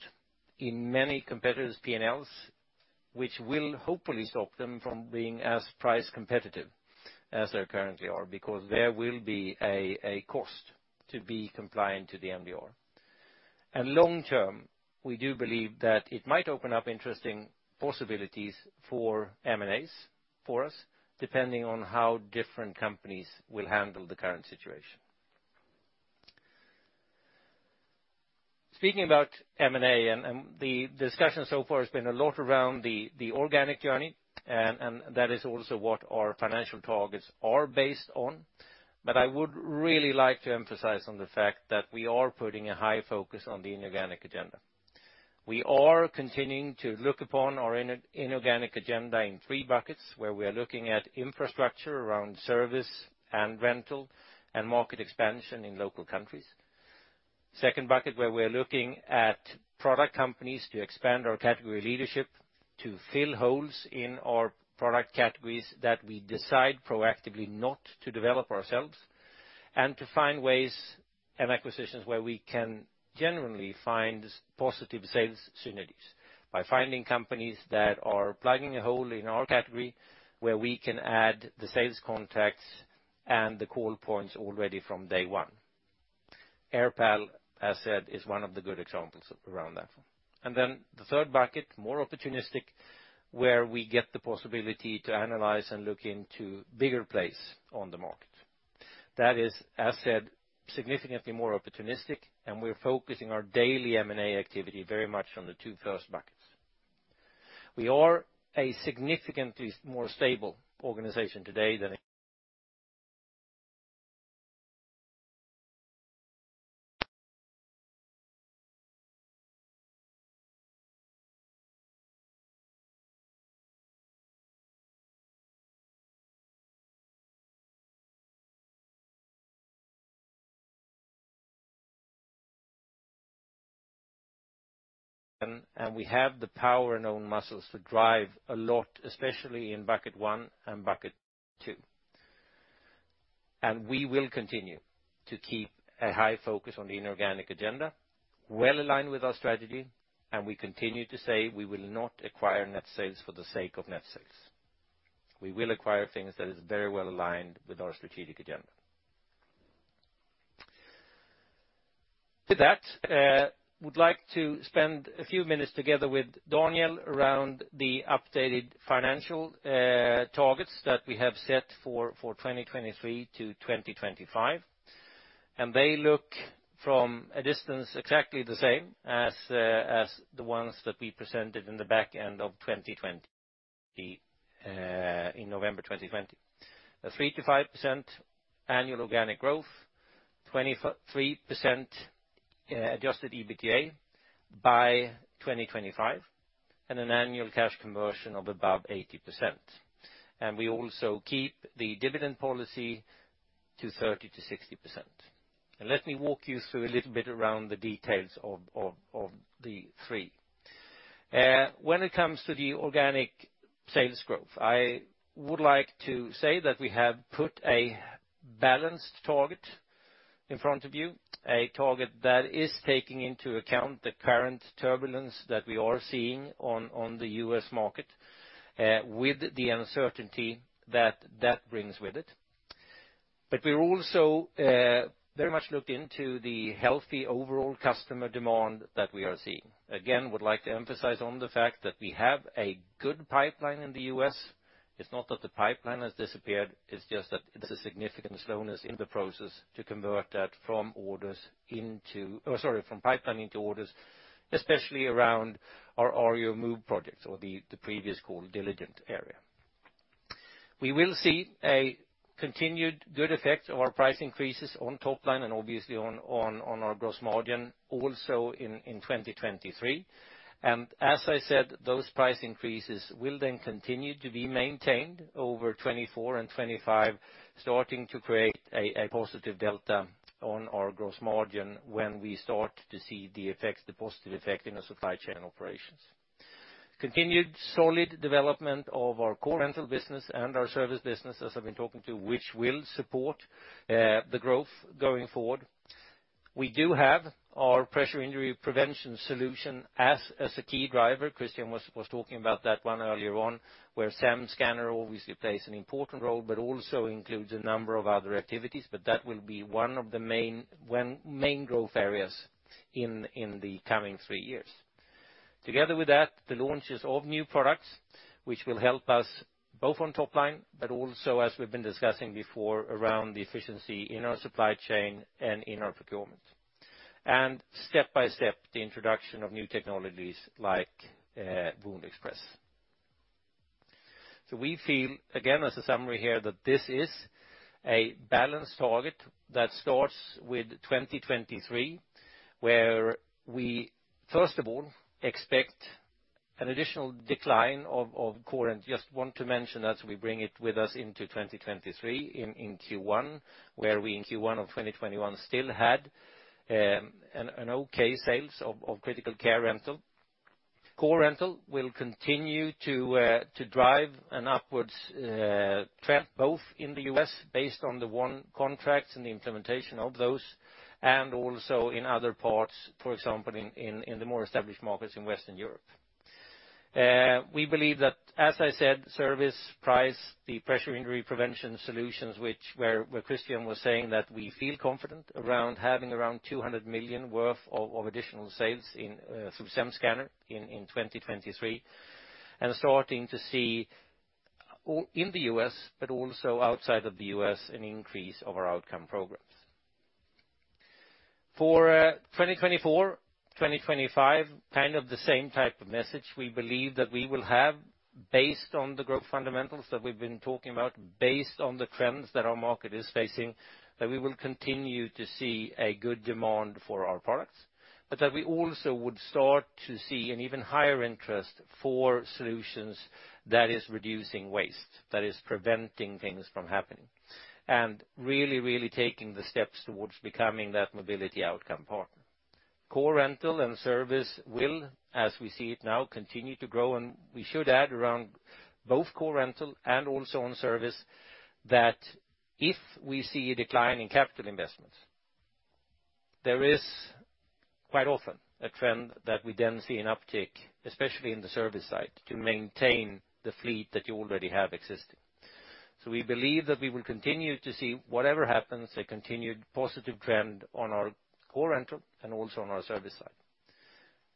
B: in many competitors' P&Ls, which will hopefully stop them from being as price competitive as they currently are, because there will be a cost to be compliant to the MDR. Long term, we do believe that it might open up interesting possibilities for M&As for us, depending on how different companies will handle the current situation. Speaking about M&A and the discussion so far has been a lot around the organic journey, and that is also what our financial targets are based on. I would really like to emphasize on the fact that we are putting a high focus on the inorganic agenda. We are continuing to look upon our inorganic agenda in three buckets, where we are looking at infrastructure around service and rental and market expansion in local countries. Second bucket, where we're looking at product companies to expand our category leadership, to fill holes in our product categories that we decide proactively not to develop ourselves, and to find ways and acquisitions where we can genuinely find positive sales synergies by finding companies that are plugging a hole in our category where we can add the sales contacts and the call points already from day one. AirPal, as said, is one of the good examples around that. The third bucket, more opportunistic, where we get the possibility to analyze and look into bigger plays on the market. That is, as said, significantly more opportunistic, and we're focusing our daily M&A activity very much on the two first buckets. We are a significantly more stable organization today than we have the power and own muscles to drive a lot, especially in bucket one and bucket two. We will continue to keep a high focus on the inorganic agenda, well aligned with our strategy, and we continue to say we will not acquire net sales for the sake of net sales. We will acquire things that is very well aligned with our strategic agenda. To that, would like to spend a few minutes together with Daniel around the updated financial targets that we have set for 2023-2025. They look from a distance exactly the same as the ones that we presented in the back end of 2020, in November 2020. A 3%-5% annual organic growth, 23%, adjusted EBITDA by 2025, and an annual cash conversion of above 80%. We also keep the dividend policy to 30%-60%. Let me walk you through a little bit around the details of the three. When it comes to the organic sales growth, I would like to say that we have put a balanced target in front of you, a target that is taking into account the current turbulence that we are seeing on the U.S. market with the uncertainty that that brings with it. We're also very much looking into the healthy overall customer demand that we are seeing. Again, would like to emphasize on the fact that we have a good pipeline in the U.S. It's not that the pipeline has disappeared, it's just that there's a significant slowness in the process to convert that from pipeline into orders, especially around our Arjo Move projects or the previous call Diligent area. We will see a continued good effect of our price increases on top line and obviously on our gross margin also in 2023. As I said, those price increases will then continue to be maintained over 2024 and 2025, starting to create a positive delta on our gross margin when we start to see the positive effect in our supply chain operations. Continued solid development of our core rental business and our service business, as I've been talking about, which will support the growth going forward. We do have our pressure injury prevention solution as a key driver. Christian was talking about that one earlier on, where SEM Scanner obviously plays an important role, but also includes a number of other activities, but that will be one of the main growth areas in the coming three years. Together with that, the launches of new products, which will help us both on top line, but also as we've been discussing before, around the efficiency in our supply chain and in our procurement. Step-by-step, the introduction of new technologies like WoundExpress. We feel, again, as a summary here, that this is a balanced target that starts with 2023, where we first of all expect an additional decline of core rental. Just want to mention as we bring it with us into 2023 in Q1, where we in Q1 of 2021 still had an okay sales of critical care rental. Core rental will continue to drive an upwards trend, both in the U.S. Based on the one contracts and the implementation of those, and also in other parts, for example, in the more established markets in Western Europe. We believe that, as I said, service, price, the Pressure Injury Prevention solutions, which Christian was saying that we feel confident around having around 200 million worth of additional sales in through SEM Scanner in 2023, and starting to see all in the U.S., but also outside of the U.S., an increase of our outcome programs. For 2024, 2025, kind of the same type of message we believe that we will have based on the growth fundamentals that we've been talking about, based on the trends that our market is facing, that we will continue to see a good demand for our products, but that we also would start to see an even higher interest for solutions that is reducing waste, that is preventing things from happening, and really, really taking the steps towards becoming that mobility outcome partner. Core rental and service will, as we see it now, continue to grow, and we should add around both core rental and also on service, that if we see a decline in capital investments, there is quite often a trend that we then see an uptick, especially in the service side, to maintain the fleet that you already have existing. We believe that we will continue to see whatever happens, a continued positive trend on our core rental and also on our service side.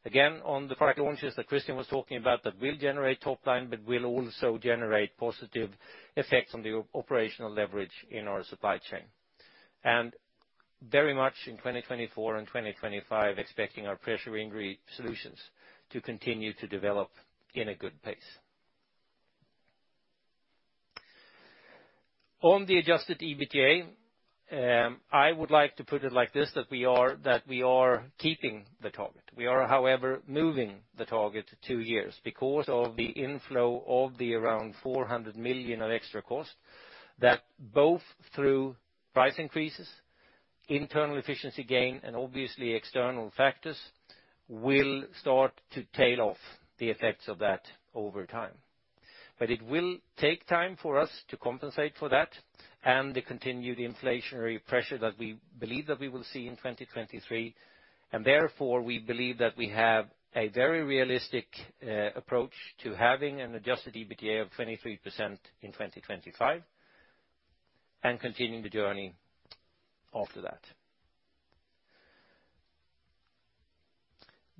B: Again, on the product launches that Christian was talking about that will generate top line, but will also generate positive effects on the operational leverage in our supply chain. Very much in 2024 and 2025, expecting our Pressure Injury solutions to continue to develop in a good pace. On the adjusted EBITDA, I would like to put it like this, that we are keeping the target. We are, however, moving the target two years because of the inflow of around 400 million of extra cost that both through price increases, internal efficiency gain, and obviously external factors will start to tail off the effects of that over time. It will take time for us to compensate for that and the continued inflationary pressure that we believe that we will see in 2023. Therefore, we believe that we have a very realistic approach to having an adjusted EBITDA of 23% in 2025, and continuing the journey after that.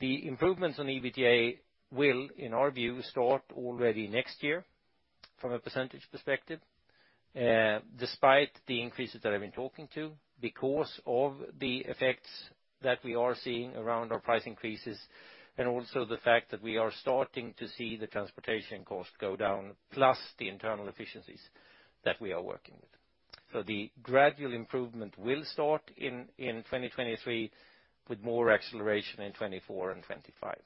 B: The improvements on EBITDA will, in our view, start already next year from a percentage perspective, despite the increases that I've been talking to, because of the effects that we are seeing around our price increases, and also the fact that we are starting to see the transportation costs go down, plus the internal efficiencies that we are working with. The gradual improvement will start in 2023 with more acceleration in 2024 and 2025.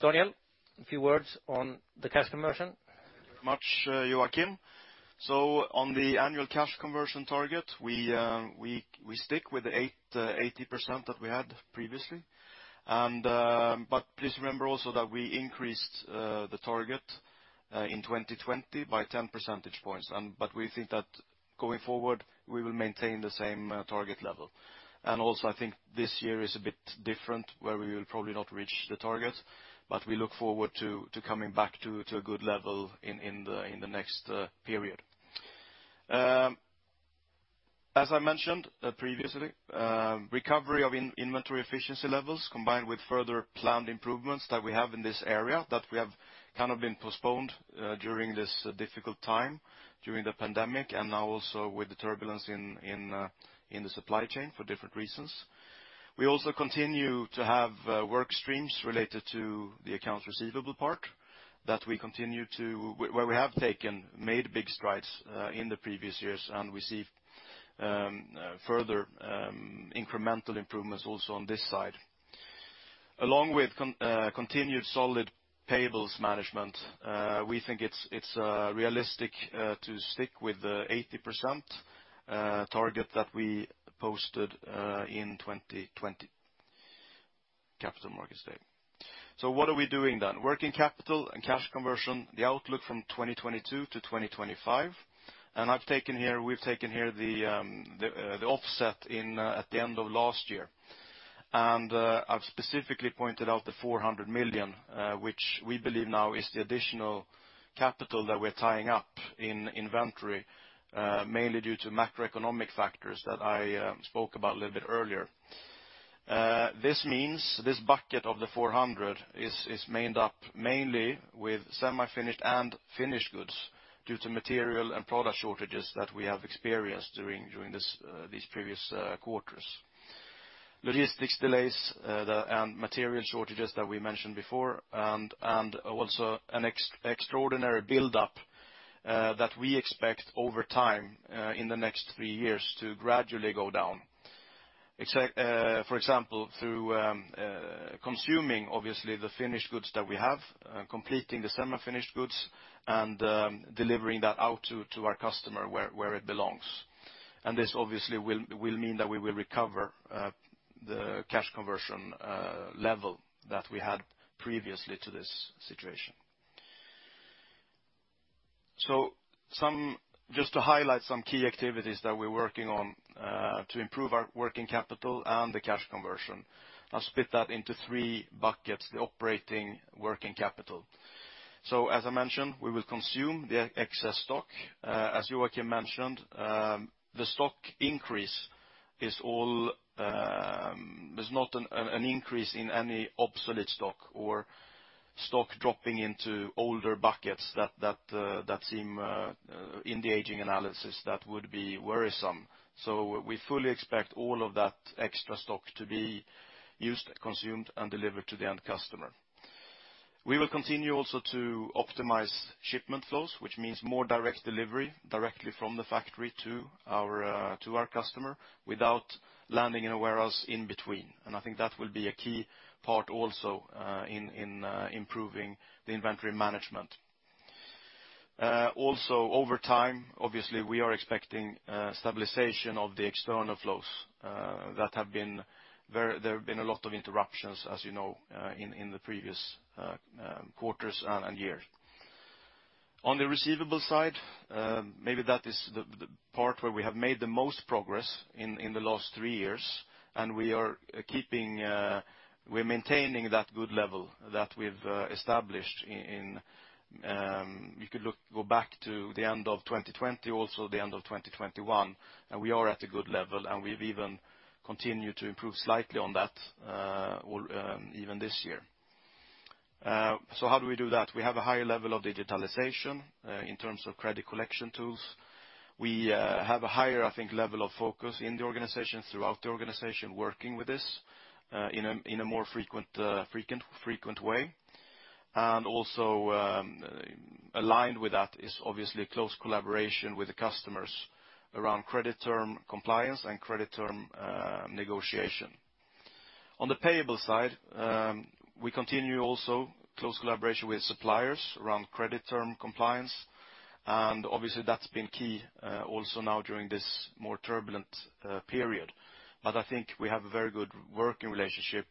B: Daniel, a few words on the cash conversion.
C: Thanks, Joacim. So on the annual cash conversion target, we stick with the 80% that we had previously. Please remember also that we increased the target in 2020 by 10 percentage points. We think that going forward, we will maintain the same target level. I think this year is a bit different where we will probably not reach the target, but we look forward to coming back to a good level in the next period. As I mentioned previously, recovery of inventory efficiency levels combined with further planned improvements that we have in this area that we have kind of been postponed during this difficult time during the pandemic, and now also with the turbulence in the supply chain for different reasons. We also continue to have work streams related to the accounts receivable part where we have made big strides in the previous years and received further incremental improvements also on this side. Along with continued solid payables management, we think it's realistic to stick with the 80% target that we posted in 2020 Capital Markets Day. What are we doing then? Working capital and cash conversion, the outlook from 2022-2025. We've taken here the offset in at the end of last year. I've specifically pointed out the 400 million which we believe now is the additional capital that we're tying up in inventory mainly due to macroeconomic factors that I spoke about a little bit earlier. This means this bucket of the 400 million is made up mainly with semi-finished and finished goods due to material and product shortages that we have experienced during these previous quarters. Logistics delays and material shortages that we mentioned before, and also an extraordinary buildup that we expect over time in the next three years to gradually go down. For example, through consuming obviously the finished goods that we have, completing the semi-finished goods and delivering that out to our customer where it belongs. This obviously will mean that we will recover the cash conversion level that we had previously to this situation. Just to highlight some key activities that we're working on to improve our working capital and the cash conversion. I'll split that into three buckets, the operating working capital. As I mentioned, we will consume the excess stock. As Joacim mentioned, the stock increase is all. There's not an increase in any obsolete stock or stock dropping into older buckets that seem in the aging analysis that would be worrisome. We fully expect all of that extra stock to be used, consumed, and delivered to the end customer. We will continue also to optimize shipment flows, which means more direct delivery directly from the factory to our customer without landing in a warehouse in between. I think that will be a key part also in improving the inventory management. Also over time, obviously, we are expecting stabilization of the external flows. There have been a lot of interruptions, as you know, in the previous quarters and years. On the receivable side, maybe that is the part where we have made the most progress in the last three years, and we are maintaining that good level that we've established. You could look, go back to the end of 2020, also the end of 2021, and we are at a good level, and we've even continued to improve slightly on that, even this year. How do we do that? We have a higher level of digitalization in terms of credit collection tools. We have a higher, I think, level of focus in the organization, throughout the organization working with this in a more frequent way. Aligned with that is obviously close collaboration with the customers around credit term compliance and credit term negotiation. On the payable side, we continue also close collaboration with suppliers around credit term compliance, and obviously that's been key, also now during this more turbulent period. I think we have a very good working relationship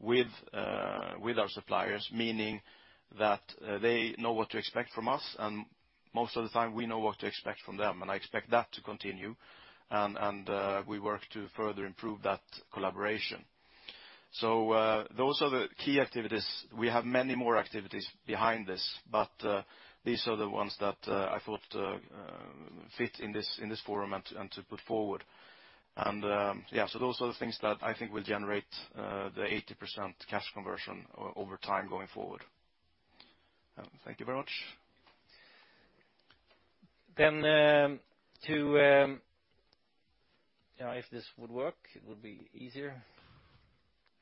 C: with our suppliers, meaning that they know what to expect from us, and most of the time we know what to expect from them. I expect that to continue and we work to further improve that collaboration. Those are the key activities. We have many more activities behind this, but these are the ones that I thought fit in this forum and to put forward. Those are the things that I think will generate the 80% cash conversion over time going forward. Thank you very much.
B: If this would work, it would be easier.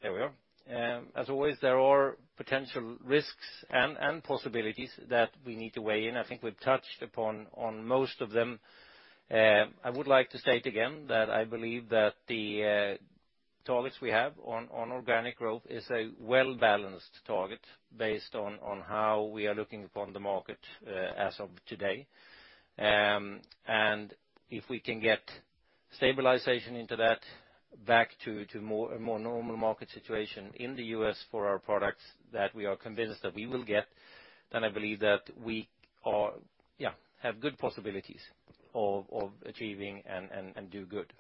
B: There we are. As always, there are potential risks and possibilities that we need to weigh in. I think we've touched upon most of them. I would like to state again that I believe that the targets we have on organic growth is a well-balanced target based on how we are looking upon the market as of today. If we can get stabilization into that back to a more normal market situation in the U.S. for our products that we are convinced that we will get, then I believe that we have good possibilities of achieving and do good.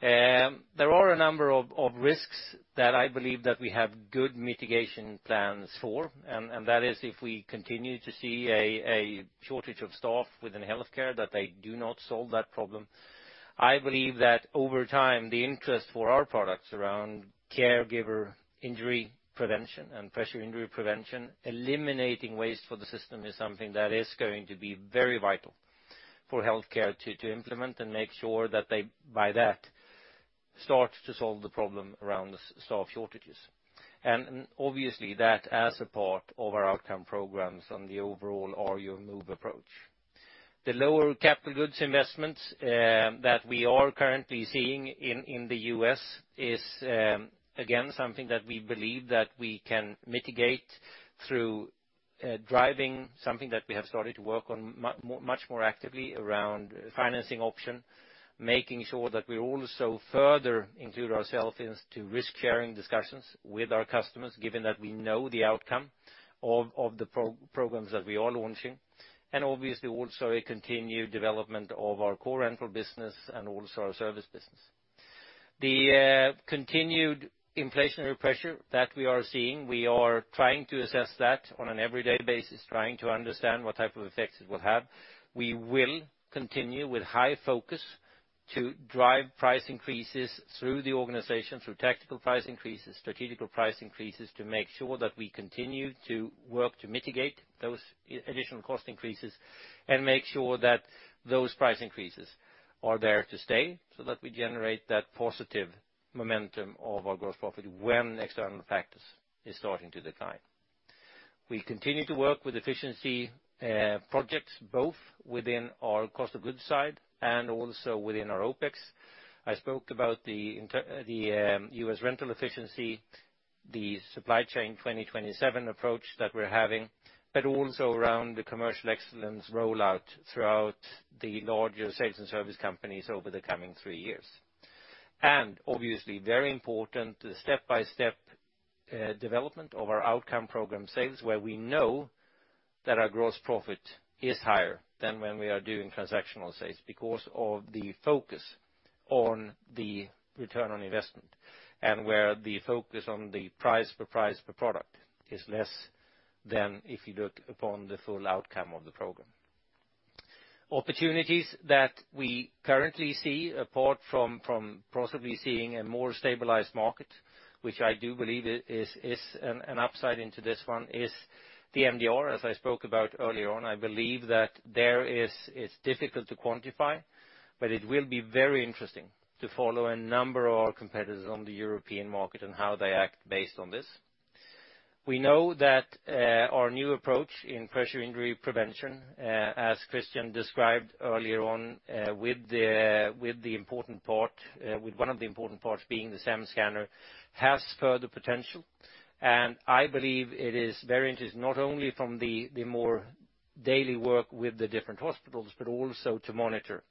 B: There are a number of risks that I believe that we have good mitigation plans for, and that is if we continue to see a shortage of staff within healthcare, that they do not solve that problem. I believe that over time, the interest for our products around caregiver injury prevention and pressure injury prevention, eliminating waste for the system is something that is going to be very vital for healthcare to implement and make sure that they, by that, start to solve the problem around the staff shortages. Obviously that as a part of our outcome programs on the overall Arjo Move approach. The lower capital goods investments that we are currently seeing in the U.S. is again something that we believe that we can mitigate through driving something that we have started to work on more much more actively around financing option, making sure that we also further include ourselves into risk-sharing discussions with our customers, given that we know the outcome of the programs that we are launching, and obviously also a continued development of our core rental business and also our service business. The continued inflationary pressure that we are seeing, we are trying to assess that on an every day basis, trying to understand what type of effects it will have. We will continue with high focus to drive price increases through the organization, through tactical price increases, strategic price increases, to make sure that we continue to work to mitigate those additional cost increases and make sure that those price increases are there to stay so that we generate that positive momentum of our gross profit when external factors is starting to decline. We continue to work with efficiency projects, both within our cost of goods side and also within our OpEx. I spoke about the U.S. Rental efficiency, the Supply Chain 2027 approach that we're having, but also around the commercial excellence rollout throughout the larger sales and service companies over the coming three years. Obviously, very important, the step-by-step development of our outcome program sales, where we know that our gross profit is higher than when we are doing transactional sales because of the focus on the return on investment, and where the focus on the price per product is less than if you look upon the full outcome of the program. Opportunities that we currently see, apart from possibly seeing a more stabilized market, which I do believe is an upside into this one, is MDR, as I spoke about earlier on. I believe that there is. It's difficult to quantify, but it will be very interesting to follow a number of our competitors on the European market and how they act based on this. We know that our new approach in Pressure Injury Prevention, as Christian described earlier on, with one of the important parts being the SEM Scanner, has further potential. I believe it is very interesting, not only from the more daily work with the different hospitals, but also to monitor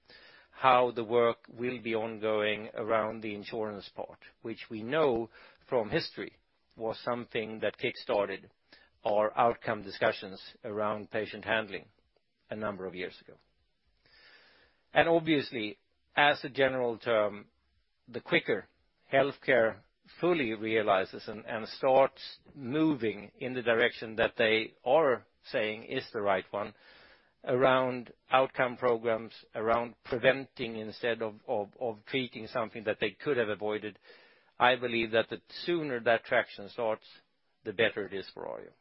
B: how the work will be ongoing around the insurance part, which we know from history was something that kickstarted our outcome discussions around Patient Handling a number of years ago. Obviously, as a general term, the quicker healthcare fully realizes and starts moving in the direction that they are saying is the right one around outcome programs, around preventing instead of treating something that they could have avoided, I believe that the sooner that traction starts, the better it is for you.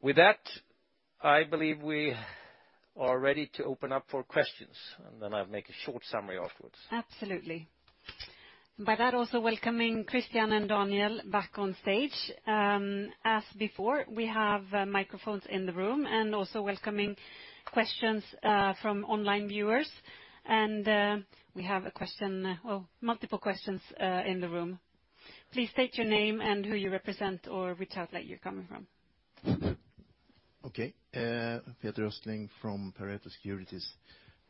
B: With that, I believe we are ready to open up for questions, and then I'll make a short summary afterwards.
A: Absolutely. By that, also welcoming Christian and Daniel back on stage. As before, we have microphones in the room and also welcoming questions from online viewers. We have a question, well, multiple questions, in the room. Please state your name and who you represent or which outlet you're coming from.
I: Okay. Peter Östling from Pareto Securities.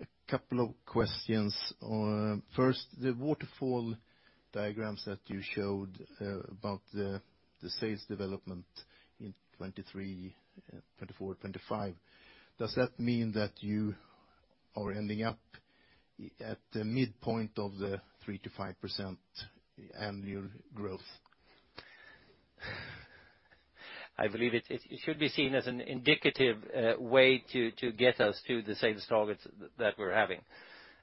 I: A couple of questions. First, the waterfall diagrams that you showed about the sales development in 2023, 2024, 2025. Does that mean that you are ending up at the midpoint of the 3%-5% annual growth?
B: I believe it should be seen as an indicative way to get us to the sales targets that we're having.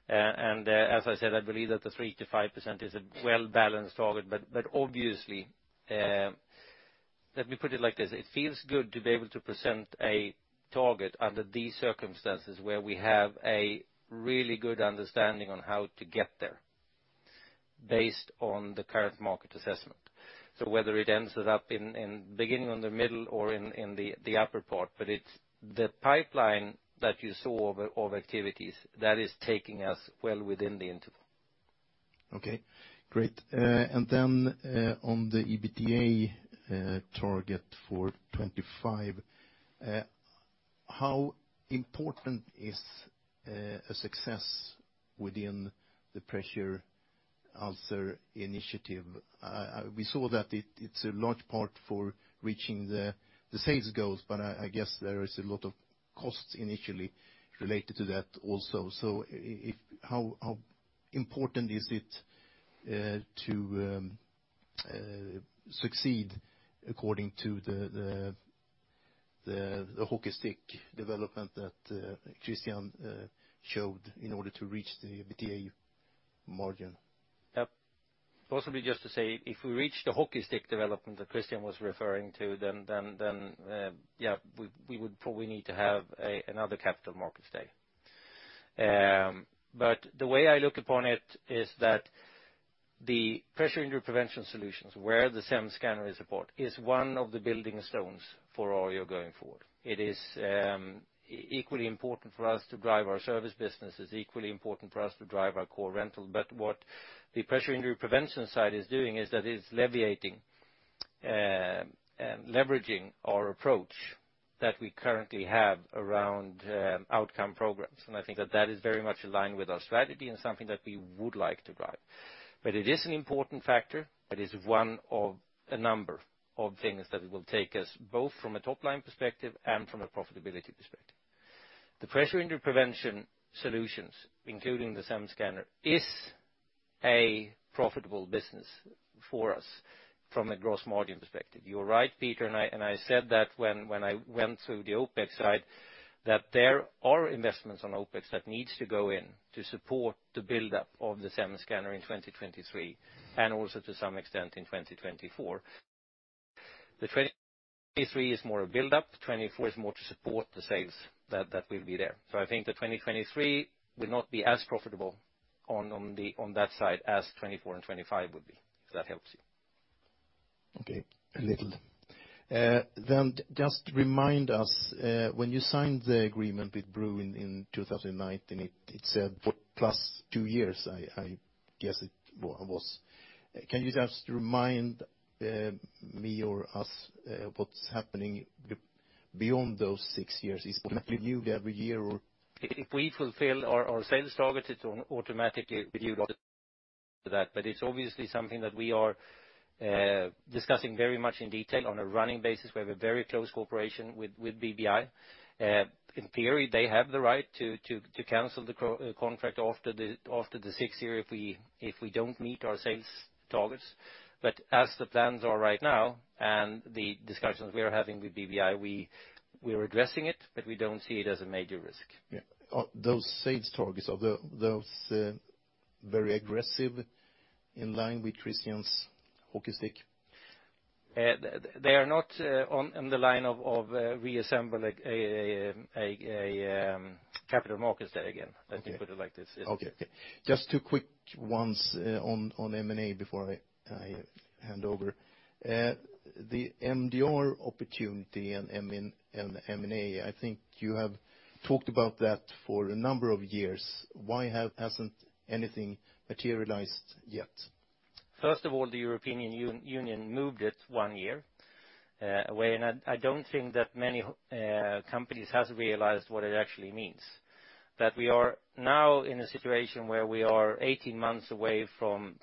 B: As I said, I believe that the 3%-5% is a well-balanced target. Obviously, let me put it like this. It feels good to be able to present a target under these circumstances where we have a really good understanding on how to get there based on the current market assessment. Whether it ends up in beginning, in the middle, or in the upper part, but it's the pipeline that you saw of activities that is taking us well within the interval.
I: Okay, great. Then, on the EBITDA target for 2025, how important is a success within the pressure ulcer initiative? We saw that it's a large part for reaching the sales goals, but I guess there is a lot of costs initially related to that also. How important is it to succeed according to the hockey stick development that Christian showed in order to reach the EBITDA margin?
B: Yep. Possibly just to say, if we reach the hockey stick development that Christian was referring to, then yeah we would probably need to have another Capital Markets Day. The way I look upon it is that the pressure injury prevention solutions, where the SEM Scanner is a part, is one of the building stones for Arjo going forward. It is equally important for us to drive our service business. It's equally important for us to drive our core rental. What the pressure injury prevention side is doing is that it's leveraging our approach that we currently have around outcome programs. I think that is very much aligned with our strategy and something that we would like to drive. It is an important factor, but it is one of a number of things that will take us both from a top-line perspective and from a profitability perspective. The Pressure Injury Prevention solutions, including the SEM Scanner, is a profitable business for us from a gross margin perspective. You are right, Peter, and I said that when I went through the OpEx side, that there are investments on OpEx that needs to go in to support the buildup of the SEM Scanner in 2023 and also to some extent in 2024. The 2023 is more a buildup, 2024 is more to support the sales that will be there. I think that 2023 will not be as profitable on that side as 2024 and 2025 would be, if that helps you.
I: Okay. A little. Just remind us when you signed the agreement with Bruin in 2019. It said plus two years, I guess it was. Can you just remind me or us what's happening beyond those six years? Is it renewed every year, or?
B: If we fulfill our sales targets, it's automatically renewed after that. It's obviously something that we are discussing very much in detail on a running basis. We have a very close cooperation with BBI. In theory, they have the right to cancel the contract after the sixth year if we don't meet our sales targets. As the plans are right now and the discussions we are having with BBI, we're addressing it, but we don't see it as a major risk.
I: Yeah. Are those sales targets very aggressive in line with Christian's hockey stick?
B: They are not in the line of reassembling a Capital Markets Day again.
I: Okay.
B: Let me put it like this. Yes.
I: Okay. Just two quick ones on M&A before I hand over. The MDR opportunity and M&A, I think you have talked about that for a number of years. Why hasn't anything materialized yet?
B: First of all, the European Union moved it one year away, and I don't think that many companies has realized what it actually means. That we are now in a situation where we are 18 months away from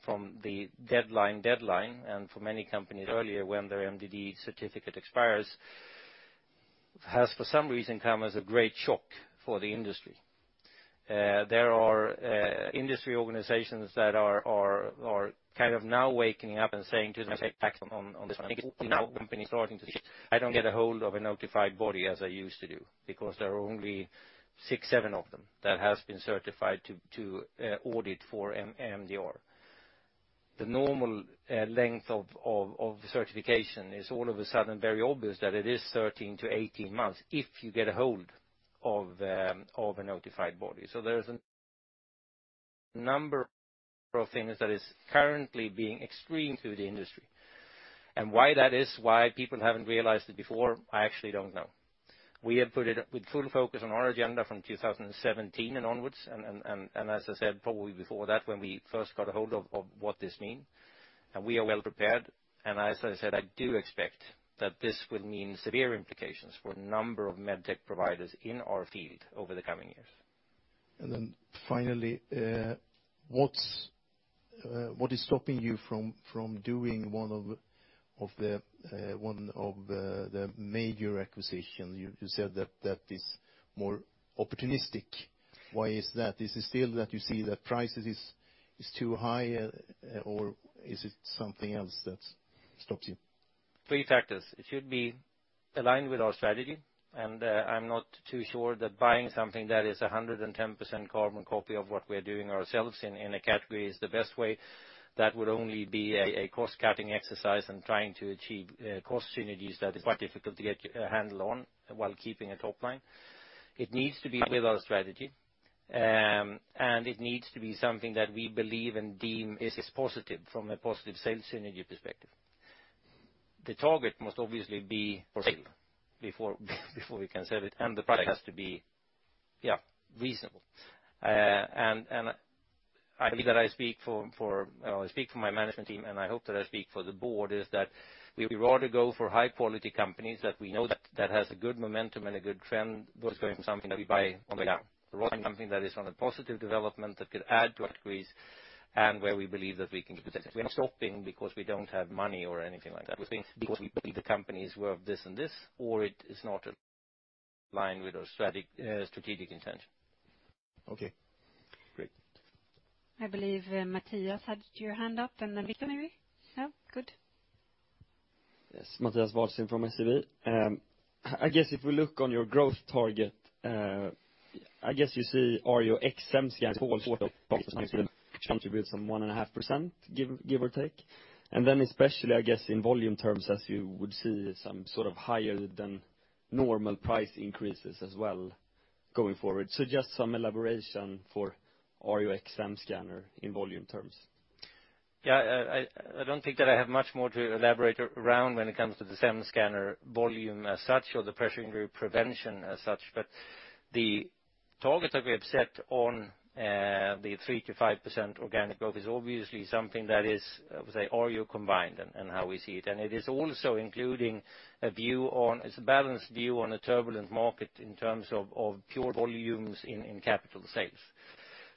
B: the deadline, and for many companies earlier when their MDD certificate expires has for some reason come as a great shock for the industry. There are industry organizations that are kind of now waking up and saying I don't get a hold of a notified body as I used to do because there are only six or seven of them that has been certified to audit for MDR. The normal length of certification is all of a sudden very obvious that it is 13-18 months if you get a hold of a notified body. There's a number of things that is currently being a threat to the industry. Why that is, why people haven't realized it before, I actually don't know. We have put it with full focus on our agenda from 2017 and onwards, and as I said, probably before that when we first got a hold of what this mean, and we are well prepared. As I said, I do expect that this will mean severe implications for a number of med tech providers in our field over the coming years.
I: Finally, what is stopping you from doing one of the major acquisition? You said that is more opportunistic. Why is that? Is it still that you see that prices is too high, or is it something else that stops you?
B: Three factors. It should be aligned with our strategy, and I'm not too sure that buying something that is 110% carbon copy of what we're doing ourselves in a category is the best way. That would only be a cost-cutting exercise and trying to achieve cost synergies that is quite difficult to get a handle on while keeping a top line. It needs to be with our strategy, and it needs to be something that we believe and deem is positive from a positive sales synergy perspective. The target must obviously be possible before we can sell it, and the price has to be reasonable. I believe that I speak for my management team, and I hope that I speak for the board in that we would rather go for high-quality companies that we know that has a good momentum and a good trend versus going for something that we buy on way down. Rather than something that is on a positive development that could add to our increase and where we believe that we can get the best. We are not stopping because we don't have money or anything like that. We're saying because we believe the companies are not of this and this, or it is not in line with our strategic intention.
I: Okay. Great.
A: I believe, Mattias had your hand up, and then Viktor maybe. No? Good.
D: Yes. Mattias Vadsten from SEB. I guess if we look on your growth target, I guess you see Arjo SEM Scanner contribute some 1.5%, give or take. And then especially, I guess, in volume terms, as you would see some sort of higher than normal price increases as well going forward. Just some elaboration for Arjo SEM Scanner in volume terms.
B: Yeah. I don't think that I have much more to elaborate around when it comes to the SEM Scanner volume as such or the pressure injury prevention as such. The target that we have set on the 3%-5% organic growth is obviously something that is, I would say, Arjo combined and how we see it. It is also including a view on. It's a balanced view on a turbulent market in terms of pure volumes in capital sales.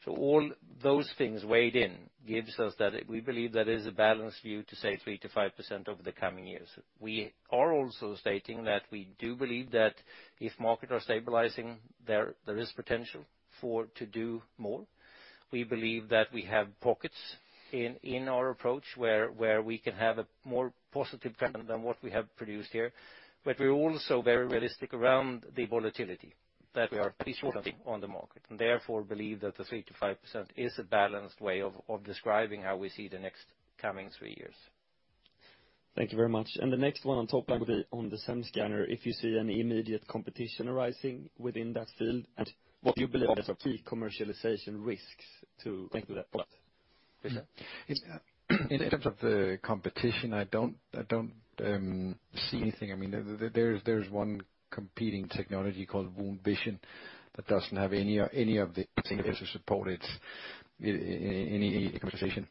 B: All those things weighed in gives us that, we believe that is a balanced view to say 3%-5% over the coming years. We are also stating that we do believe that if market are stabilizing, there is potential for to do more. We believe that we have pockets in our approach where we can have a more positive trend than what we have produced here. We're also very realistic around the volatility that we are still seeing on the market, and therefore believe that the 3%-5% is a balanced way of describing how we see the next coming three years.
D: Thank you very much. The next one on top line will be on the SEM Scanner. If you see any immediate competition arising within that field and what you believe are the key commercialization risks to that product?
B: Thank you.
D: Yeah.
H: In terms of the competition, I don't see anything. I mean, there's one competing technology called WoundVision that doesn't have any of the data to support its any conversation.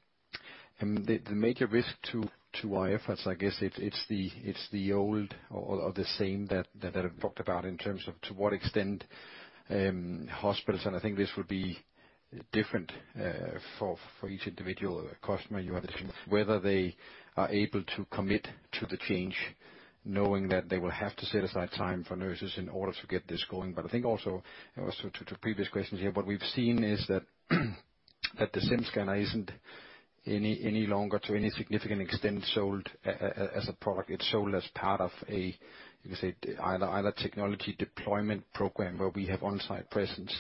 H: The major risk to our efforts, I guess it's the old or the same that I've talked about in terms of to what extent hospitals, and I think this would be different for each individual customer you have, whether they are able to commit to the change knowing that they will have to set aside time for nurses in order to get this going. But I think also to previous questions here, what we've seen is that the SEM Scanner isn't any longer to any significant extent sold as a product. It's sold as part of a, you could say, either technology deployment program where we have on-site presence,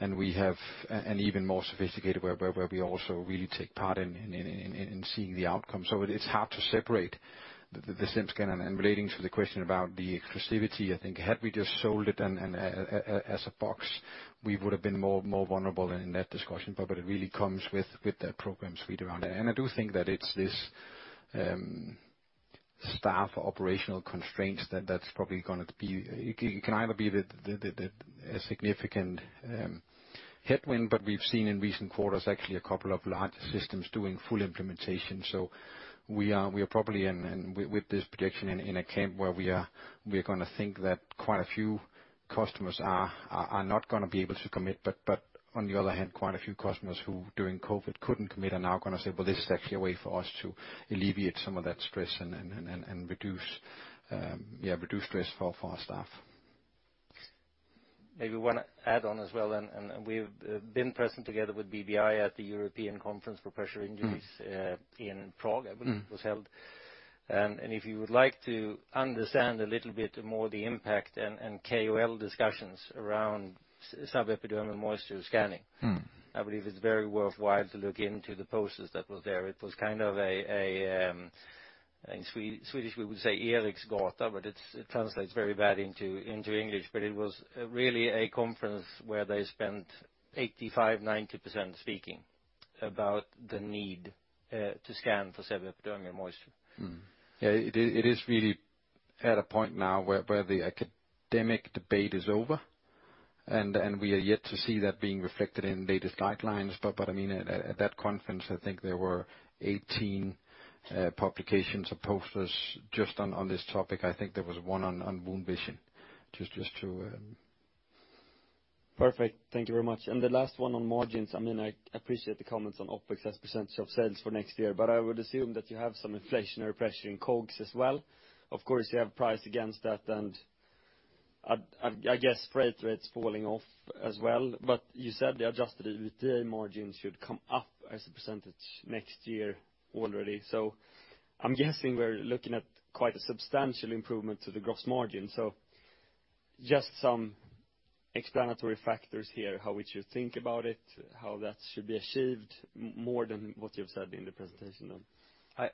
H: and we have an even more sophisticated where we also really take part in seeing the outcome. It's hard to separate the SEM Scanner. Relating to the question about the exclusivity, I think had we just sold it and as a box, we would have been more vulnerable in that discussion. It really comes with the program suite around it. I do think that it's this staff operational constraints that's probably gonna be. It can either be the significant headwind, but we've seen in recent quarters actually a couple of large systems doing full implementation. We are probably in with this prediction in a camp where we're gonna think that quite a few- Customers are not going to be able to commit, but on the other hand, quite a few customers who during COVID couldn't commit are now gonna say, "Well, this is actually a way for us to alleviate some of that stress and reduce stress for our staff.
B: Maybe one add-on as well, and we've been present together with BBI at the European Conference for Pressure Injuries.
H: Mm.
B: In Prague, I believe it was held. If you would like to understand a little bit more the impact and KOL discussions around subepidermal moisture scanning.
H: Mm.
B: I believe it's very worthwhile to look into the posters that were there. It was kind of a in Swedish we would say Eriksgata, but it translates very bad into English. It was really a conference where they spent 85%-90% speaking about the need to scan for subepidermal moisture.
H: Yeah, it is really at a point now where the academic debate is over, and we are yet to see that being reflected in latest guidelines. What I mean, at that conference, I think there were 18 publications or posters just on this topic. I think there was one on WoundVision. Just to...
D: Perfect. Thank you very much. The last one on margins. I mean, I appreciate the comments on OpEx as a percentage of sales for next year, but I would assume that you have some inflationary pressure in COGS as well. Of course, you have price against that, and I guess freight rates falling off as well. You said the adjusted EBITDA margin should come up as a percentage next year already. I'm guessing we're looking at quite a substantial improvement to the gross margin. Just some explanatory factors here, how we should think about it, how that should be achieved more than what you've said in the presentation then.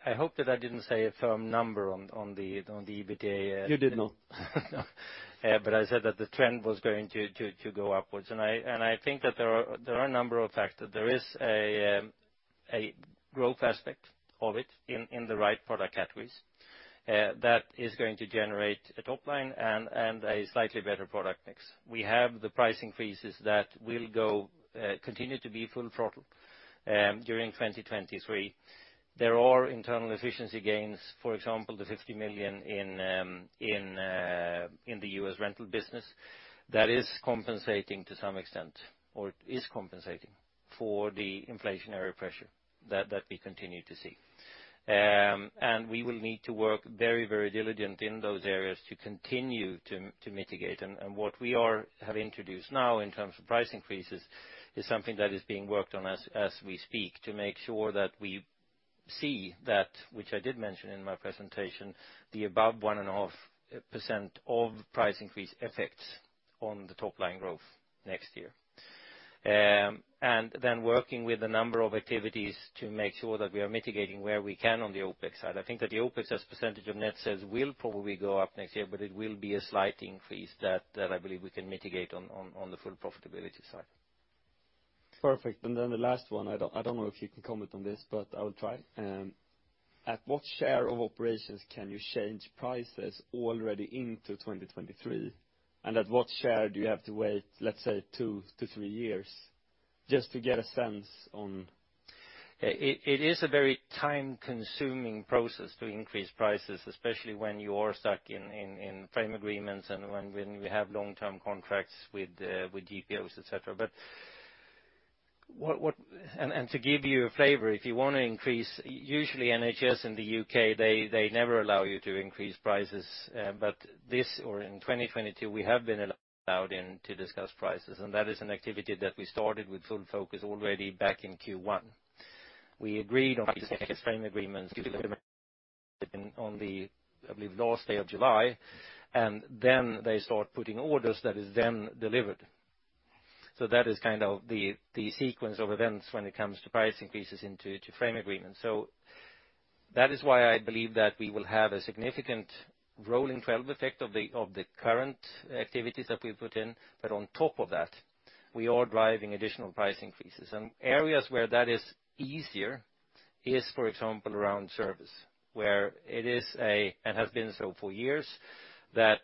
B: I hope that I didn't say a firm number on the EBITDA.
D: You did not.
B: I said that the trend was going to go upwards. I think that there are a number of factors. There is a growth aspect of it in the right product categories that is going to generate a top line and a slightly better product mix. We have the price increases that will continue to be full throttle during 2023. There are internal efficiency gains, for example, the 50 million in the U.S. rental business that is compensating to some extent, or is compensating for the inflationary pressure that we continue to see. We will need to work very diligent in those areas to continue to mitigate. What we have introduced now in terms of price increases is something that is being worked on as we speak to make sure that we see that, which I did mention in my presentation, the above 1.5% of price increase effects on the top line growth next year. Working with a number of activities to make sure that we are mitigating where we can on the OpEx side. I think that the OpEx as percentage of net sales will probably go up next year, but it will be a slight increase that I believe we can mitigate on the full profitability side.
D: Perfect. The last one, I don't know if you can comment on this, but I will try. At what share of operations can you change prices already into 2023, and at what share do you have to wait, let's say two-three years? Just to get a sense on.
B: It is a very time-consuming process to increase prices, especially when you are stuck in frame agreements and when we have long-term contracts with GPOs, et cetera. To give you a flavor, if you want to increase, usually NHS in the U.K., they never allow you to increase prices. In 2022, we have been allowed to discuss prices, and that is an activity that we started with full focus already back in Q1. We agreed on frame agreements on the, I believe, last day of July, and then they start putting orders that is then delivered. That is kind of the sequence of events when it comes to price increases into frame agreements. That is why I believe that we will have a significant rolling 12 effect of the current activities that we put in. On top of that, we are driving additional price increases. Areas where that is easier is, for example, around service, where it is and has been so for years, that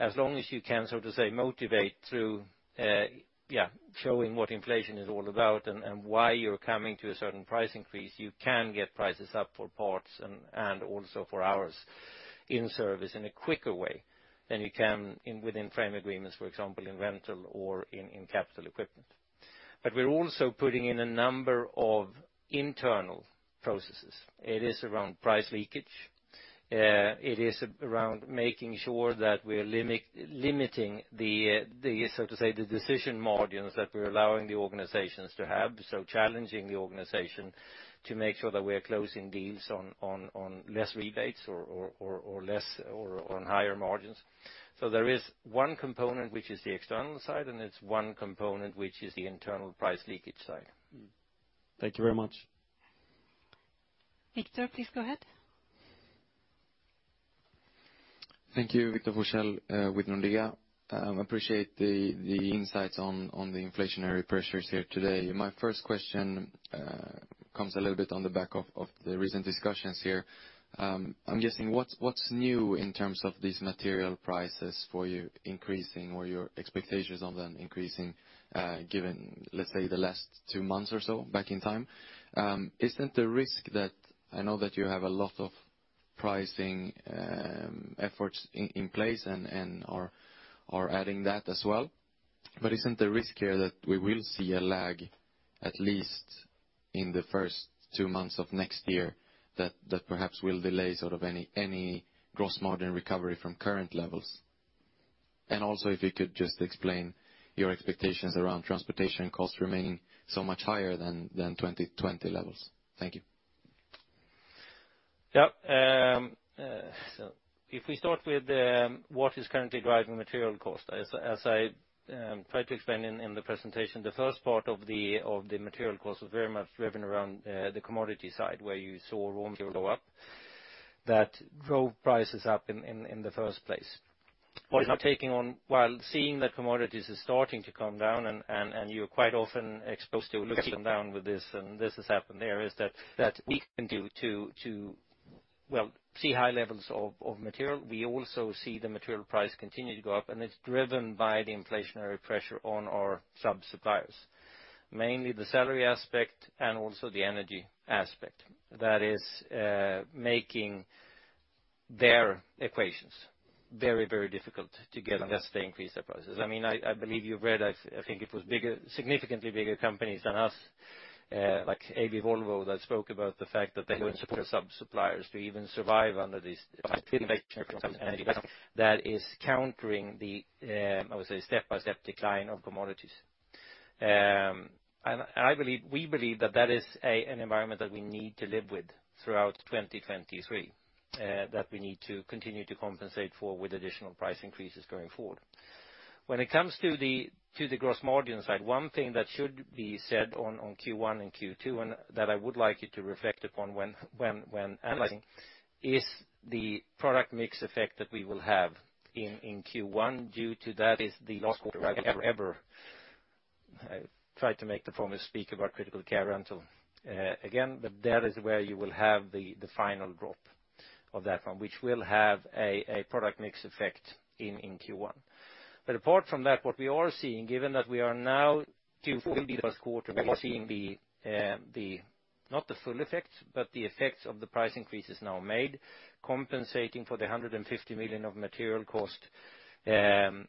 B: as long as you can so to say motivate through showing what inflation is all about and why you're coming to a certain price increase, you can get prices up for parts and also for hours in service in a quicker way than you can within frame agreements, for example, in rental or in capital equipment. We're also putting in a number of internal processes. It is around price leakage. It is around making sure that we are limiting the, so to say, the decision margins that we're allowing the organizations to have. Challenging the organization to make sure that we are closing deals on less rebates or less or on higher margins. There is one component which is the external side, and it's one component which is the internal price leakage side.
D: Thank you very much.
A: Viktor, please go ahead.
F: Thank you. Viktor Forssell with Nordea. Appreciate the insights on the inflationary pressures here today. My first question comes a little bit on the back of the recent discussions here. I'm guessing what's new in terms of these material prices for you increasing or your expectations on them increasing, given, let's say, the last two months or so back in time? Isn't the risk that I know that you have a lot of pricing efforts in place and are adding that as well. Isn't the risk here that we will see a lag, at least in the first two months of next year, that perhaps will delay sort of any gross margin recovery from current levels? Also, if you could just explain your expectations around transportation costs remaining so much higher than 2020 levels. Thank you.
B: Yeah. If we start with what is currently driving material cost, as I tried to explain in the presentation, the first part of the material cost was very much driven around the commodity side, where you saw raw material go up, that drove prices up in the first place. What is now taking over, while seeing that commodities are starting to come down, and you're quite often exposed to locking in with this, and this has happened there, is that we continue to well see high levels of material. We also see the material price continue to go up, and it's driven by the inflationary pressure on our sub-suppliers, mainly the salary aspect and also the energy aspect. That is making their equations very, very difficult to get, unless they increase their prices. I mean, I believe you've read, I think it was bigger, significantly bigger companies than us, like AB Volvo, that spoke about the fact that they couldn't support sub suppliers to even survive under this inflation. That is countering the, I would say, step-by-step decline of commodities. I believe we believe that is an environment that we need to live with throughout 2023. That we need to continue to compensate for with additional price increases going forward. When it comes to the gross margin side, one thing that should be said on Q1 and Q2, and that I would like you to reflect upon when analyzing, is the product mix effect that we will have in Q1 due to that is the last quarter forever. I try to make the forecast speak about critical care rental again, but that is where you will have the final drop of that one, which will have a product mix effect in Q1. Apart from that, what we are seeing, given that we are now two full quarters, we are seeing not the full effects, but the effects of the price increases now made, compensating for the 150 million of material cost from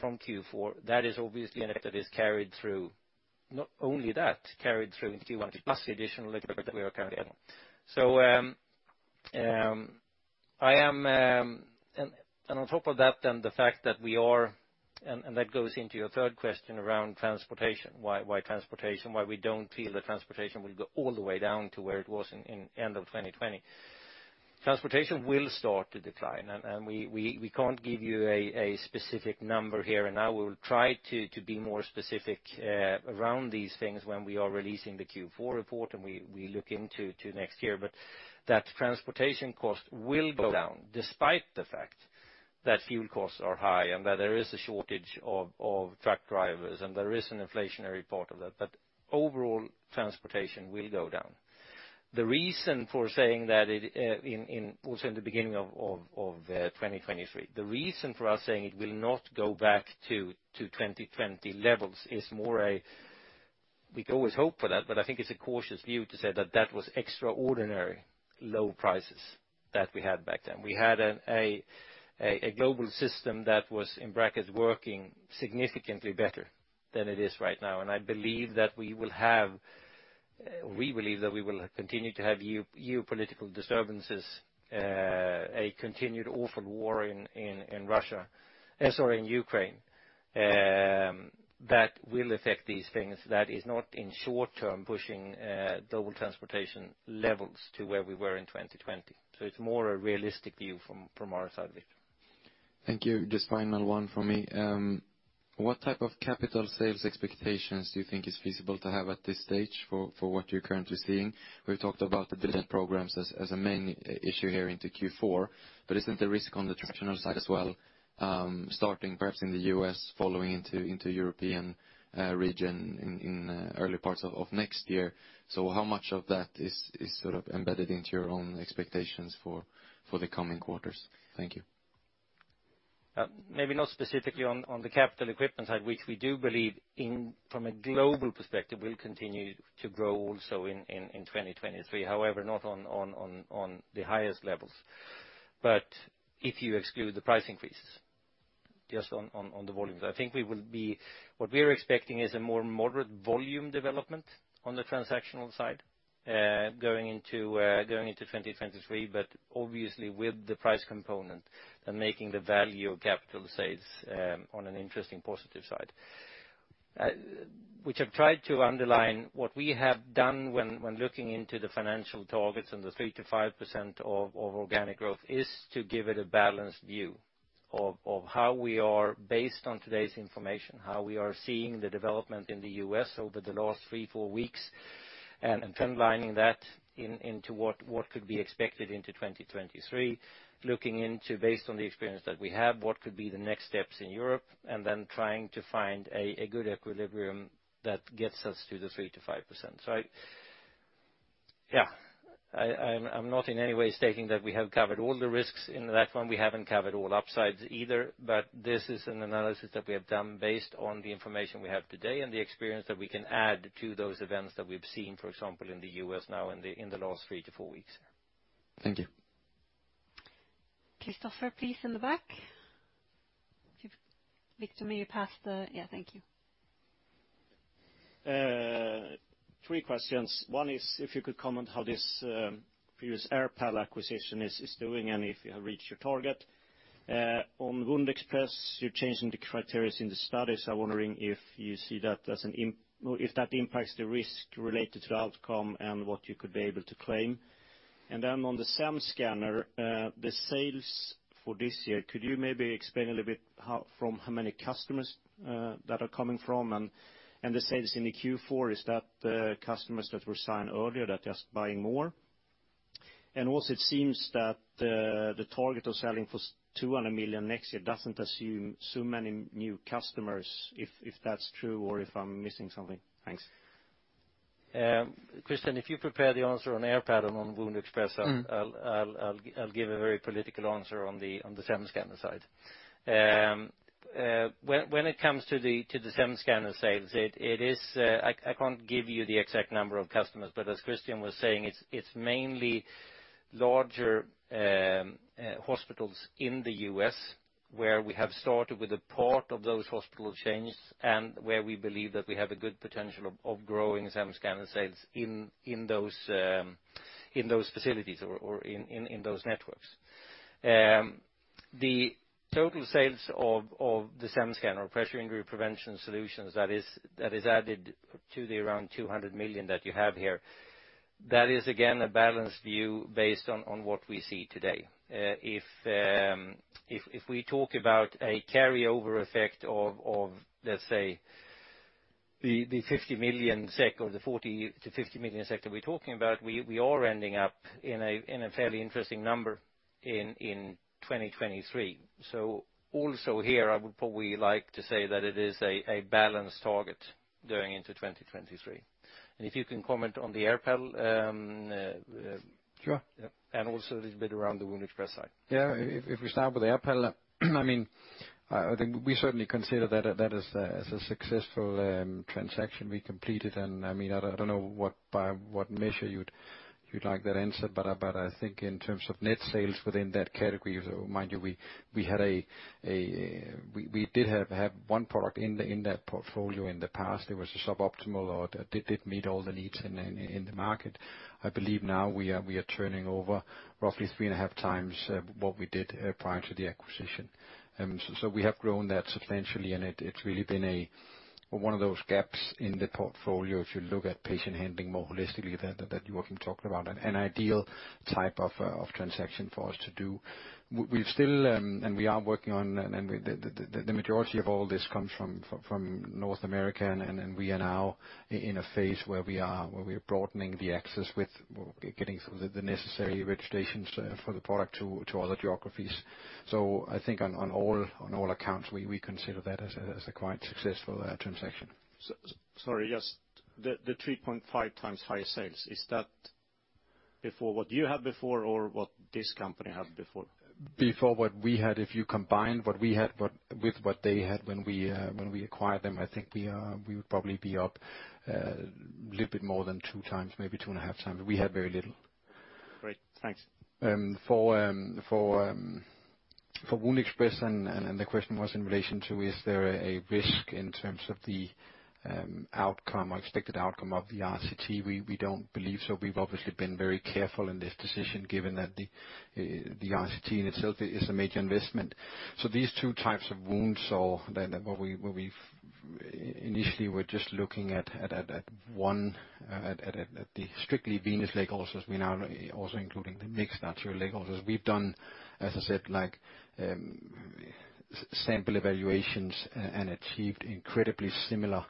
B: Q4. That is obviously an effect that is carried through. Not only that carried through into Q1, but plus the additional effect that we are carrying. On top of that, the fact that we are, and that goes into your third question around transportation. Why transportation, why we don't feel that transportation will go all the way down to where it was in end of 2020. Transportation will start to decline. We can't give you a specific number here, and I will try to be more specific around these things when we are releasing the Q4 report and we look into next year. Transportation cost will go down despite the fact that fuel costs are high and that there is a shortage of truck drivers, and there is an inflationary part of that. Overall, transportation will go down. The reason for saying that also in the beginning of 2023 it will not go back to 2020 levels is more. We can always hope for that, but I think it's a cautious view to say that that was extraordinary low prices that we had back then. We had a global system that was, in brackets, working significantly better than it is right now. I believe that we will continue to have geopolitical disturbances, a continued awful war in Ukraine, that will affect these things. That is not in short term pushing global transportation levels to where we were in 2020. It's more a realistic view from our side of it.
F: Thank you. Just final one from me. What type of capital sales expectations do you think is feasible to have at this stage for what you're currently seeing? We've talked about the business programs as a main issue here into Q4, but isn't the risk on the transactional side as well, starting perhaps in the U.S., following into European region in early parts of next year? How much of that is sort of embedded into your own expectations for the coming quarters? Thank you.
B: Maybe not specifically on the capital equipment side, which we do believe in, from a global perspective, will continue to grow also in 2023. However, not on the highest levels. If you exclude the price increases just on the volumes, what we are expecting is a more moderate volume development on the transactional side, going into 2023, but obviously with the price component and making the value of capital sales on an interesting positive side. Which I've tried to underline, what we have done when looking into the financial targets and the 3%-5% organic growth is to give it a balanced view of how we are, based on today's information, how we are seeing the development in the U.S. over the last three-four weeks, and trendlining that into what could be expected into 2023. Looking into, based on the experience that we have, what could be the next steps in Europe, and then trying to find a good equilibrium that gets us to the 3%-5%. Yeah, I'm not in any way stating that we have covered all the risks in that one. We haven't covered all upsides either. This is an analysis that we have done based on the information we have today and the experience that we can add to those events that we've seen, for example, in the U.S. now in the last three-four weeks.
F: Thank you.
A: Kristofer, please in the back. Viktor, may you pass. Yeah, thank you.
E: Three questions. One is if you could comment how this previous AirPal acquisition is doing and if you have reached your target. On WoundExpress, you're changing the criteria in the studies. I'm wondering if you see that as an improvement or if that impacts the risk related to the outcome and what you could be able to claim. On the SEM Scanner, the sales for this year, could you maybe explain a little bit from how many customers that are coming from, and the sales in the Q4, is that the customers that were signed earlier that are just buying more? Also it seems that the target of selling for 200 million next year doesn't assume so many new customers, if that's true or if I'm missing something. Thanks.
B: Christian, if you prepare the answer on AirPal and on WoundExpress.
H: Mm.
B: I'll give a very political answer on the SEM Scanner side. When it comes to the SEM Scanner sales, it is, I can't give you the exact number of customers, but as Christian was saying, it's mainly larger hospitals in the U.S. where we have started with a part of those hospital chains and where we believe that we have a good potential of growing SEM Scanner sales in those facilities or in those networks. The total sales of the SEM Scanner pressure injury prevention solutions, that is added to the around 200 million that you have here, that is again a balanced view based on what we see today. If we talk about a carryover effect of, let's say, the 50 million SEK or the 40 million-50 million SEK that we're talking about, we are ending up in a fairly interesting number in 2023. Also here, I would probably like to say that it is a balanced target going into 2023. If you can comment on the AirPal,
H: Sure.
B: Yeah. Also this bit around the WoundExpress side.
H: Yeah. If we start with AirPal, I mean, I think we certainly consider that as a successful transaction we completed. I mean, I don't know by what measure you'd like that answered, but I think in terms of net sales within that category, so mind you, we did have one product in that portfolio in the past. It was suboptimal or it didn't meet all the needs in the market. I believe now we are turning over roughly 3.5 times what we did prior to the acquisition. We have grown that substantially, and it's really been one of those gaps in the portfolio if you look at Patient Handling more holistically that Joacim talked about, an ideal type of transaction for us to do. We've still and we are working on, and the majority of all this comes from North America, and we are now in a phase where we are broadening the access with getting the necessary registrations for the product to other geographies. I think on all accounts, we consider that as a quite successful transaction.
E: Sorry, just the 3.5 times higher sales, is that before what you had before or what this company had before?
H: Before what we had, if you combine what we had but with what they had when we acquired them, I think we would probably be up a little bit more than 2x, maybe 2.5x. We had very little.
E: Great. Thanks.
H: For WoundExpress and the question was in relation to is there a risk in terms of the outcome or expected outcome of the RCT. We don't believe so. We've obviously been very careful in this decision given that the RCT in itself is a major investment. These two types of wounds, then what we've initially been looking at the strictly venous leg ulcers. We now also including the mixed etiology leg ulcers. We've done, as I said, like, sample evaluations and achieved incredibly similar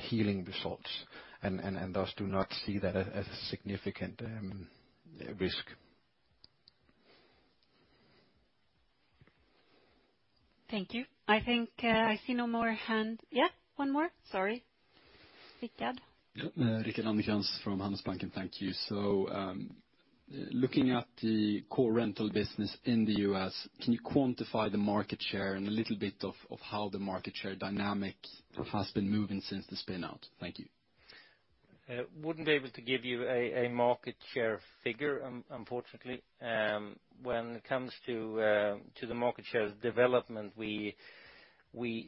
H: healing results and thus do not see that as a significant risk.
A: Thank you. I think, I see no more hand. Yeah, one more. Sorry. Rickard.
G: Rickard Andekrans from Handelsbanken. Thank you. Looking at the core rental business in the U.S., can you quantify the market share and a little bit of how the market share dynamic has been moving since the spin out? Thank you. Wouldn't be able to give you a market share figure unfortunately. When it comes to the market share development, we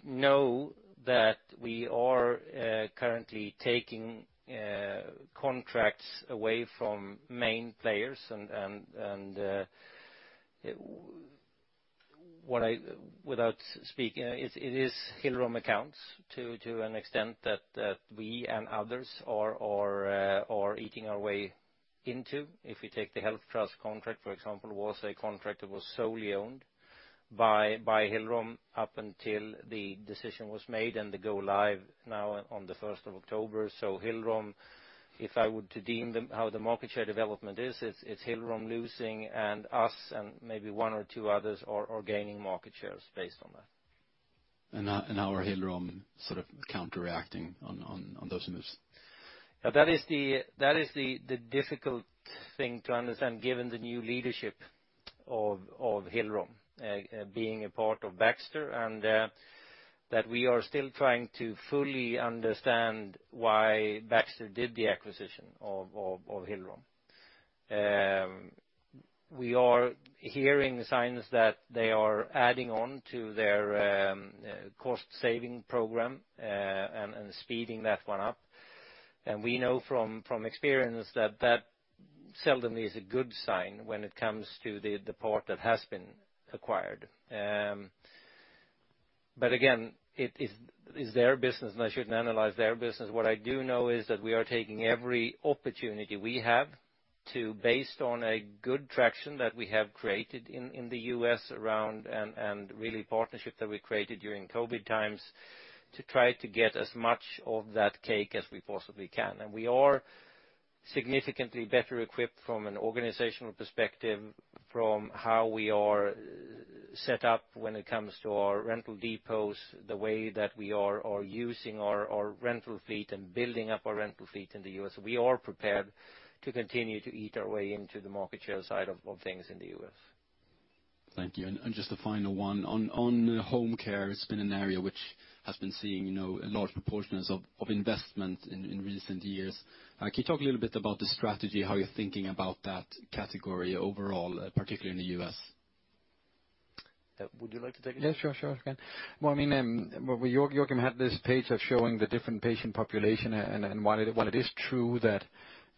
G: know that we are currently taking contracts away from main players and what I without speaking, it is Hillrom accounts to an extent that we and others are eating our way into. If we take the HealthTrust contract, for example, was a contract that was solely owned by Hillrom up until the decision was made and the go live now on the first of October.
B: Hillrom, if I were to deem them how the market share development is, it's Hillrom losing and us and maybe one or two others are gaining market shares based on that.
G: How are Hillrom sort of counteracting on those moves?
B: That is the difficult thing to understand given the new leadership of Hillrom being a part of Baxter and that we are still trying to fully understand why Baxter did the acquisition of Hillrom. We are hearing signs that they are adding on to their cost saving program and speeding that one up. We know from experience that seldom is a good sign when it comes to the part that has been acquired. Again, it is their business, and I shouldn't analyze their business. What I do know is that we are taking every opportunity we have to, based on a good traction that we have created in the U.S. around, and really the partnership that we created during COVID times, to try to get as much of that cake as we possibly can. We are significantly better equipped from an organizational perspective from how we are set up when it comes to our rental depots, the way that we are using our rental fleet and building up our rental fleet in the U.S. We are prepared to continue to eat our way into the market share side of things in the U.S.
G: Thank you. Just a final one. On home care, it's been an area which has been seeing, you know, large proportions of investment in recent years. Can you talk a little bit about the strategy, how you're thinking about that category overall, particularly in the U.S.?
B: Would you like to take it?
H: Yeah, sure. Sure, I can. Well, I mean, well, Joacim had this page showing the different patient population, and while it is true that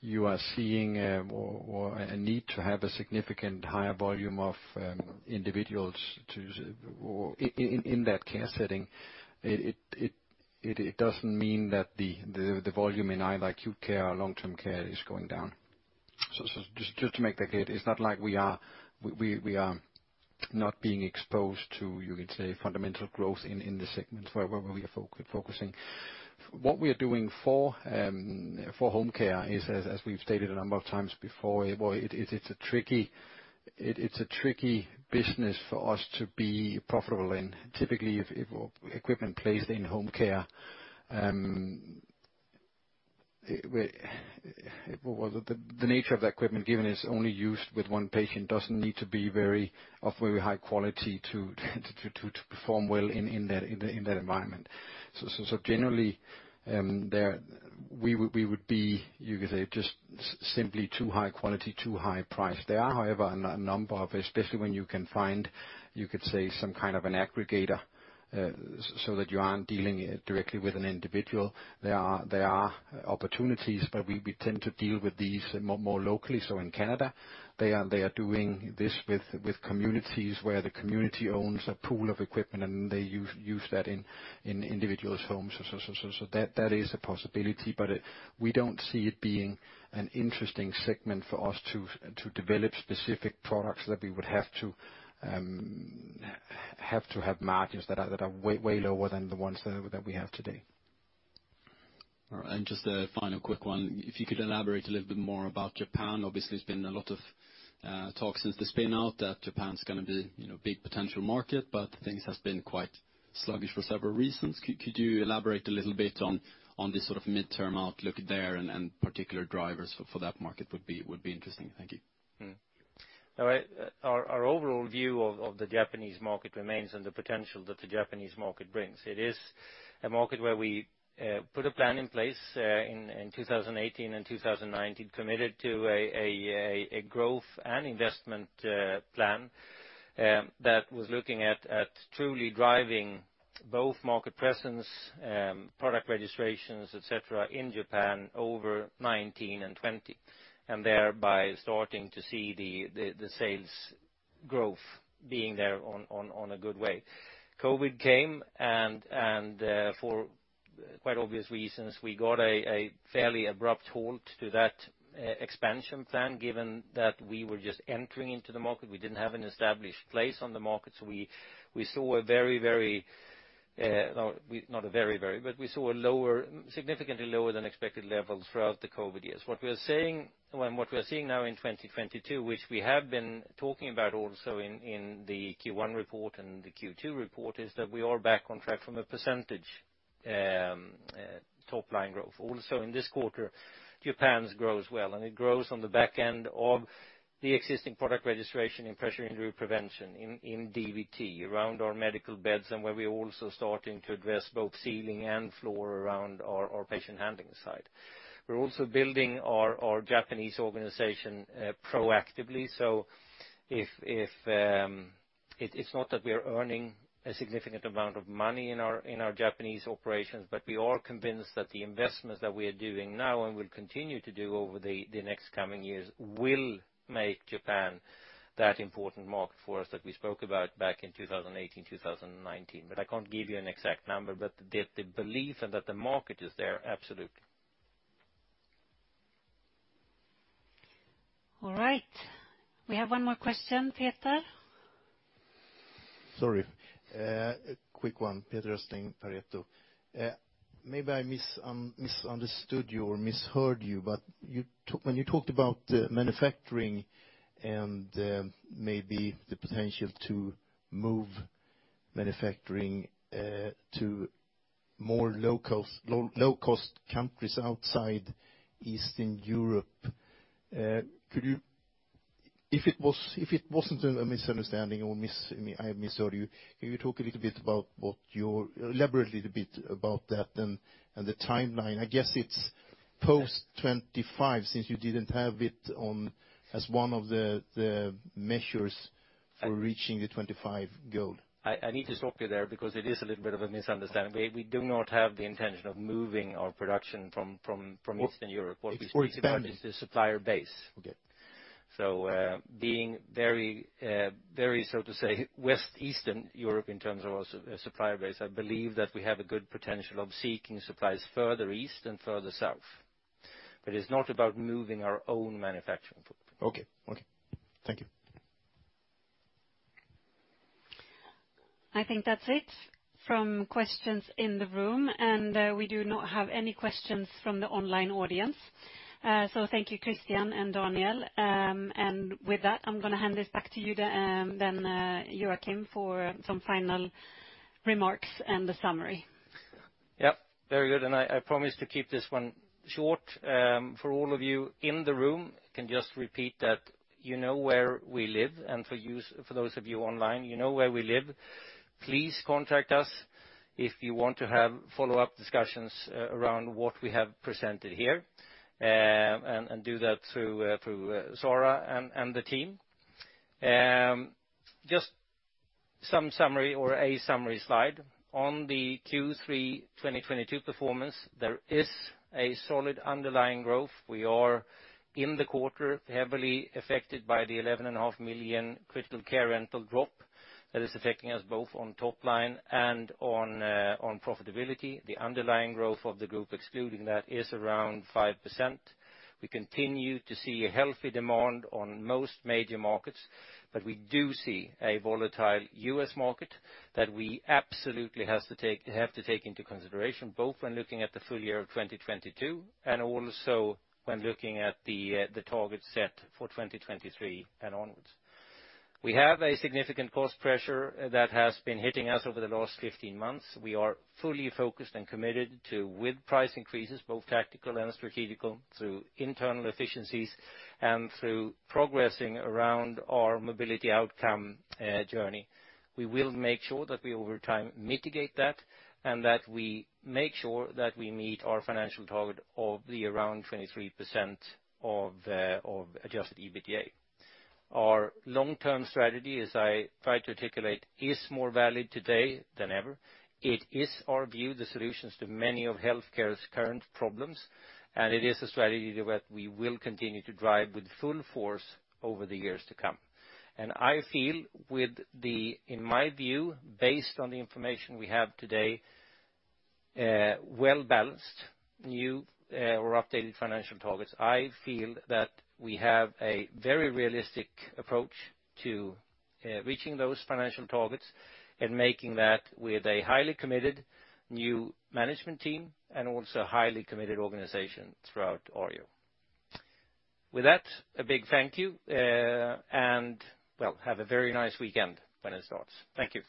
H: you are seeing a need to have a significant higher volume of individuals in that care setting, it doesn't mean that the volume in either acute care or long-term care is going down. Just to make that clear, it's not like we are not being exposed to, you could say, fundamental growth in the segments where we are focusing. What we are doing for home care is, as we've stated a number of times before, well, it's a tricky business for us to be profitable in. Typically, if equipment placed in home care, well, the nature of that equipment, given it's only used with one patient, doesn't need to be very high quality to perform well in that environment. Generally, there. We would be, you could say, just simply too high quality, too high price. There are, however, a number of, especially when you can find, you could say, some kind of an aggregator, so that you aren't dealing directly with an individual. There are opportunities, but we tend to deal with these more locally. In Canada, they are doing this with communities where the community owns a pool of equipment, and they use that in individuals' homes. That is a possibility. We don't see it being an interesting segment for us to develop specific products that we would have to have margins that are way lower than the ones that we have today.
G: All right. Just a final quick one. If you could elaborate a little bit more about Japan. Obviously, there's been a lot of talk since the spin out that Japan's gonna be, you know, big potential market, but things has been quite sluggish for several reasons. Could you elaborate a little bit on the sort of midterm outlook there and particular drivers for that market would be interesting. Thank you.
B: All right. Our overall view of the Japanese market remains and the potential that the Japanese market brings. It is a market where we put a plan in place in 2018 and 2019, committed to a growth and investment plan that was looking at truly driving both market presence, product registrations, et cetera, in Japan over 2019 and 2020, and thereby starting to see the sales growth being there on a good way. COVID came, and for quite obvious reasons, we got a fairly abrupt halt to that expansion plan, given that we were just entering into the market. We didn't have an established place on the market, so we saw a very... Not very, but we saw significantly lower than expected levels throughout the COVID years. What we are saying, well, and what we are seeing now in 2022, which we have been talking about also in the Q1 report and the Q2 report, is that we are back on track from a percentage top-line growth. Also in this quarter, Japan grows well, and it grows on the back of the existing product registration in Pressure Injury Prevention in DVT around our medical beds and where we're also starting to address both ceiling and floor around our Patient Handling side. We're also building our Japanese organization proactively. If it's not that we're earning a significant amount of money in our Japanese operations, but we are convinced that the investments that we are doing now and will continue to do over the next coming years will make Japan that important market for us that we spoke about back in 2018, 2019. I can't give you an exact number. The belief and that the market is there, absolutely.
A: All right. We have one more question, Peter.
I: Sorry. A quick one. Peter Östling, Pareto Securities. Maybe I misunderstood you or misheard you, but when you talked about the manufacturing and maybe the potential to move manufacturing to more low-cost countries outside Eastern Europe, could you? If it wasn't a misunderstanding or I misheard you. Can you elaborate a little bit about that and the timeline. I guess it's post-2025, since you didn't have it as one of the measures for reaching the 2025 goal.
B: I need to stop you there because it is a little bit of a misunderstanding. We do not have the intention of moving our production from Eastern Europe.
I: Expanding.
B: What we see is about the supplier base.
I: Okay.
B: Being very so to say, Western Europe in terms of our supplier base, I believe that we have a good potential of seeking supplies further east and further south. But it's not about moving our own manufacturing footprint.
I: Okay. Okay. Thank you.
A: I think that's it from questions in the room, and we do not have any questions from the online audience. Thank you, Christian and Daniel. With that, I'm gonna hand this back to you to then Joacim for some final remarks and the summary.
B: Yep, very good. I promise to keep this one short. For all of you in the room, I can just repeat that you know where we live and for those of you online, you know where we live. Please contact us if you want to have follow-up discussions around what we have presented here, and do that through Sara and the team. Just a summary slide. On the Q3 2022 performance, there is a solid underlying growth. We are in the quarter heavily affected by the 11.5 million critical care rental drop that is affecting us both on top line and on profitability. The underlying growth of the group, excluding that, is around 5%. We continue to see a healthy demand on most major markets, but we do see a volatile U.S. market that we absolutely have to take into consideration, both when looking at the full year of 2022 and also when looking at the targets set for 2023 and onwards. We have a significant cost pressure that has been hitting us over the last 15 months. We are fully focused and committed to, with price increases, both tactical and strategical, through internal efficiencies and through progressing around our mobility outcome journey. We will make sure that we over time mitigate that and that we make sure that we meet our financial target of the around 23% of adjusted EBITDA. Our long-term strategy, as I try to articulate, is more valid today than ever. It is our view, the solutions to many of healthcare's current problems, and it is a strategy that we will continue to drive with full force over the years to come. I feel with the, in my view, based on the information we have today, well-balanced new, or updated financial targets, I feel that we have a very realistic approach to, reaching those financial targets and making that with a highly committed new management team and also a highly committed organization throughout Arjo. With that, a big thank you, and well, have a very nice weekend when it starts. Thank you.